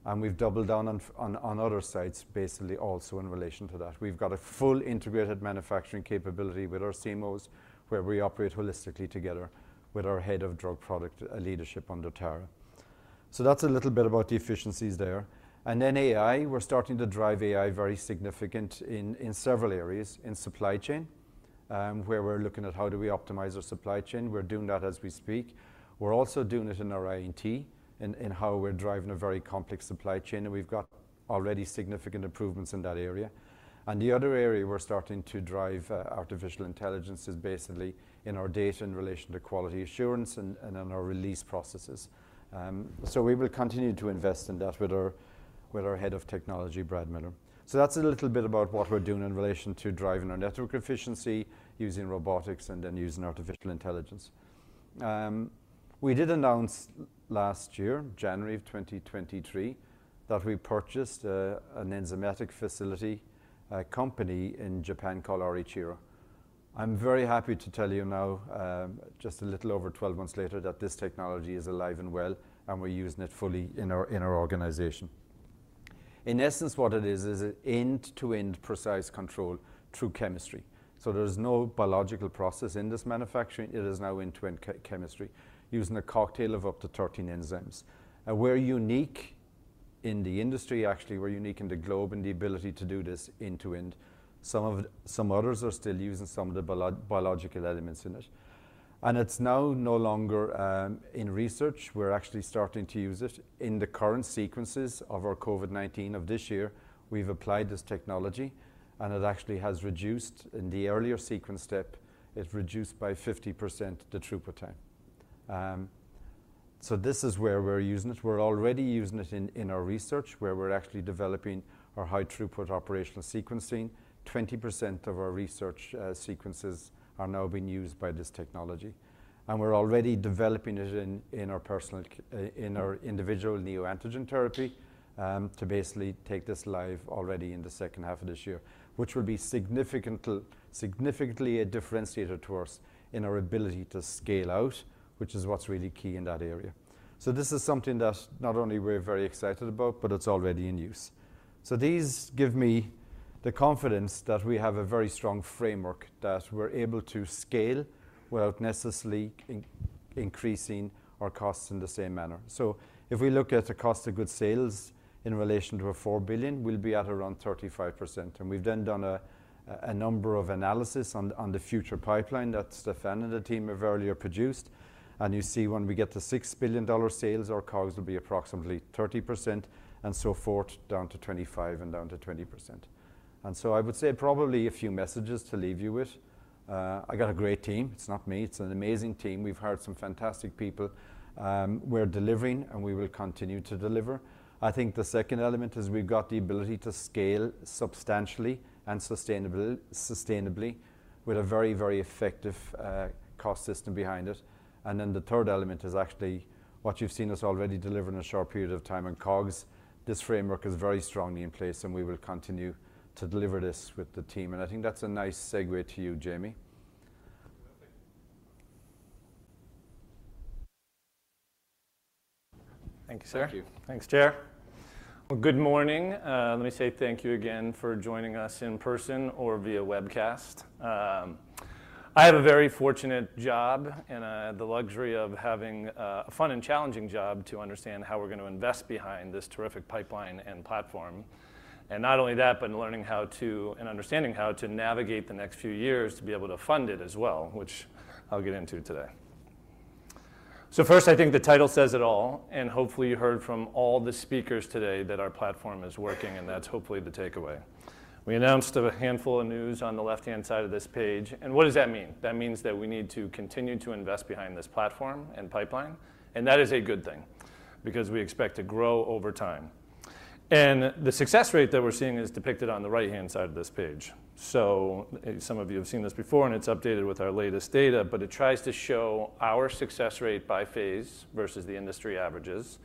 And we've doubled down on other sites basically also in relation to that. We've got a full integrated manufacturing capability with our CMOs where we operate holistically together with our head of drug product leadership under Tara. So that's a little bit about the efficiencies there. And then AI, we're starting to drive AI very significant in several areas in supply chain, where we're looking at how do we optimize our supply chain. We're doing that as we speak. We're also doing it in our INT in how we're driving a very complex supply chain. And we've got already significant improvements in that area. And the other area we're starting to drive, artificial intelligence is basically in our data in relation to quality assurance and in our release processes. So we will continue to invest in that with our head of technology, Brad Miller. So that's a little bit about what we're doing in relation to driving our network efficiency using robotics and then using artificial intelligence. We did announce last year, January of 2023, that we purchased an enzymatic facility company in Japan called OriCiro. I'm very happy to tell you now, just a little over 12 months later that this technology is alive and well, and we're using it fully in our organization. In essence, what it is, is an end-to-end precise control through chemistry. So there's no biological process in this manufacturing. It is now end-to-end chemistry using a cocktail of up to 13 enzymes. We're unique in the industry, actually. We're unique in the globe in the ability to do this end-to-end. Some others are still using some of the biological elements in it. And it's now no longer in research. We're actually starting to use it. In the current sequences of our COVID-19 of this year, we've applied this technology, and it actually has reduced in the earlier sequence step. It reduced by 50% the throughput time. So this is where we're using it. We're already using it in our research where we're actually developing our high throughput operational sequencing. 20% of our research sequences are now being used by this technology. And we're already developing it in our individualized neoantigen therapy, to basically take this live already in the second half of this year, which will be significantly a differentiator to us in our ability to scale out, which is what's really key in that area. So this is something that not only we're very excited about, but it's already in use. So these give me the confidence that we have a very strong framework that we're able to scale without necessarily increasing our costs in the same manner. So if we look at the cost of goods sold in relation to $4 billion, we'll be at around 35%. We've then done a number of analyses on the future pipeline that Stéphane and the team have earlier produced. You see when we get to $6 billion sales, our COGS will be approximately 30% and so forth down to 25% and down to 20%. So I would say probably a few messages to leave you with. I got a great team. It's not me. It's an amazing team. We've hired some fantastic people. We're delivering, and we will continue to deliver. I think the second element is we've got the ability to scale substantially and sustainably sustainably with a very, very effective, cost system behind it. And then the third element is actually what you've seen us already deliver in a short period of time on COGS. This framework is very strongly in place, and we will continue to deliver this with the team. And I think that's a nice segue to you, Jamey. Thank you, sir. Thank you. Thanks, Jerh. Well, good morning. Let me say thank you again for joining us in person or via webcast. I have a very fortunate job and, the luxury of having, a fun and challenging job to understand how we're going to invest behind this terrific pipeline and platform. And not only that, but learning how to and understanding how to navigate the next few years to be able to fund it as well, which I'll get into today. So first, I think the title says it all. And hopefully, you heard from all the speakers today that our platform is working, and that's hopefully the takeaway. We announced a handful of news on the left-hand side of this page. And what does that mean? That means that we need to continue to invest behind this platform and pipeline. And that is a good thing because we expect to grow over time. And the success rate that we're seeing is depicted on the right-hand side of this page. So some of you have seen this before, and it's updated with our latest data, but it tries to show our success rate by phase versus the industry averages.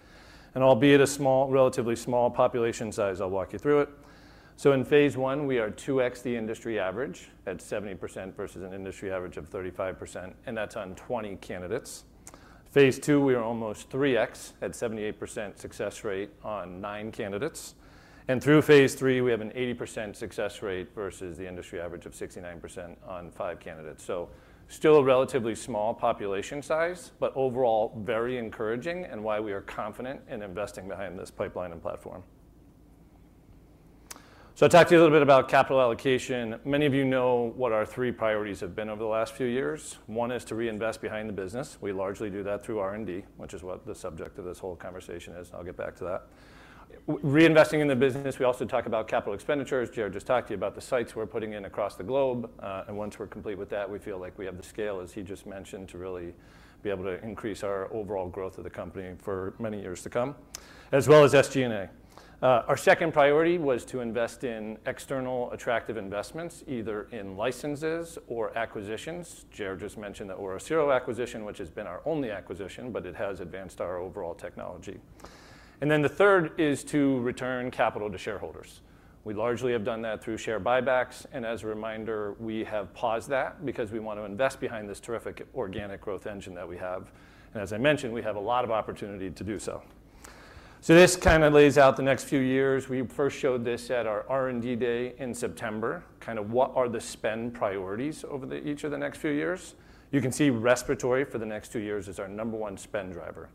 Albeit a small, relatively small population size, I'll walk you through it. So in phase I, we are 2x the industry average at 70% versus an industry average of 35%, and that's on 20 candidates. Phase III, we are almost 3x at 78% success rate on 9 candidates. Through phase III, we have an 80% success rate versus the industry average of 69% on five candidates. So still a relatively small population size, but overall very encouraging and why we are confident in investing behind this pipeline and platform. So I talked to you a little bit about capital allocation. Many of you know what our three priorities have been over the last few years. One is to reinvest behind the business. We largely do that through R&D, which is what the subject of this whole conversation is. And I'll get back to that. Reinvesting in the business. We also talk about capital expenditures. Jerh just talked to you about the sites we're putting in across the globe. Once we're complete with that, we feel like we have the scale, as he just mentioned, to really be able to increase our overall growth of the company for many years to come, as well as SG&A. Our second priority was to invest in external attractive investments, either in licenses or acquisitions. Jerh just mentioned that OriCiro acquisition, which has been our only acquisition, but it has advanced our overall technology. Then the third is to return capital to shareholders. We largely have done that through share buybacks. As a reminder, we have paused that because we want to invest behind this terrific organic growth engine that we have. As I mentioned, we have a lot of opportunity to do so. So this kind of lays out the next few years. We first showed this at our R&D day in September. Kind of what are the spend priorities over each of the next few years? You can see respiratory for the next two years is our number one spend driver.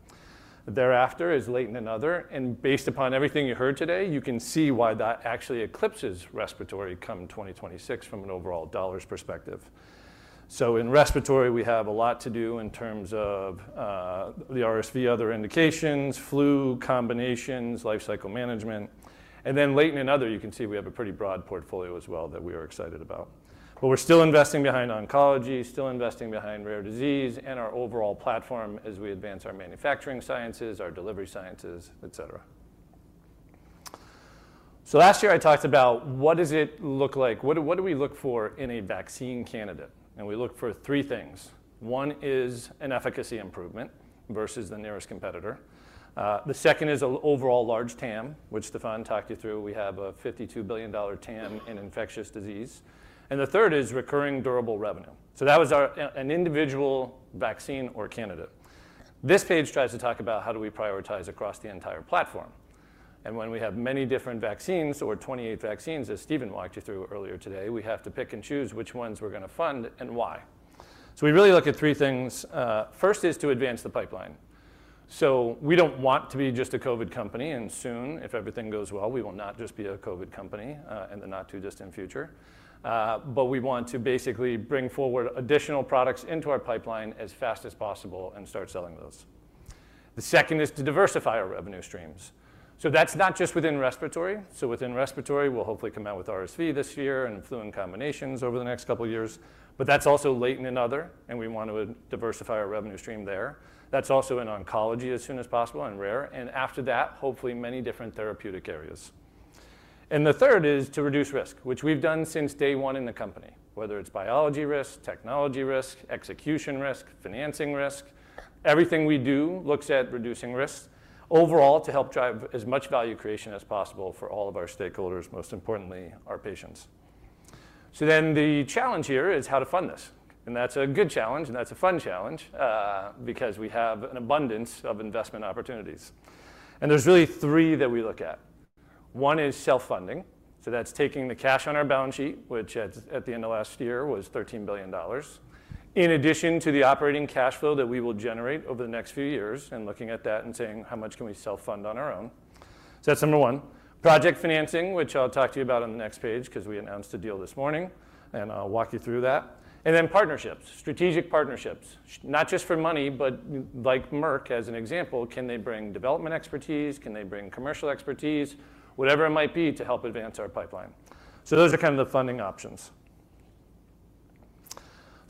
Thereafter is latent and other. And based upon everything you heard today, you can see why that actually eclipses respiratory come 2026 from an overall dollars perspective. So in respiratory, we have a lot to do in terms of, the RSV other indications, flu combinations, lifecycle management. And then latent and other, you can see we have a pretty broad portfolio as well that we are excited about, but we're still investing behind oncology, still investing behind rare disease, and our overall platform as we advance our manufacturing sciences, our delivery sciences, etc. So last year, I talked about what does it look like? What do we look for in a vaccine candidate? And we look for three things. One is an efficacy improvement versus the nearest competitor. The second is an overall large TAM, which Stéphane talked you through. We have a $52 billion TAM in infectious disease. And the third is recurring durable revenue. So that was our an individual vaccine or candidate. This page tries to talk about how do we prioritize across the entire platform. And when we have many different vaccines or 28 vaccines, as Stephen walked you through earlier today, we have to pick and choose which ones we're going to fund and why. So we really look at three things. First is to advance the pipeline. So we don't want to be just a COVID company. Soon, if everything goes well, we will not just be a COVID company, in the not too distant future. But we want to basically bring forward additional products into our pipeline as fast as possible and start selling those. The second is to diversify our revenue streams. So that's not just within respiratory. So within respiratory, we'll hopefully come out with RSV this year and flu in combinations over the next couple of years. But that's also latent and other. And we want to diversify our revenue stream there. That's also in oncology as soon as possible and rare. And after that, hopefully many different therapeutic areas. And the third is to reduce risk, which we've done since day one in the company, whether it's biology risk, technology risk, execution risk, financing risk. Everything we do looks at reducing risk overall to help drive as much value creation as possible for all of our stakeholders, most importantly our patients. So then the challenge here is how to fund this. And that's a good challenge. And that's a fun challenge, because we have an abundance of investment opportunities. And there's really three that we look at. One is self-funding. So that's taking the cash on our balance sheet, which at the end of last year was $13 billion, in addition to the operating cash flow that we will generate over the next few years and looking at that and saying, how much can we self-fund on our own? So that's number one. Project financing, which I'll talk to you about on the next page because we announced a deal this morning, and I'll walk you through that. And then partnerships, strategic partnerships, not just for money, but like Merck as an example, can they bring development expertise? Can they bring commercial expertise, whatever it might be to help advance our pipeline? So those are kind of the funding options.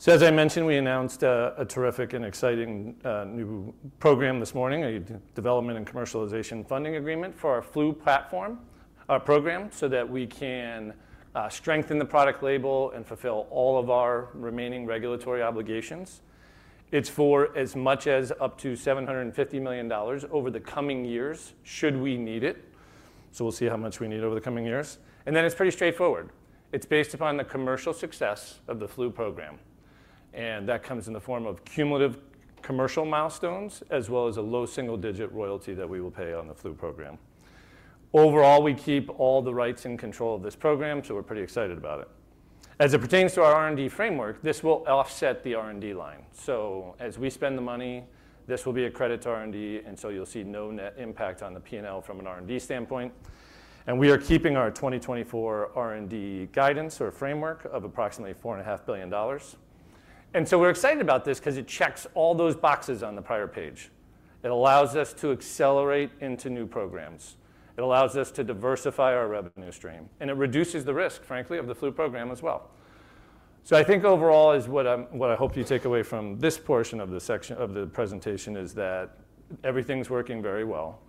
So as I mentioned, we announced a terrific and exciting new program this morning, a development and commercialization funding agreement for our flu platform, our program, so that we can strengthen the product label and fulfill all of our remaining regulatory obligations. It's for as much as up to $750 million over the coming years should we need it. So we'll see how much we need over the coming years. And then it's pretty straightforward. It's based upon the commercial success of the flu program. That comes in the form of cumulative commercial milestones as well as a low single digit royalty that we will pay on the flu program. Overall, we keep all the rights in control of this program, so we're pretty excited about it. As it pertains to our R&D framework, this will offset the R&D line. As we spend the money, this will be a credit to R&D. You'll see no net impact on the P&L from an R&D standpoint. We are keeping our 2024 R&D guidance or framework of approximately $4.5 billion. We're excited about this because it checks all those boxes on the prior page. It allows us to accelerate into new programs. It allows us to diversify our revenue stream. It reduces the risk, frankly, of the flu program as well. So I think overall is what I hope you take away from this portion of the section of the presentation is that everything's working very well.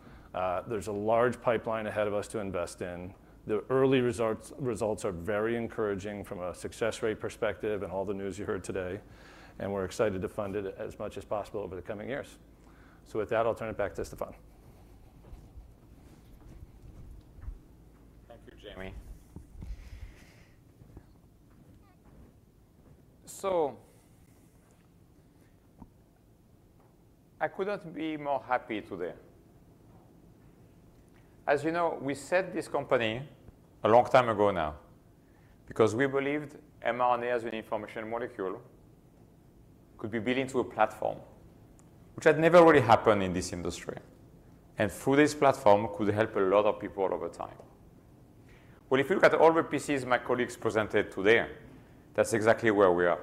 There's a large pipeline ahead of us to invest in. The early results are very encouraging from a success rate perspective and all the news you heard today. And we're excited to fund it as much as possible over the coming years. So with that, I'll turn it back to Stéphane. Thank you, Jamey. So I could not be more happy today. As you know, we set this company a long time ago now because we believed mRNA as an information molecule could be built into a platform, which had never really happened in this industry. And through this platform, could help a lot of people over time. Well, if you look at all the PCs my colleagues presented today, that's exactly where we are.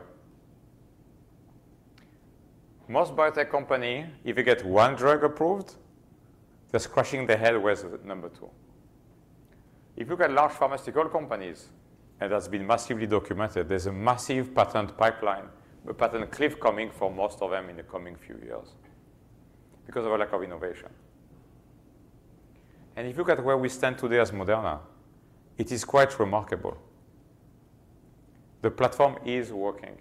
Most biotech companies, if you get one drug approved, they're scratching their head where's the number two. If you look at large pharmaceutical companies, and that's been massively documented, there's a massive patent pipeline, a patent cliff coming for most of them in the coming few years because of a lack of innovation. And if you look at where we stand today as Moderna, it is quite remarkable. The platform is working.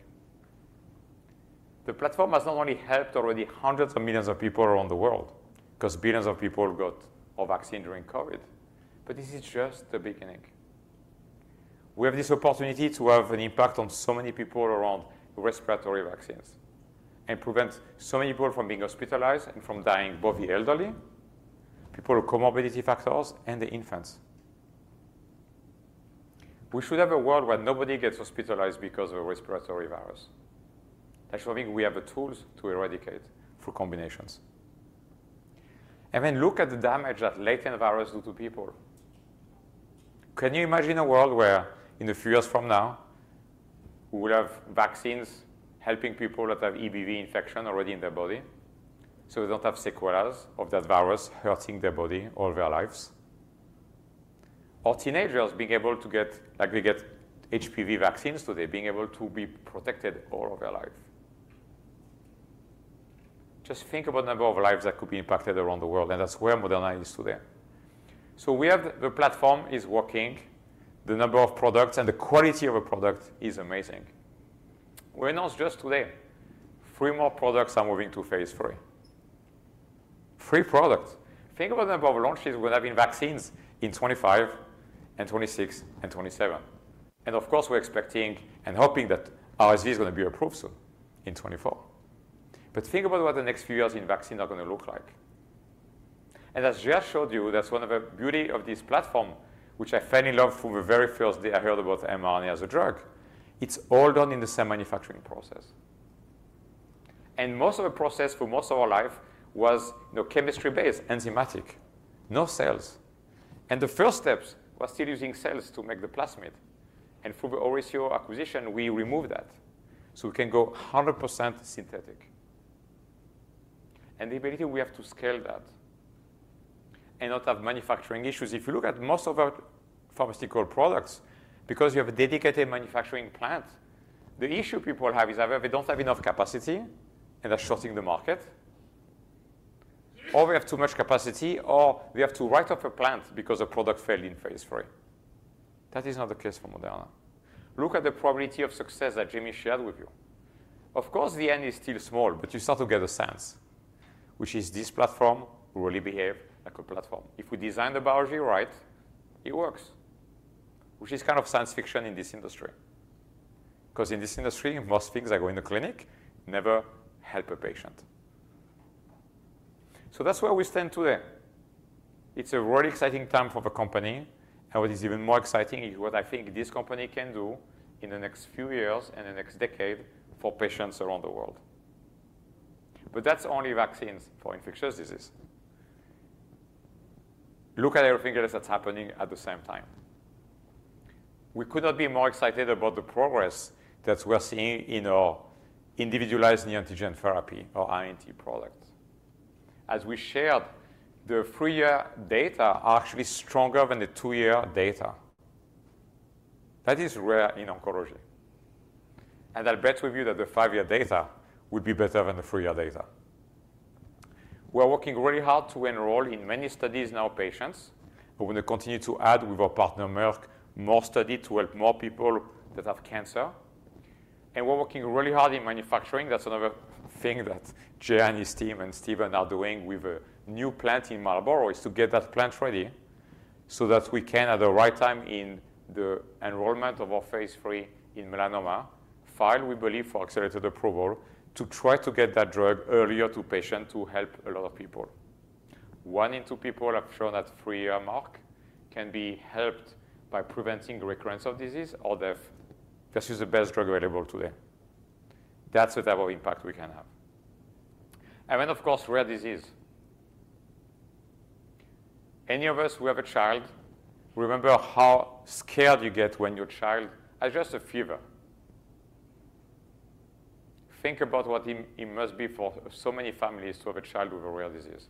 The platform has not only helped already hundreds of millions of people around the world because billions of people got a vaccine during COVID, but this is just the beginning. We have this opportunity to have an impact on so many people around respiratory vaccines and prevent so many people from being hospitalized and from dying both the elderly, people with comorbidity factors, and the infants. We should have a world where nobody gets hospitalized because of a respiratory virus. That's something we have the tools to eradicate through combinations. And then look at the damage that latent virus does to people. Can you imagine a world where in a few years from now, we will have vaccines helping people that have EBV infection already in their body so they don't have sequelae of that virus hurting their body all their lives? Or teenagers being able to get like they get HPV vaccines today, being able to be protected all of their life. Just think about the number of lives that could be impacted around the world. That's where Moderna is today. We have the platform is working. The number of products and the quality of a product is amazing. We announced just today, three more products are moving to phase III. Three products. Think about the number of launches we're going to have in vaccines in 2025 and 2026 and 2027. Of course, we're expecting and hoping that RSV is going to be approved soon in 2024. But think about what the next few years in vaccine are going to look like. As Jerh showed you, that's one of the beauties of this platform, which I fell in love from the very first day I heard about mRNA as a drug. It's all done in the same manufacturing process. Most of the process for most of our life was chemistry-based, enzymatic, no cells. The first steps were still using cells to make the plasmid. Through the OriCiro acquisition, we removed that so we can go 100% synthetic. And the ability we have to scale that and not have manufacturing issues. If you look at most of our pharmaceutical products, because you have a dedicated manufacturing plant, the issue people have is either they don't have enough capacity and they're shorting the market, or they have too much capacity, or they have to write off a plant because a product failed in phase III. That is not the case for Moderna. Look at the probability of success that Jamey shared with you. Of course, the end is still small, but you start to get a sense, which is this platform will really behave like a platform. If we design the biology right, it works, which is kind of science fiction in this industry. Because in this industry, most things that go in the clinic never help a patient. So that's where we stand today. It's a really exciting time for the company. And what is even more exciting is what I think this company can do in the next few years and the next decade for patients around the world. But that's only vaccines for infectious disease. Look at everything else that's happening at the same time. We could not be more excited about the progress that we're seeing in our Individualized Neoantigen Therapy or INT products. As we shared, the 3-year data are actually stronger than the 2-year data. That is rare in oncology. And I'll bet with you that the 5-year data will be better than the 3-year data. We are working really hard to enroll in many studies now patients. We're going to continue to add with our partner Merck more studies to help more people that have cancer. And we're working really hard in manufacturing. That's another thing that Jerh and his team and Stephen are doing with a new plant in Marlborough is to get that plant ready so that we can, at the right time in the enrollment of our phase III in melanoma file, we believe, for accelerated approval, to try to get that drug earlier to patients to help a lot of people. One in two people have shown that three-year mark can be helped by preventing recurrence of disease or death. This is the best drug available today. That's the type of impact we can have. And then, of course, rare disease. Any of us who have a child, remember how scared you get when your child has just a fever? Think about what it must be for so many families to have a child with a rare disease,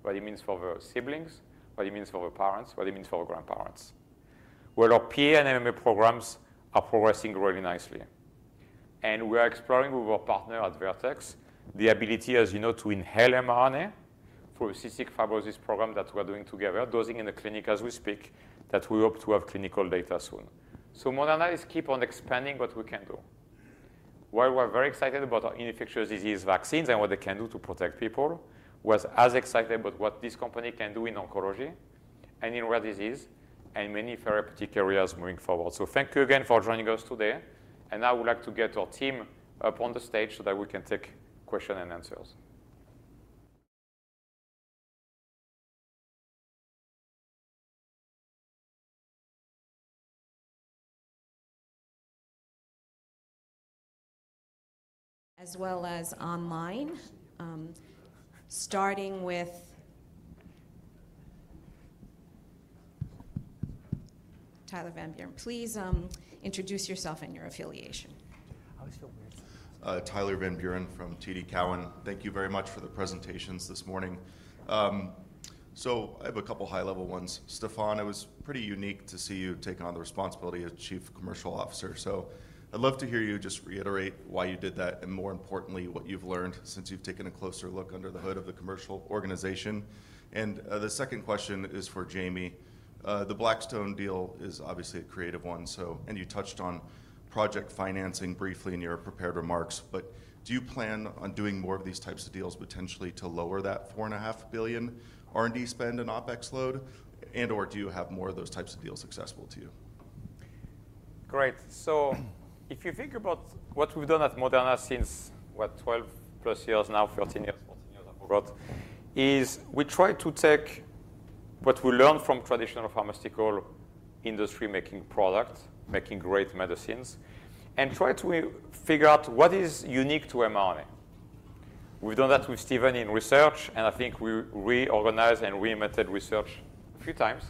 what it means for the siblings, what it means for the parents, what it means for the grandparents. Well, our PA and MMA programs are progressing really nicely. We are exploring with our partner at Vertex the ability, as you know, to inhale mRNA through a cystic fibrosis program that we are doing together, dosing in the clinic as we speak, that we hope to have clinical data soon. Moderna is keep on expanding what we can do. While we're very excited about our infectious disease vaccines and what they can do to protect people, we're as excited about what this company can do in oncology and in rare disease and many therapeutic areas moving forward. Thank you again for joining us today. Now I would like to get our team up on the stage so that we can take questions and answers. As well as online. Starting with Tyler Van Buren. Please introduce yourself and your affiliation. Hello. We're Tyler Van Buren from TD Cowen. Thank you very much for the presentations this morning. I have a couple high-level ones. Stéphane, it was pretty unique to see you take on the responsibility as Chief Commercial Officer. I'd love to hear you just reiterate why you did that and, more importantly, what you've learned since you've taken a closer look under the hood of the commercial organization. The second question is for Jamey. The Blackstone deal is obviously a creative one, so and you touched on project financing briefly in your prepared remarks. But do you plan on doing more of these types of deals, potentially to lower that $4.5 billion R&D spend and OpEx load? And/or do you have more of those types of deals accessible to you? Great. So if you think about what we've done at Moderna since, what, 12+ years now, 13 years, 14 years, I forgot, is we try to take what we learned from traditional pharmaceutical industry making products, making great medicines, and try to figure out what is unique to mRNA. We've done that with Stéphane in research. I think we reorganized and reinvented research a few times.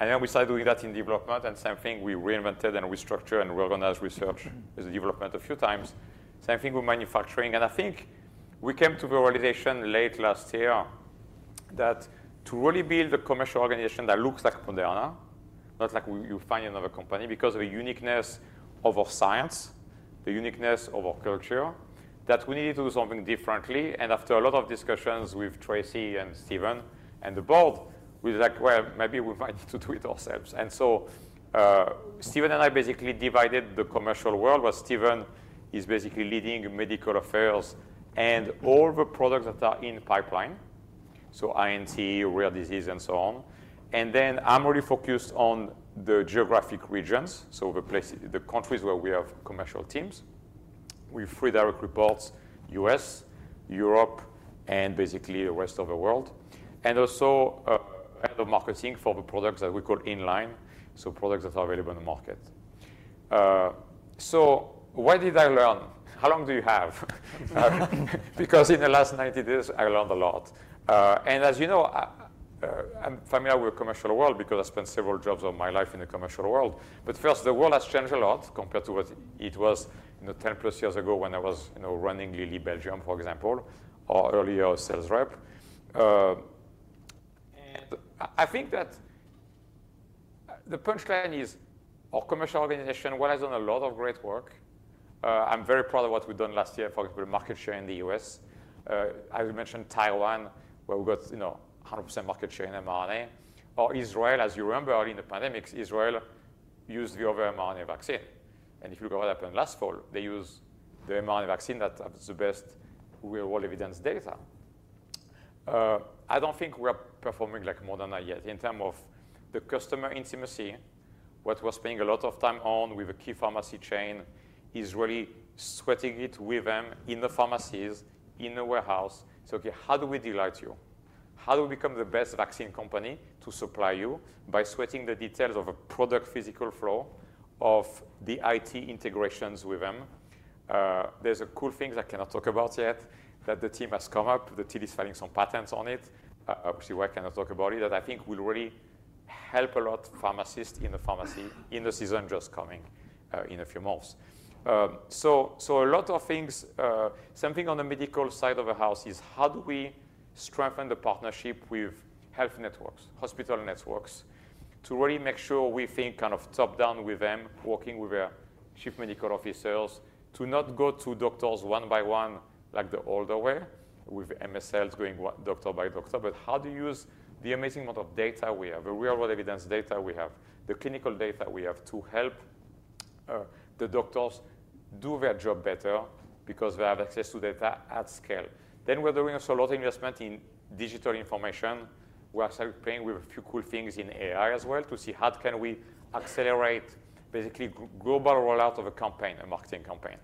Then we started doing that in development. Same thing, we reinvented and restructured and reorganized research as a development a few times. Same thing with manufacturing. I think we came to the realization late last year that to really build a commercial organization that looks like Moderna, not like you find in another company, because of the uniqueness of our science, the uniqueness of our culture, that we needed to do something differently. After a lot of discussions with Tracey and Stéphane and the board, we were like, "Well, maybe we might need to do it ourselves." So Stéphane and I basically divided the commercial world, where Stéphane is basically leading medical affairs and all the products that are in pipeline, so INT, rare disease, and so on. Then I'm really focused on the geographic regions, so the countries where we have commercial teams. We have three direct reports: US, Europe, and basically the rest of the world. And also head of marketing for the products that we call in-line, so products that are available in the market. So what did I learn? How long do you have? Because in the last 90 days, I learned a lot. And as you know, I'm familiar with the commercial world because I spent several jobs of my life in the commercial world. But first, the world has changed a lot compared to what it was 10+ years ago when I was running Lilly Belgium, for example, or earlier a sales rep. I think that the punchline is our commercial organization, while I've done a lot of great work. I'm very proud of what we've done last year, for example, market share in the US. I mentioned Taiwan, where we got 100% market share in mRNA. Or Israel, as you remember, early in the pandemic, Israel used our mRNA vaccine. And if you look at what happened last fall, they used the mRNA vaccine that has the best real-world evidence data. I don't think we are performing like Moderna yet. In terms of the customer intimacy, what we're spending a lot of time on with a key pharmacy chain is really sweating it with them in the pharmacies, in the warehouse. It's like, "OK, how do we delight you? How do we become the best vaccine company to supply you by sweating the details of a product physical flow of the IT integrations with them?" There's a cool thing that I cannot talk about yet that the team has come up. The TD is filing some patents on it, which is why I cannot talk about it, that I think will really help a lot pharmacists in the pharmacy in the season just coming in a few months. So a lot of things, something on the medical side of the house, is how do we strengthen the partnership with health networks, hospital networks, to really make sure we think kind of top-down with them, working with our chief medical officers, to not go to doctors one by one like the older way, with MSLs going doctor by doctor, but how do you use the amazing amount of data we have, the real-world evidence data we have, the clinical data we have to help the doctors do their job better because they have access to data at scale. Then we're doing also a lot of investment in digital information. We're actually playing with a few cool things in AI as well to see how can we accelerate basically global rollout of a campaign, a marketing campaign.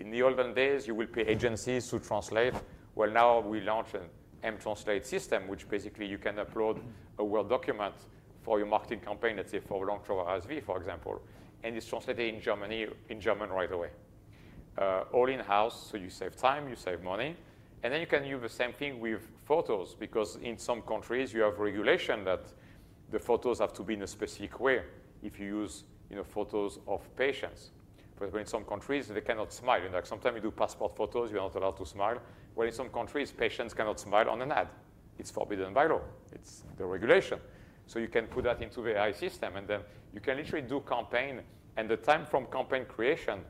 In the olden days, you will pay agencies to translate. Well, now we launched an mTranslate system, which basically you can upload a Word document for your marketing campaign, let's say for a Long COVID, RSV, for example, and it's translated into German right away. All in-house, so you save time, you save money. And then you can use the same thing with photos because in some countries, you have regulation that the photos have to be in a specific way if you use photos of patients. For example, in some countries, they cannot smile. Sometimes you do passport photos, you are not allowed to smile. Well, in some countries, patients cannot smile on an ad. It's forbidden by law. It's the regulation. So you can put that into the AI system. And then you can literally do campaign. And the time from campaign creation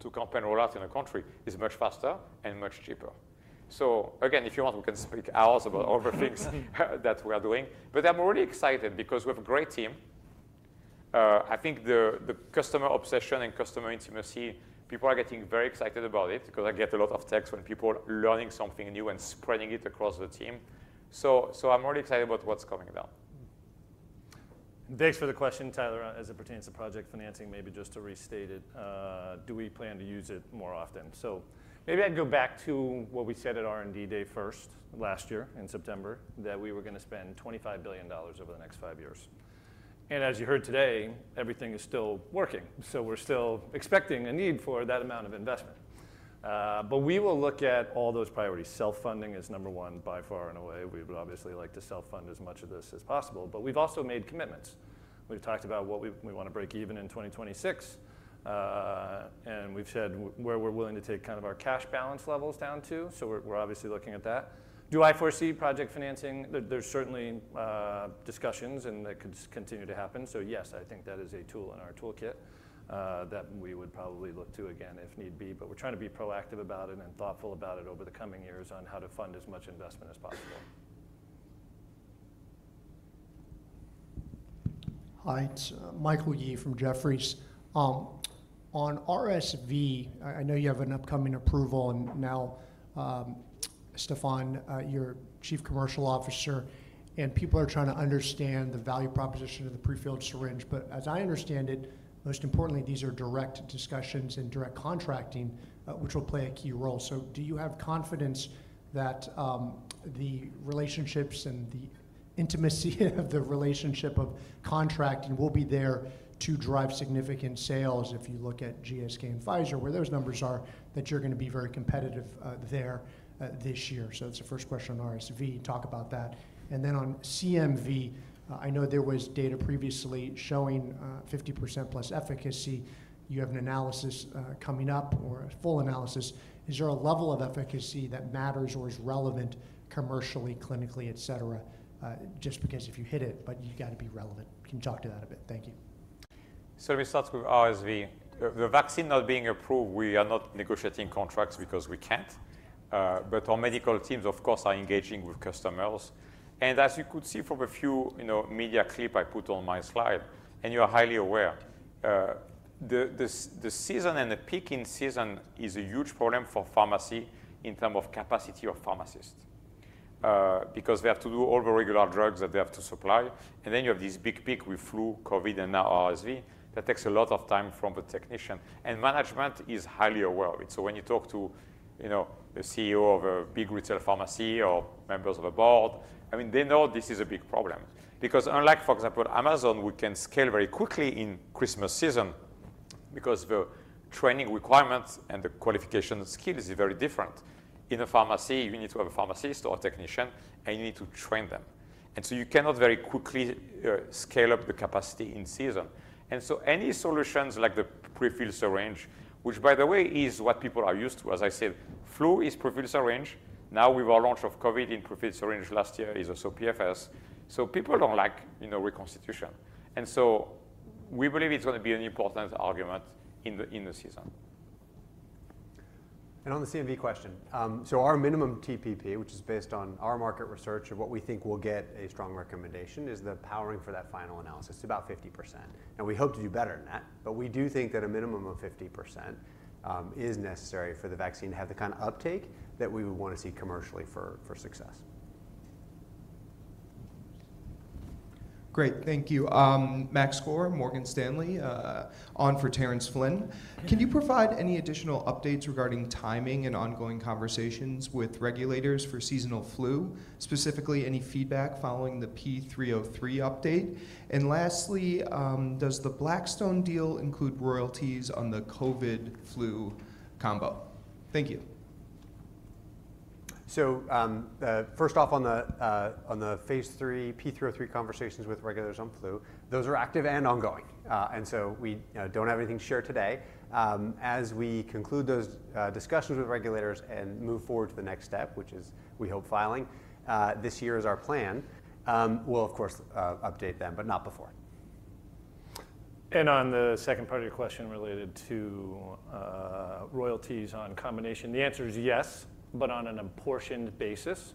to campaign rollout in a country is much faster and much cheaper. So again, if you want, we can speak hours about all the things that we are doing. But I'm really excited because we have a great team. I think the customer obsession and customer intimacy, people are getting very excited about it because I get a lot of texts when people are learning something new and spreading it across the team. So I'm really excited about what's coming down. Thanks for the question, Tyler. As it pertains to project financing, maybe just to restate it, do we plan to use it more often? So maybe I'd go back to what we said at R&D Day first last year in September, that we were going to spend $25 billion over the next five years. And as you heard today, everything is still working. So we're still expecting a need for that amount of investment. But we will look at all those priorities. Self-funding is number one by far and away. We would obviously like to self-fund as much of this as possible. But we've also made commitments. We've talked about what we want to break even in 2026. And we've said where we're willing to take kind of our cash balance levels down to. So we're obviously looking at that. Do I foresee project financing? There's certainly discussions, and that could continue to happen. So yes, I think that is a tool in our toolkit that we would probably look to again if need be. But we're trying to be proactive about it and thoughtful about it over the coming years on how to fund as much investment as possible. Hi. It's Michael Yee from Jefferies. On RSV, I know you have an upcoming approval. And now, Stéphane, you're Chief Commercial Officer. And people are trying to understand the value proposition of the prefilled syringe. But as I understand it, most importantly, these are direct discussions and direct contracting, which will play a key role. So do you have confidence that the relationships and the intimacy of the relationship of contracting will be there to drive significant sales? If you look at GSK and Pfizer, where those numbers are, that you're going to be very competitive there this year. So that's the first question on RSV. Talk about that. And then on CMV, I know there was data previously showing 50%+ efficacy. You have an analysis coming up or a full analysis. Is there a level of efficacy that matters or is relevant commercially, clinically, et cetera, just because if you hit it, but you've got to be relevant? Can you talk to that a bit? Thank you. We start with RSV. The vaccine not being approved, we are not negotiating contracts because we can't. Our medical teams, of course, are engaging with customers. As you could see from a few media clips I put on my slide, and you are highly aware, the season and the peak in season is a huge problem for pharmacy in terms of capacity of pharmacists because they have to do all the regular drugs that they have to supply. Then you have this big peak with flu, COVID, and now RSV that takes a lot of time from the technician. Management is highly aware of it. So when you talk to the CEO of a big retail pharmacy or members of a board, I mean, they know this is a big problem because unlike, for example, Amazon, we can scale very quickly in Christmas season because the training requirements and the qualification skills are very different. In a pharmacy, you need to have a pharmacist or a technician, and you need to train them. And so you cannot very quickly scale up the capacity in season. And so any solutions like the prefilled syringe, which, by the way, is what people are used to, as I said, flu is prefilled syringe. Now with our launch of COVID in prefilled syringe last year is also PFS. So people don't like reconstitution. And so we believe it's going to be an important argument in the season. On the CMV question, so our minimum TPP, which is based on our market research of what we think will get a strong recommendation, is the powering for that final analysis. It's about 50%. We hope to do better than that. We do think that a minimum of 50% is necessary for the vaccine to have the kind of uptake that we would want to see commercially for success. Great. Thank you. Maxwell Skor, Morgan Stanley, on for Terence Flynn. Can you provide any additional updates regarding timing and ongoing conversations with regulators for seasonal flu, specifically any feedback following the P303 update? And lastly, does the Blackstone deal include royalties on the COVID/flu combo? Thank you. So first off, on the phase III, P303 conversations with regulators on flu, those are active and ongoing. And so we don't have anything to share today. As we conclude those discussions with regulators and move forward to the next step, which is, we hope, filing this year is our plan. We'll, of course, update them, but not before. On the second part of your question related to royalties on combination, the answer is yes, but on an apportioned basis.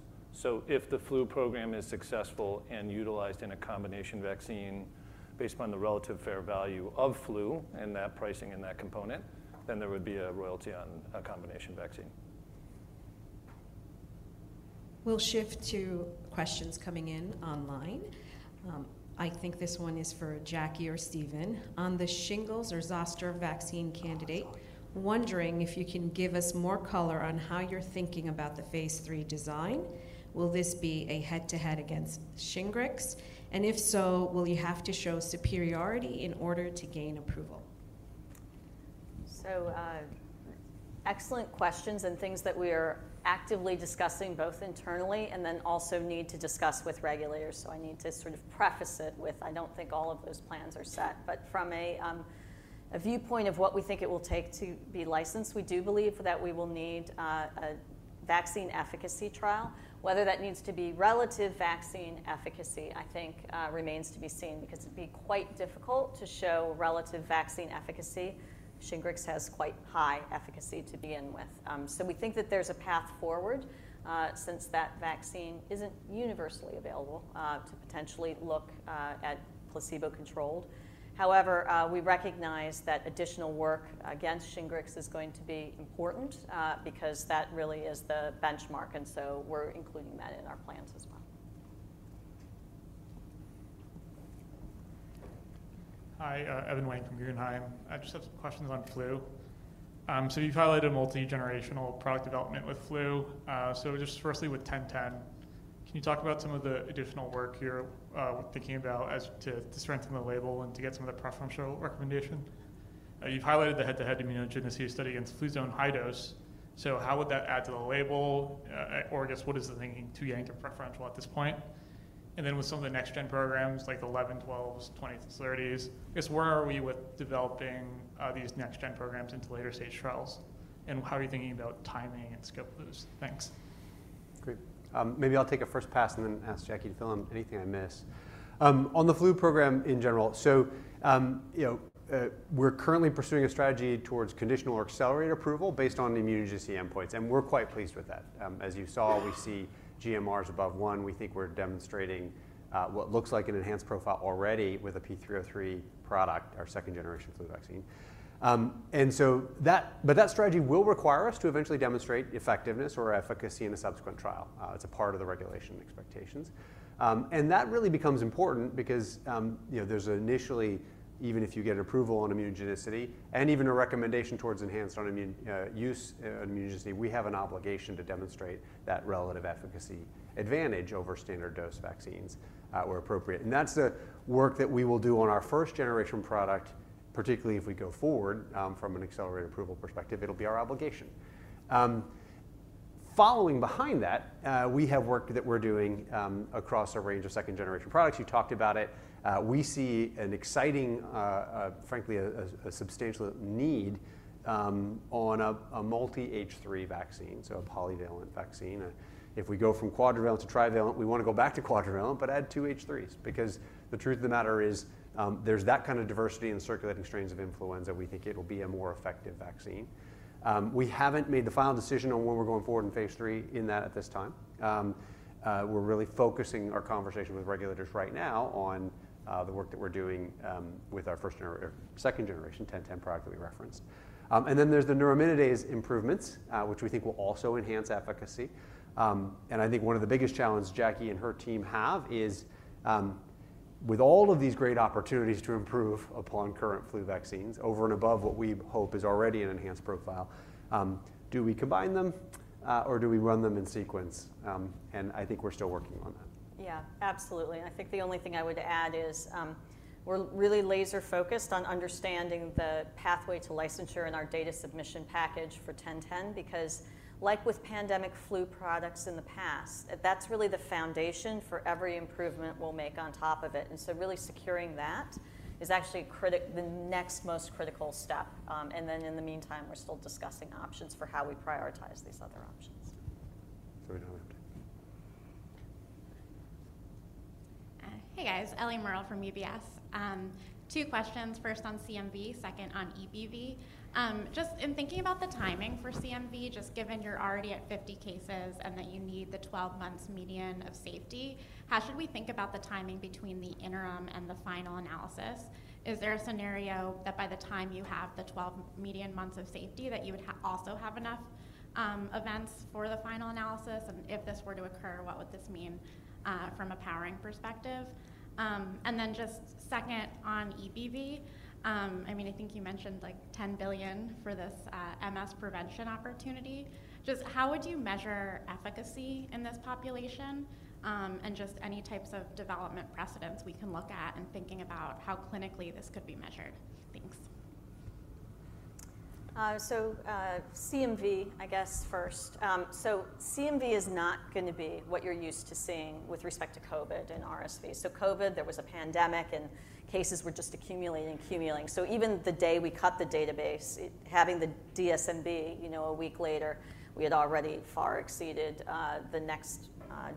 If the flu program is successful and utilized in a combination vaccine based upon the relative fair value of flu and that pricing and that component, then there would be a royalty on a combination vaccine. We'll shift to questions coming in online. I think this one is for Jackie or Stéphane. On the shingles or zoster vaccine candidate, wondering if you can give us more color on how you're thinking about the phase III design. Will this be a head-to-head against Shingrix? And if so, will you have to show superiority in order to gain approval? So excellent questions and things that we are actively discussing both internally and then also need to discuss with regulators. So I need to sort of preface it with, I don't think all of those plans are set. But from a viewpoint of what we think it will take to be licensed, we do believe that we will need a vaccine efficacy trial. Whether that needs to be relative vaccine efficacy, I think, remains to be seen because it'd be quite difficult to show relative vaccine efficacy. Shingrix has quite high efficacy to begin with. So we think that there's a path forward since that vaccine isn't universally available to potentially look at placebo-controlled. However, we recognize that additional work against Shingrix is going to be important because that really is the benchmark. And so we're including that in our plans as well. Hi. Evan Wang from Guggenheim. I just have some questions on flu. So you've highlighted multigenerational product development with flu. So just firstly, with 1010, can you talk about some of the additional work you're thinking about to strengthen the label and to get some of the preferential recommendation? You've highlighted the head-to-head immunogenicity study against Fluzone High-Dose. So how would that add to the label? Or I guess, what is the thinking to young to preferential at this point? And then with some of the next-gen programs like the 11s, 12s, 20s, and 30s, I guess where are we with developing these next-gen programs into later stage trials? And how are you thinking about timing and scope of those things? Great. Maybe I'll take a first pass and then ask Jackie to fill in anything I missed. On the flu program in general, we're currently pursuing a strategy towards conditional or accelerated approval based on immunogenicity endpoints. And we're quite pleased with that. As you saw, we see GMRs above 1. We think we're demonstrating what looks like an enhanced profile already with a P303 product, our second-generation flu vaccine. And so that but that strategy will require us to eventually demonstrate effectiveness or efficacy in a subsequent trial. It's a part of the regulatory expectations. And that really becomes important because there's initially, even if you get approval on immunogenicity and even a recommendation towards enhanced on-immune use on immunogenicity, we have an obligation to demonstrate that relative efficacy advantage over standard dose vaccines where appropriate. That's the work that we will do on our first-generation product, particularly if we go forward from an accelerated approval perspective. It'll be our obligation. Following behind that, we have work that we're doing across a range of second-generation products. You talked about it. We see an exciting, frankly, a substantial need on a multi-H3 vaccine, so a polyvalent vaccine. If we go from quadrivalent to trivalent, we want to go back to quadrivalent but add two H3s because the truth of the matter is there's that kind of diversity in the circulating strains of influenza we think it will be a more effective vaccine. We haven't made the final decision on when we're going forward in phase III in that at this time. We're really focusing our conversation with regulators right now on the work that we're doing with our first-generation or second-generation 1010 product that we referenced. Then there's the neuraminidase improvements, which we think will also enhance efficacy. I think one of the biggest challenges Jackie and her team have is with all of these great opportunities to improve upon current flu vaccines over and above what we hope is already an enhanced profile: do we combine them or do we run them in sequence? I think we're still working on that. Yeah, absolutely. And I think the only thing I would add is we're really laser-focused on understanding the pathway to licensure in our data submission package for 1010 because, like with pandemic flu products in the past, that's really the foundation for every improvement we'll make on top of it. And so really securing that is actually the next most critical step. And then in the meantime, we're still discussing options for how we prioritize these other options. Hey, guys. Eliana Merle from UBS. Two questions. First on CMV, second on EBV. Just in thinking about the timing for CMV, just given you're already at 50 cases and that you need the 12-month median of safety, how should we think about the timing between the interim and the final analysis? Is there a scenario that by the time you have the 12 median months of safety, that you would also have enough events for the final analysis? And if this were to occur, what would this mean from a powering perspective? And then just second on EBV, I mean, I think you mentioned like $10 billion for this MS prevention opportunity. Just how would you measure efficacy in this population and just any types of development precedents we can look at in thinking about how clinically this could be measured? Thanks. So CMV, I guess, first. So CMV is not going to be what you're used to seeing with respect to COVID and RSV. So COVID, there was a pandemic, and cases were just accumulating and accumulating. So even the day we cut the database, having the DSMB a week later, we had already far exceeded the next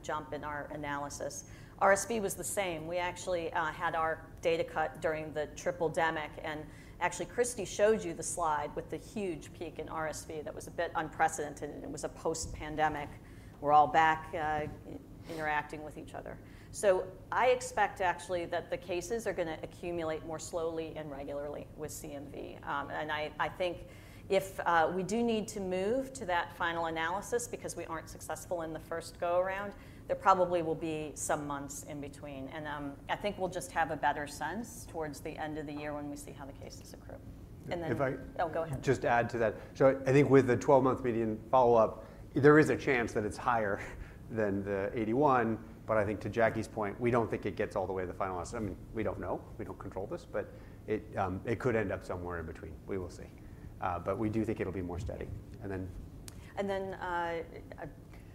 jump in our analysis. RSV was the same. We actually had our data cut during the triple-demic. And actually, Christy showed you the slide with the huge peak in RSV that was a bit unprecedented. And it was a post-pandemic. We're all back interacting with each other. So I expect, actually, that the cases are going to accumulate more slowly and regularly with CMV. And I think if we do need to move to that final analysis because we aren't successful in the first go-around, there probably will be some months in between. I think we'll just have a better sense towards the end of the year when we see how the cases accrue. And then, oh, go ahead. Just add to that. So I think with the 12-month median follow-up, there is a chance that it's higher than the 81. But I think to Jackie's point, we don't think it gets all the way to the final analysis. I mean, we don't know. We don't control this. But it could end up somewhere in between. We will see. But we do think it'll be more steady. And then. And then,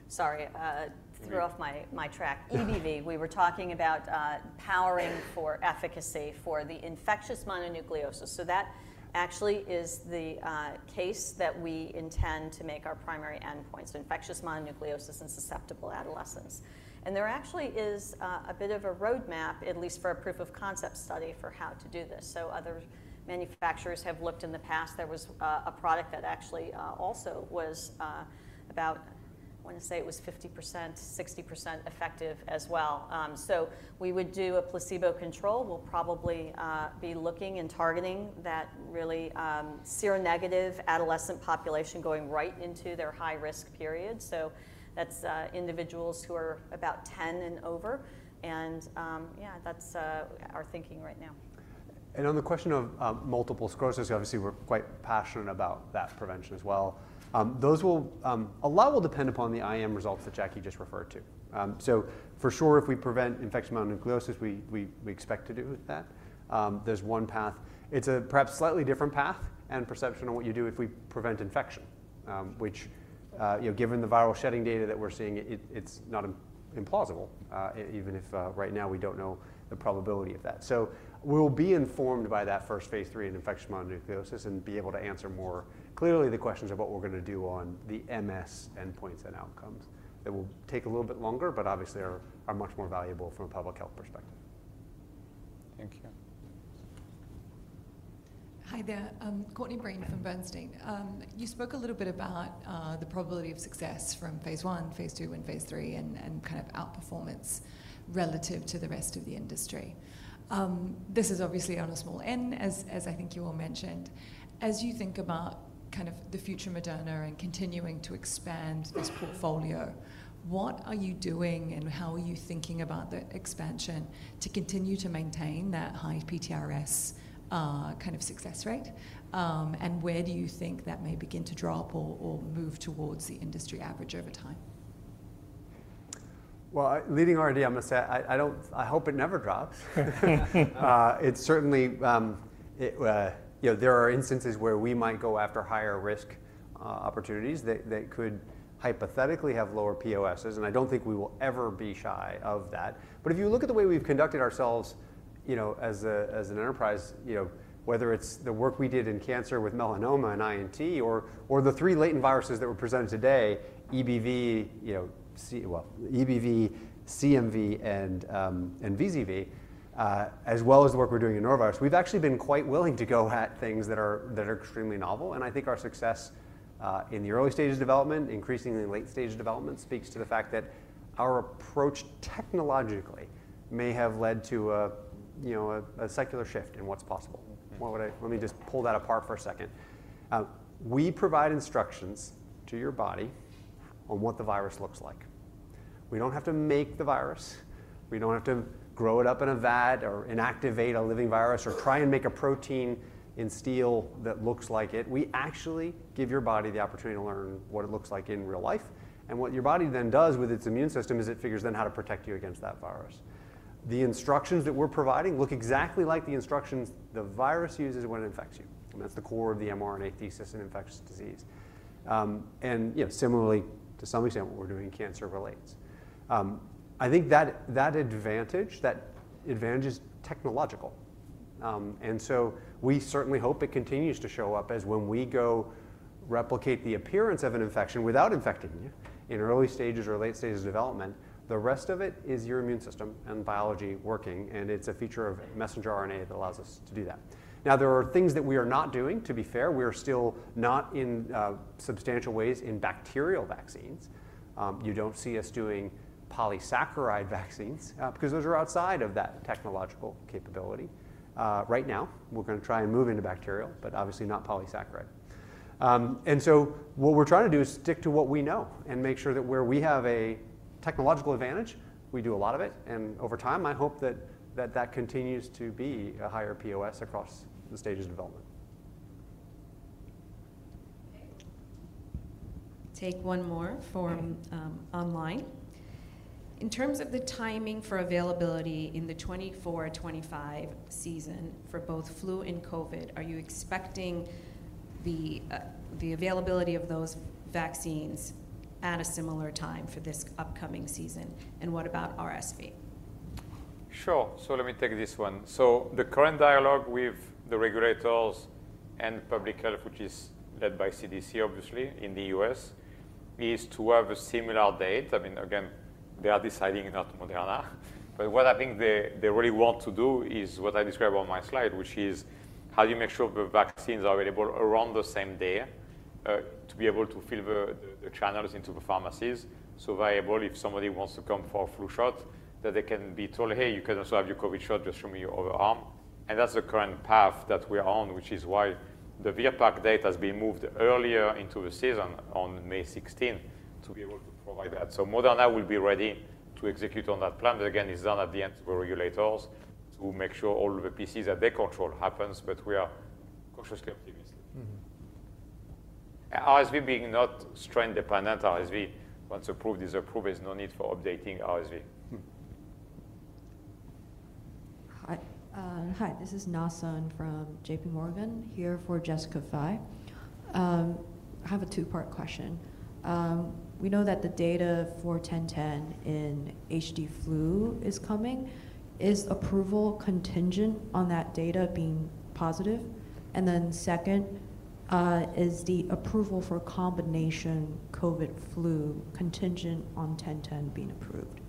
sorry, threw off my track. EBV, we were talking about powering for efficacy for infectious mononucleosis. So that actually is the case that we intend to make our primary endpoints, infectious mononucleosis and susceptible adolescents. And there actually is a bit of a roadmap, at least for a proof of concept study, for how to do this. So other manufacturers have looked in the past. There was a product that actually also was about. I want to say it was 50%-60% effective as well. So we would do a placebo control. We'll probably be looking and targeting that really seronegative adolescent population going right into their high-risk period. So that's individuals who are about 10 and over. And yeah, that's our thinking right now. On the question of multiple sclerosis, obviously, we're quite passionate about that prevention as well. A lot will depend upon the IM results that Jackie just referred to. For sure, if we prevent infectious mononucleosis, we expect to do that. There's one path. It's a perhaps slightly different path and perception on what you do if we prevent infection, which, given the viral shedding data that we're seeing, it's not implausible, even if right now we don't know the probability of that. We'll be informed by that first phase III in infectious mononucleosis and be able to answer more clearly the questions of what we're going to do on the MS endpoints and outcomes that will take a little bit longer but obviously are much more valuable from a public health perspective. Thank you. Hi there. Courtney Breen from Bernstein. You spoke a little bit about the probability of success from phase I, phase II, and phase III and kind of outperformance relative to the rest of the industry. This is obviously on a small n, as I think you all mentioned. As you think about kind of the future Moderna and continuing to expand this portfolio, what are you doing and how are you thinking about the expansion to continue to maintain that high PTRS kind of success rate? And where do you think that may begin to drop or move towards the industry average over time? Well, leading R&D, I'm going to say I hope it never drops. There are instances where we might go after higher-risk opportunities that could hypothetically have lower POSs. And I don't think we will ever be shy of that. But if you look at the way we've conducted ourselves as an enterprise, whether it's the work we did in cancer with melanoma in INT or the three latent viruses that were presented today, EBV, well, EBV, CMV, and VZV, as well as the work we're doing in norovirus, we've actually been quite willing to go at things that are extremely novel. And I think our success in the early stage of development, increasingly late stage of development, speaks to the fact that our approach technologically may have led to a secular shift in what's possible. Let me just pull that apart for a second. We provide instructions to your body on what the virus looks like. We don't have to make the virus. We don't have to grow it up in a vat or inactivate a living virus or try and make a protein in steel that looks like it. We actually give your body the opportunity to learn what it looks like in real life. What your body then does with its immune system is it figures then how to protect you against that virus. The instructions that we're providing look exactly like the instructions the virus uses when it infects you. That's the core of the mRNA thesis in infectious disease. Similarly, to some extent, what we're doing in cancer relates. I think that advantage is technological. And so we certainly hope it continues to show up as, when we go replicate the appearance of an infection without infecting you in early stages or late stages of development, the rest of it is your immune system and biology working. And it's a feature of messenger RNA that allows us to do that. Now, there are things that we are not doing. To be fair, we are still not, in substantial ways, in bacterial vaccines. You don't see us doing polysaccharide vaccines because those are outside of that technological capability. Right now, we're going to try and move into bacterial but obviously not polysaccharide. And so what we're trying to do is stick to what we know and make sure that where we have a technological advantage, we do a lot of it. Over time, I hope that that continues to be a higher POS across the stages of development. Take one more from online. In terms of the timing for availability in the 2024/2025 season for both flu and COVID, are you expecting the availability of those vaccines at a similar time for this upcoming season? And what about RSV? Sure. So let me take this one. So the current dialogue with the regulators and public health, which is led by CDC, obviously, in the U.S., is to have a similar date. I mean, again, they are deciding not Moderna. But what I think they really want to do is what I described on my slide, which is how do you make sure the vaccines are available around the same day to be able to fill the channels into the pharmacies so viable if somebody wants to come for a flu shot that they can be told, "Hey, you can also have your COVID shot. Just show me your other arm." And that's the current path that we are on, which is why the VRBPAC date has been moved earlier into the season on May 16 to be able to provide that. Moderna will be ready to execute on that plan. Again, it's done at the end with regulators to make sure all of the CMC that they control happens. We are cautiously optimistic. RSV being not strain-dependent, RSV, once approved, approved, there's no need for updating RSV. Hi. This is Na Sun from J.P. Morgan here for Jessica Fye. I have a two-part question. We know that the data for 1010 in HD flu is coming. Is approval contingent on that data being positive? And then second, is the approval for combination COVID/flu contingent on 1010 being approved?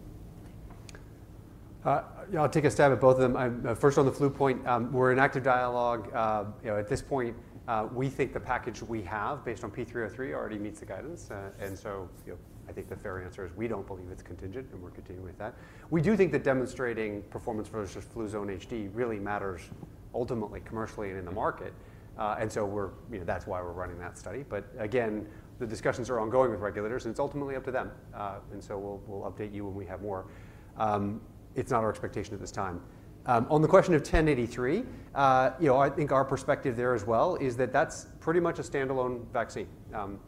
I'll take a stab at both of them. First, on the flu point, we're in active dialogue. At this point, we think the package we have based on P303 already meets the guidance. I think the fair answer is we don't believe it's contingent. We're continuing with that. We do think that demonstrating performance versus Fluzone High-Dose really matters ultimately commercially and in the market. That's why we're running that study. But again, the discussions are ongoing with regulators. It's ultimately up to them. We'll update you when we have more. It's not our expectation at this time. On the question of 1083, I think our perspective there as well is that that's pretty much a standalone vaccine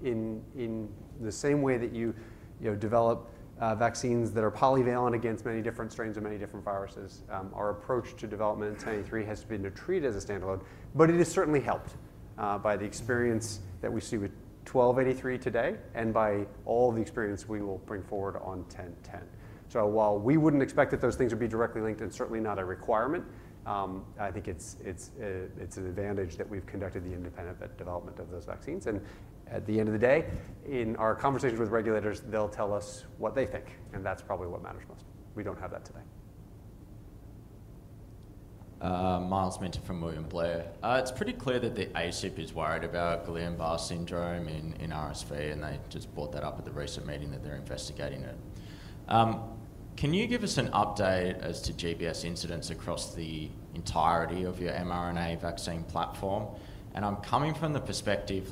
in the same way that you develop vaccines that are polyvalent against many different strains or many different viruses. Our approach to development in 1083 has been to treat it as a standalone. But it has certainly helped by the experience that we see with 1283 today and by all of the experience we will bring forward on 1010. So while we wouldn't expect that those things would be directly linked and certainly not a requirement, I think it's an advantage that we've conducted the independent development of those vaccines. And at the end of the day, in our conversations with regulators, they'll tell us what they think. And that's probably what matters most. We don't have that today. Myles Minter from William Blair. It's pretty clear that the ACIP is worried about Guillain-Barré syndrome in RSV. They just brought that up at the recent meeting that they're investigating it. Can you give us an update as to GBS incidents across the entirety of your mRNA vaccine platform? I'm coming from the perspective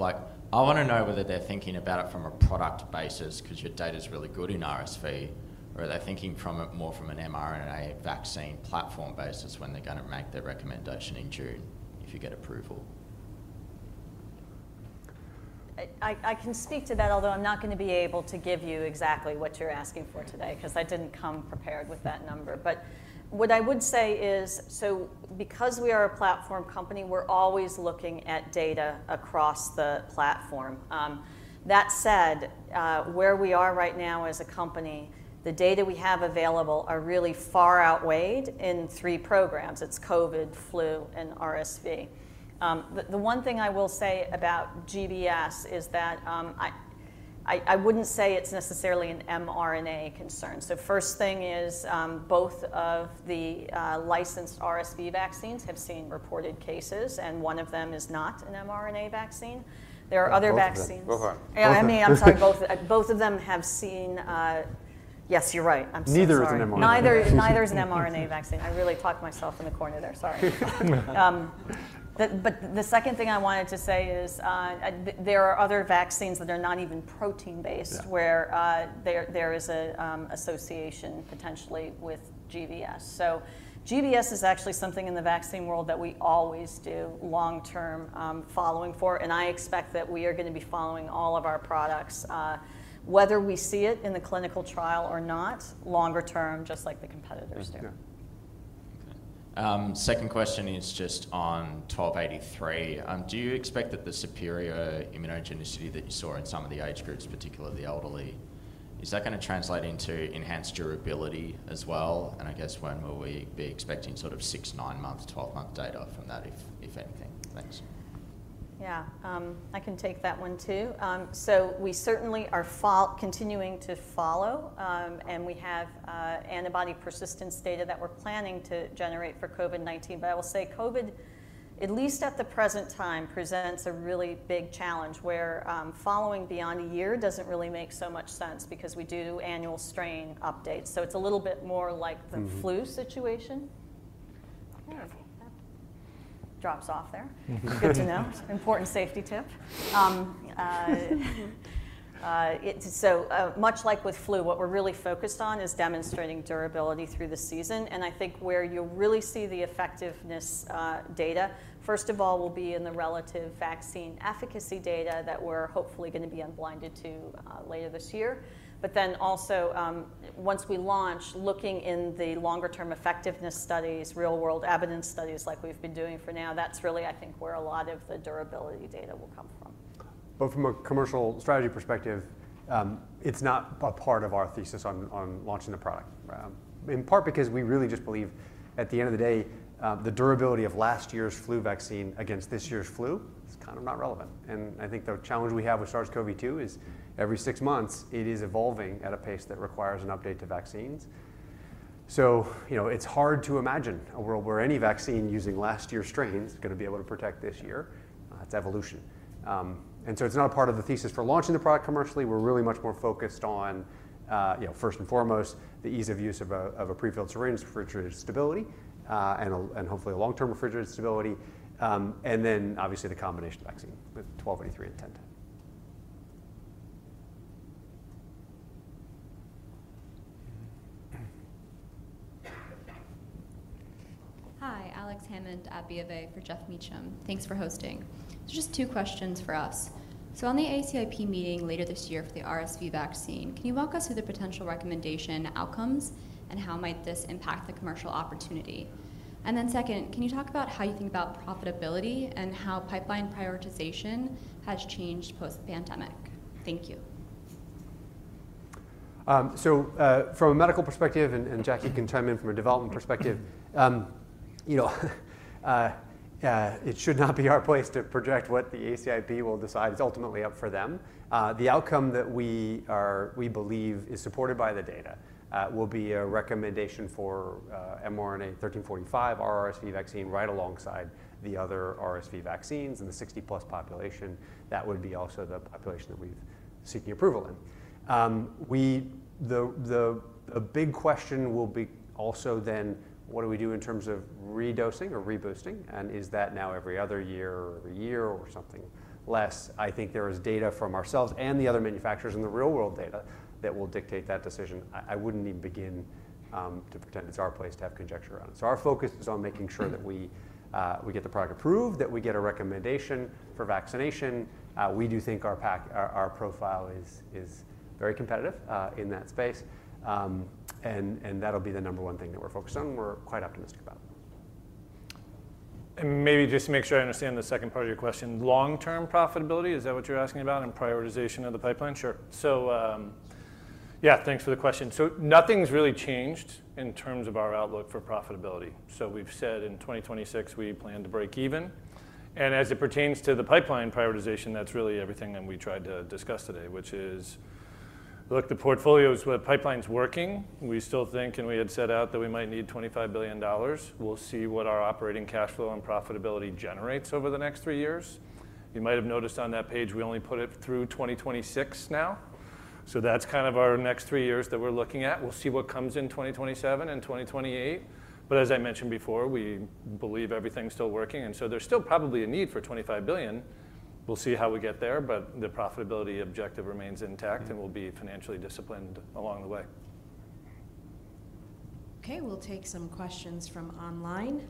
I want to know whether they're thinking about it from a product basis because your data is really good in RSV, or are they thinking more from an mRNA vaccine platform basis when they're going to make their recommendation in June if you get approval? I can speak to that, although I'm not going to be able to give you exactly what you're asking for today because I didn't come prepared with that number. What I would say is so because we are a platform company, we're always looking at data across the platform. That said, where we are right now as a company, the data we have available are really far outweighed in three programs. It's COVID, flu, and RSV. The one thing I will say about GBS is that I wouldn't say it's necessarily an mRNA concern. First thing is both of the licensed RSV vaccines have seen reported cases. One of them is not an mRNA vaccine. There are other vaccines. Go for it. Yeah, I mean, I'm sorry. Both of them have seen. Yes, you're right. I'm sorry. Neither is an mRNA vaccine. Neither is an mRNA vaccine. I really talked myself in the corner there. Sorry. But the second thing I wanted to say is there are other vaccines that are not even protein-based where there is an association potentially with GBS. So GBS is actually something in the vaccine world that we always do long-term following for. And I expect that we are going to be following all of our products, whether we see it in the clinical trial or not, longer-term, just like the competitors do. Second question is just on 1283. Do you expect that the superior immunogenicity that you saw in some of the age groups, particularly the elderly, is that going to translate into enhanced durability as well? And I guess when will we be expecting sort of six-month, nine-month, 12-month data from that, if anything? Thanks. Yeah. I can take that one too. So we certainly are continuing to follow. And we have antibody persistence data that we're planning to generate for COVID-19. But I will say COVID, at least at the present time, presents a really big challenge where following beyond a year doesn't really make so much sense because we do annual strain updates. So it's a little bit more like the flu situation. Drops off there. Good to know. Important safety tip. So much like with flu, what we're really focused on is demonstrating durability through the season. And I think where you'll really see the effectiveness data, first of all, will be in the relative vaccine efficacy data that we're hopefully going to be unblinded to later this year. But then also, once we launch, looking in the longer-term effectiveness studies, real-world evidence studies like we've been doing for now, that's really, I think, where a lot of the durability data will come from. But from a commercial strategy perspective, it's not a part of our thesis on launching the product, in part because we really just believe, at the end of the day, the durability of last year's flu vaccine against this year's flu is kind of not relevant. And I think the challenge we have with SARS-CoV-2 is every six months, it is evolving at a pace that requires an update to vaccines. So it's hard to imagine a world where any vaccine using last year's strains is going to be able to protect this year. It's evolution. And so it's not a part of the thesis for launching the product commercially. We're really much more focused on, first and foremost, the ease of use of a prefilled syringe for refrigerated stability and hopefully a long-term refrigerated stability and then obviously the combination vaccine with 1283 and 1010. Hi. Alex Hammond at Bank of America for Geoff Meacham. Thanks for hosting. So just two questions for us. So on the ACIP meeting later this year for the RSV vaccine, can you walk us through the potential recommendation outcomes and how might this impact the commercial opportunity? And then second, can you talk about how you think about profitability and how pipeline prioritization has changed post-pandemic? Thank you. So from a medical perspective and Jackie can chime in from a development perspective, it should not be our place to project what the ACIP will decide. It's ultimately up for them. The outcome that we believe is supported by the data will be a recommendation for mRNA-1345, RSV vaccine right alongside the other RSV vaccines in the 60+ population. That would be also the population that we're seeking approval in. The big question will be also then, what do we do in terms of redosing or reboosting? And is that now every other year or every year or something less? I think there is data from ourselves and the other manufacturers and the real-world data that will dictate that decision. I wouldn't even begin to pretend it's our place to have conjecture on it. Our focus is on making sure that we get the product approved, that we get a recommendation for vaccination. We do think our profile is very competitive in that space. That'll be the number one thing that we're focused on. We're quite optimistic about it. And maybe just to make sure I understand the second part of your question, long-term profitability, is that what you're asking about and prioritization of the pipeline? Sure. So yeah, thanks for the question. So nothing's really changed in terms of our outlook for profitability. So we've said in 2026, we plan to break even. And as it pertains to the pipeline prioritization, that's really everything that we tried to discuss today, which is, look, the portfolio is with pipelines working. We still think and we had set out that we might need $25 billion. We'll see what our operating cash flow and profitability generates over the next three years. You might have noticed on that page, we only put it through 2026 now. So that's kind of our next three years that we're looking at. We'll see what comes in 2027 and 2028. But as I mentioned before, we believe everything's still working. And so there's still probably a need for $25 billion. We'll see how we get there. But the profitability objective remains intact. And we'll be financially disciplined along the way. Okay. We'll take some questions from online,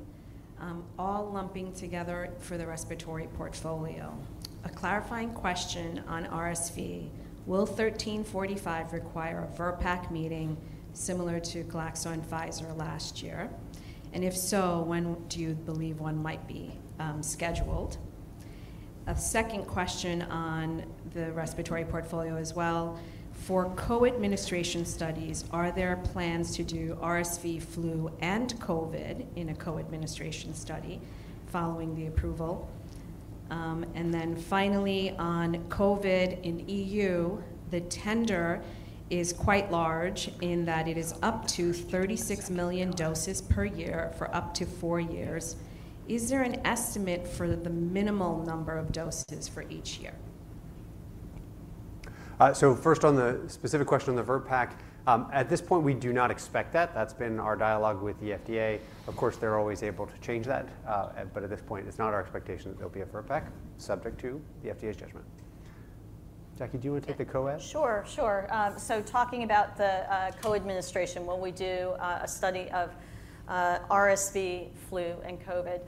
all lumping together. For the respiratory portfolio. A clarifying question on RSV, will 1345 require a VRBPAC meeting similar to Glaxo and Pfizer last year? And if so, when do you believe one might be scheduled? A second question on the respiratory portfolio as well, for co-administration studies, are there plans to do RSV, flu, and COVID in a co-administration study following the approval? And then finally, on COVID in the EU, the tender is quite large in that it is up to 36 million doses per year for up to four years. Is there an estimate for the minimal number of doses for each year? So first, on the specific question on the VRBPAC, at this point, we do not expect that. That's been our dialogue with the FDA. Of course, they're always able to change that. But at this point, it's not our expectation that there'll be a VRBPAC, subject to the FDA's judgment. Jackie, do you want to take the COVID? Sure. Sure. So talking about the co-administration, when we do a study of RSV, flu, and COVID,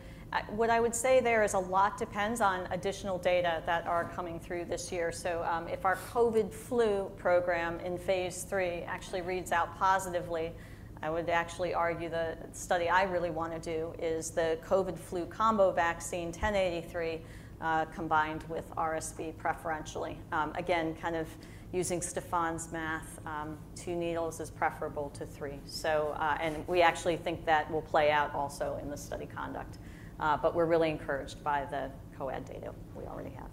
what I would say there is a lot depends on additional data that are coming through this year. So if our COVID/flu program in phase III actually reads out positively, I would actually argue the study I really want to do is the COVID/flu combo vaccine 1083 combined with RSV preferentially, again, kind of using Stéphane's math, two needles is preferable to three. And we actually think that will play out also in the study conduct. But we're really encouraged by the co-ad data we already have.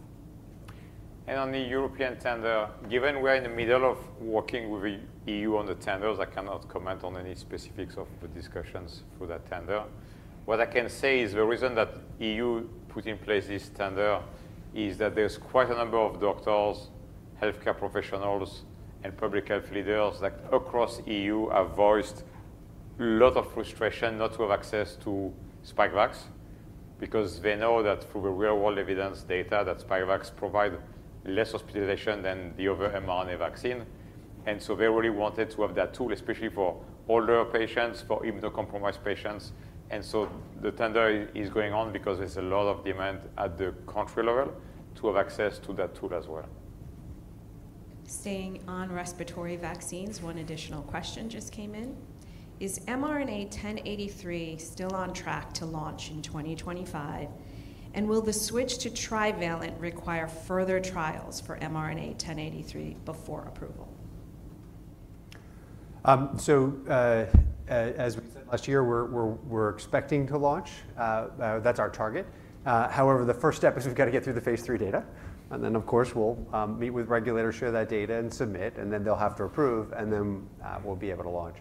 On the European tender, given we are in the middle of working with the EU on the tenders, I cannot comment on any specifics of the discussions for that tender. What I can say is the reason that the EU put in place this tender is that there's quite a number of doctors, health care professionals, and public health leaders that across the EU have voiced a lot of frustration not to have access to Spikevax because they know that through the real-world evidence data, that Spikevax provides less hospitalization than the other mRNA vaccine. And so they really wanted to have that tool, especially for older patients, for immunocompromised patients. And so the tender is going on because there's a lot of demand at the country level to have access to that tool as well. Staying on respiratory vaccines, one additional question just came in. Is mRNA-1083 still on track to launch in 2025? And will the switch to trivalent require further trials for mRNA-1083 before approval? So as we said last year, we're expecting to launch. That's our target. However, the first step is we've got to get through the phase III data. And then, of course, we'll meet with regulators, share that data, and submit. And then they'll have to approve. And then we'll be able to launch.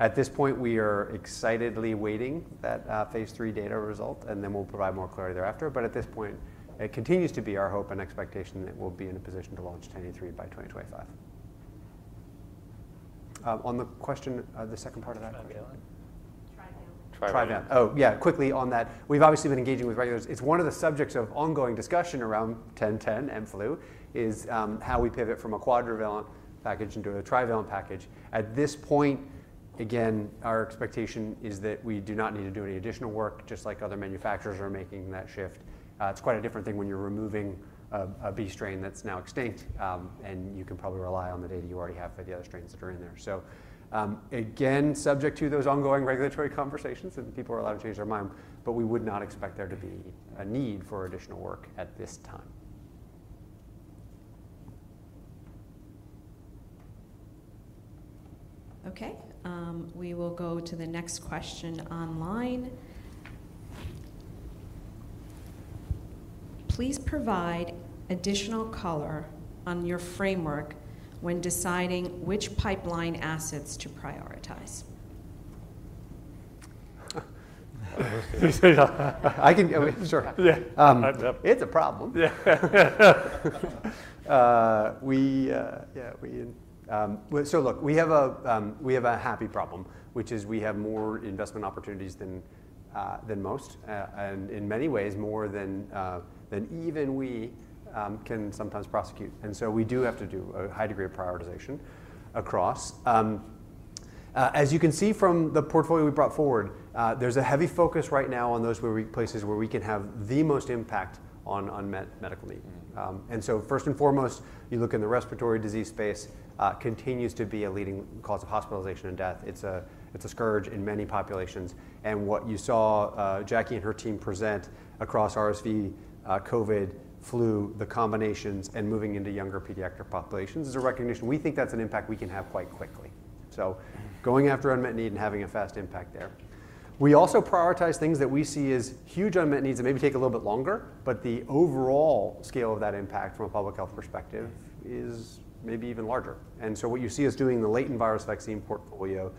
At this point, we are excitedly waiting that phase III data result. And then we'll provide more clarity thereafter. But at this point, it continues to be our hope and expectation that we'll be in a position to launch 1083 by 2025. On the question, the second part of that? Trivalent? Trivalent. Oh, yeah. Quickly on that, we've obviously been engaging with regulators. It's one of the subjects of ongoing discussion around mRNA-1010 and flu is how we pivot from a quadrivalent package into a trivalent package. At this point, again, our expectation is that we do not need to do any additional work, just like other manufacturers are making that shift. It's quite a different thing when you're removing a B strain that's now extinct. And you can probably rely on the data you already have for the other strains that are in there. So again, subject to those ongoing regulatory conversations. And people are allowed to change their mind. But we would not expect there to be a need for additional work at this time. Okay. We will go to the next question online. Please provide additional color on your framework when deciding which pipeline assets to prioritize. I can sure. Yeah. It's a problem. Yeah. So look, we have a happy problem, which is we have more investment opportunities than most and in many ways, more than even we can sometimes prosecute. And so we do have to do a high degree of prioritization across. As you can see from the portfolio we brought forward, there's a heavy focus right now on those places where we can have the most impact on unmet medical need. And so first and foremost, you look in the respiratory disease space, continues to be a leading cause of hospitalization and death. It's a scourge in many populations. And what you saw Jackie and her team present across RSV, COVID, flu, the combinations, and moving into younger pediatric populations is a recognition. We think that's an impact we can have quite quickly. So going after unmet need and having a fast impact there. We also prioritize things that we see as huge unmet needs that maybe take a little bit longer. But the overall scale of that impact from a public health perspective is maybe even larger. And so what you see us doing in the latent virus vaccine portfolio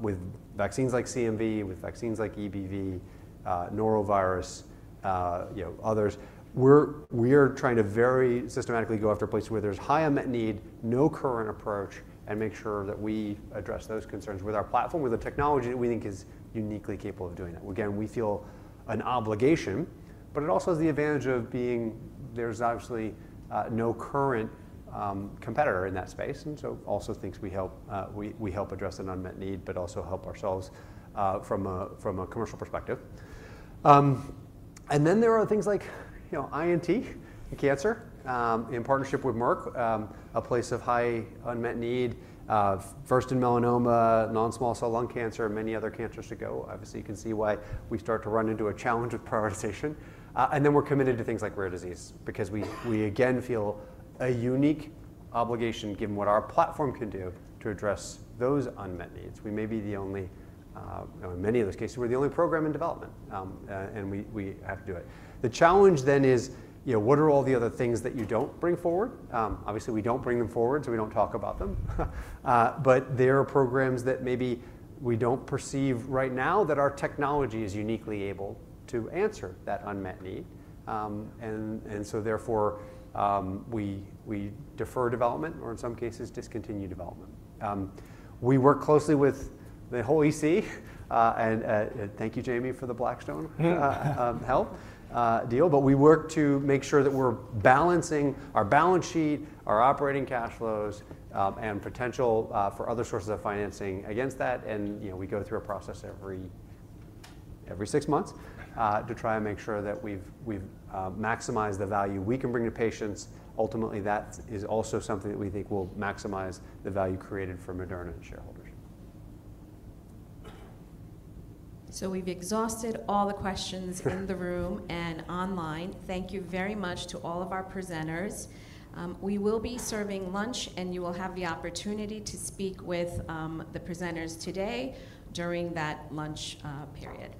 with vaccines like CMV, with vaccines like EBV, Norovirus, others, we are trying to very systematically go after places where there's high unmet need, no current approach, and make sure that we address those concerns with our platform, with the technology that we think is uniquely capable of doing that. Again, we feel an obligation. But it also has the advantage of being there's actually no current competitor in that space. And so also thinks we help address an unmet need but also help ourselves from a commercial perspective. There are things like INT, cancer, in partnership with Merck, a place of high unmet need, first in melanoma, non-small cell lung cancer, and many other cancers to go. Obviously, you can see why we start to run into a challenge with prioritization. We're committed to things like rare disease because we, again, feel a unique obligation given what our platform can do to address those unmet needs. We may be the only in many of those cases, we're the only program in development. And we have to do it. The challenge then is, what are all the other things that you don't bring forward? Obviously, we don't bring them forward. So we don't talk about them. But there are programs that maybe we don't perceive right now that our technology is uniquely able to answer that unmet need. And so therefore, we defer development or in some cases, discontinue development. We work closely with the whole EC. And thank you, James, for the Blackstone deal. But we work to make sure that we're balancing our balance sheet, our operating cash flows, and potential for other sources of financing against that. And we go through a process every six months to try and make sure that we've maximized the value we can bring to patients. Ultimately, that is also something that we think will maximize the value created for Moderna and shareholders. So we've exhausted all the questions in the room and online. Thank you very much to all of our presenters. We will be serving lunch. And you will have the opportunity to speak with the presenters today during that lunch period.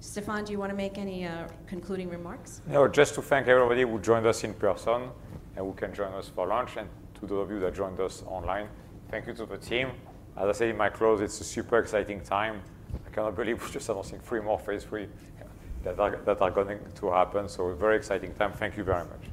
Stéphane, do you want to make any concluding remarks? No, just to thank everybody who joined us in person. And who can join us for lunch. And to those of you that joined us online, thank you to the team. As I said in my close, it's a super exciting time. I cannot believe we're just announcing three more phase III that are going to happen. So a very exciting time. Thank you very much.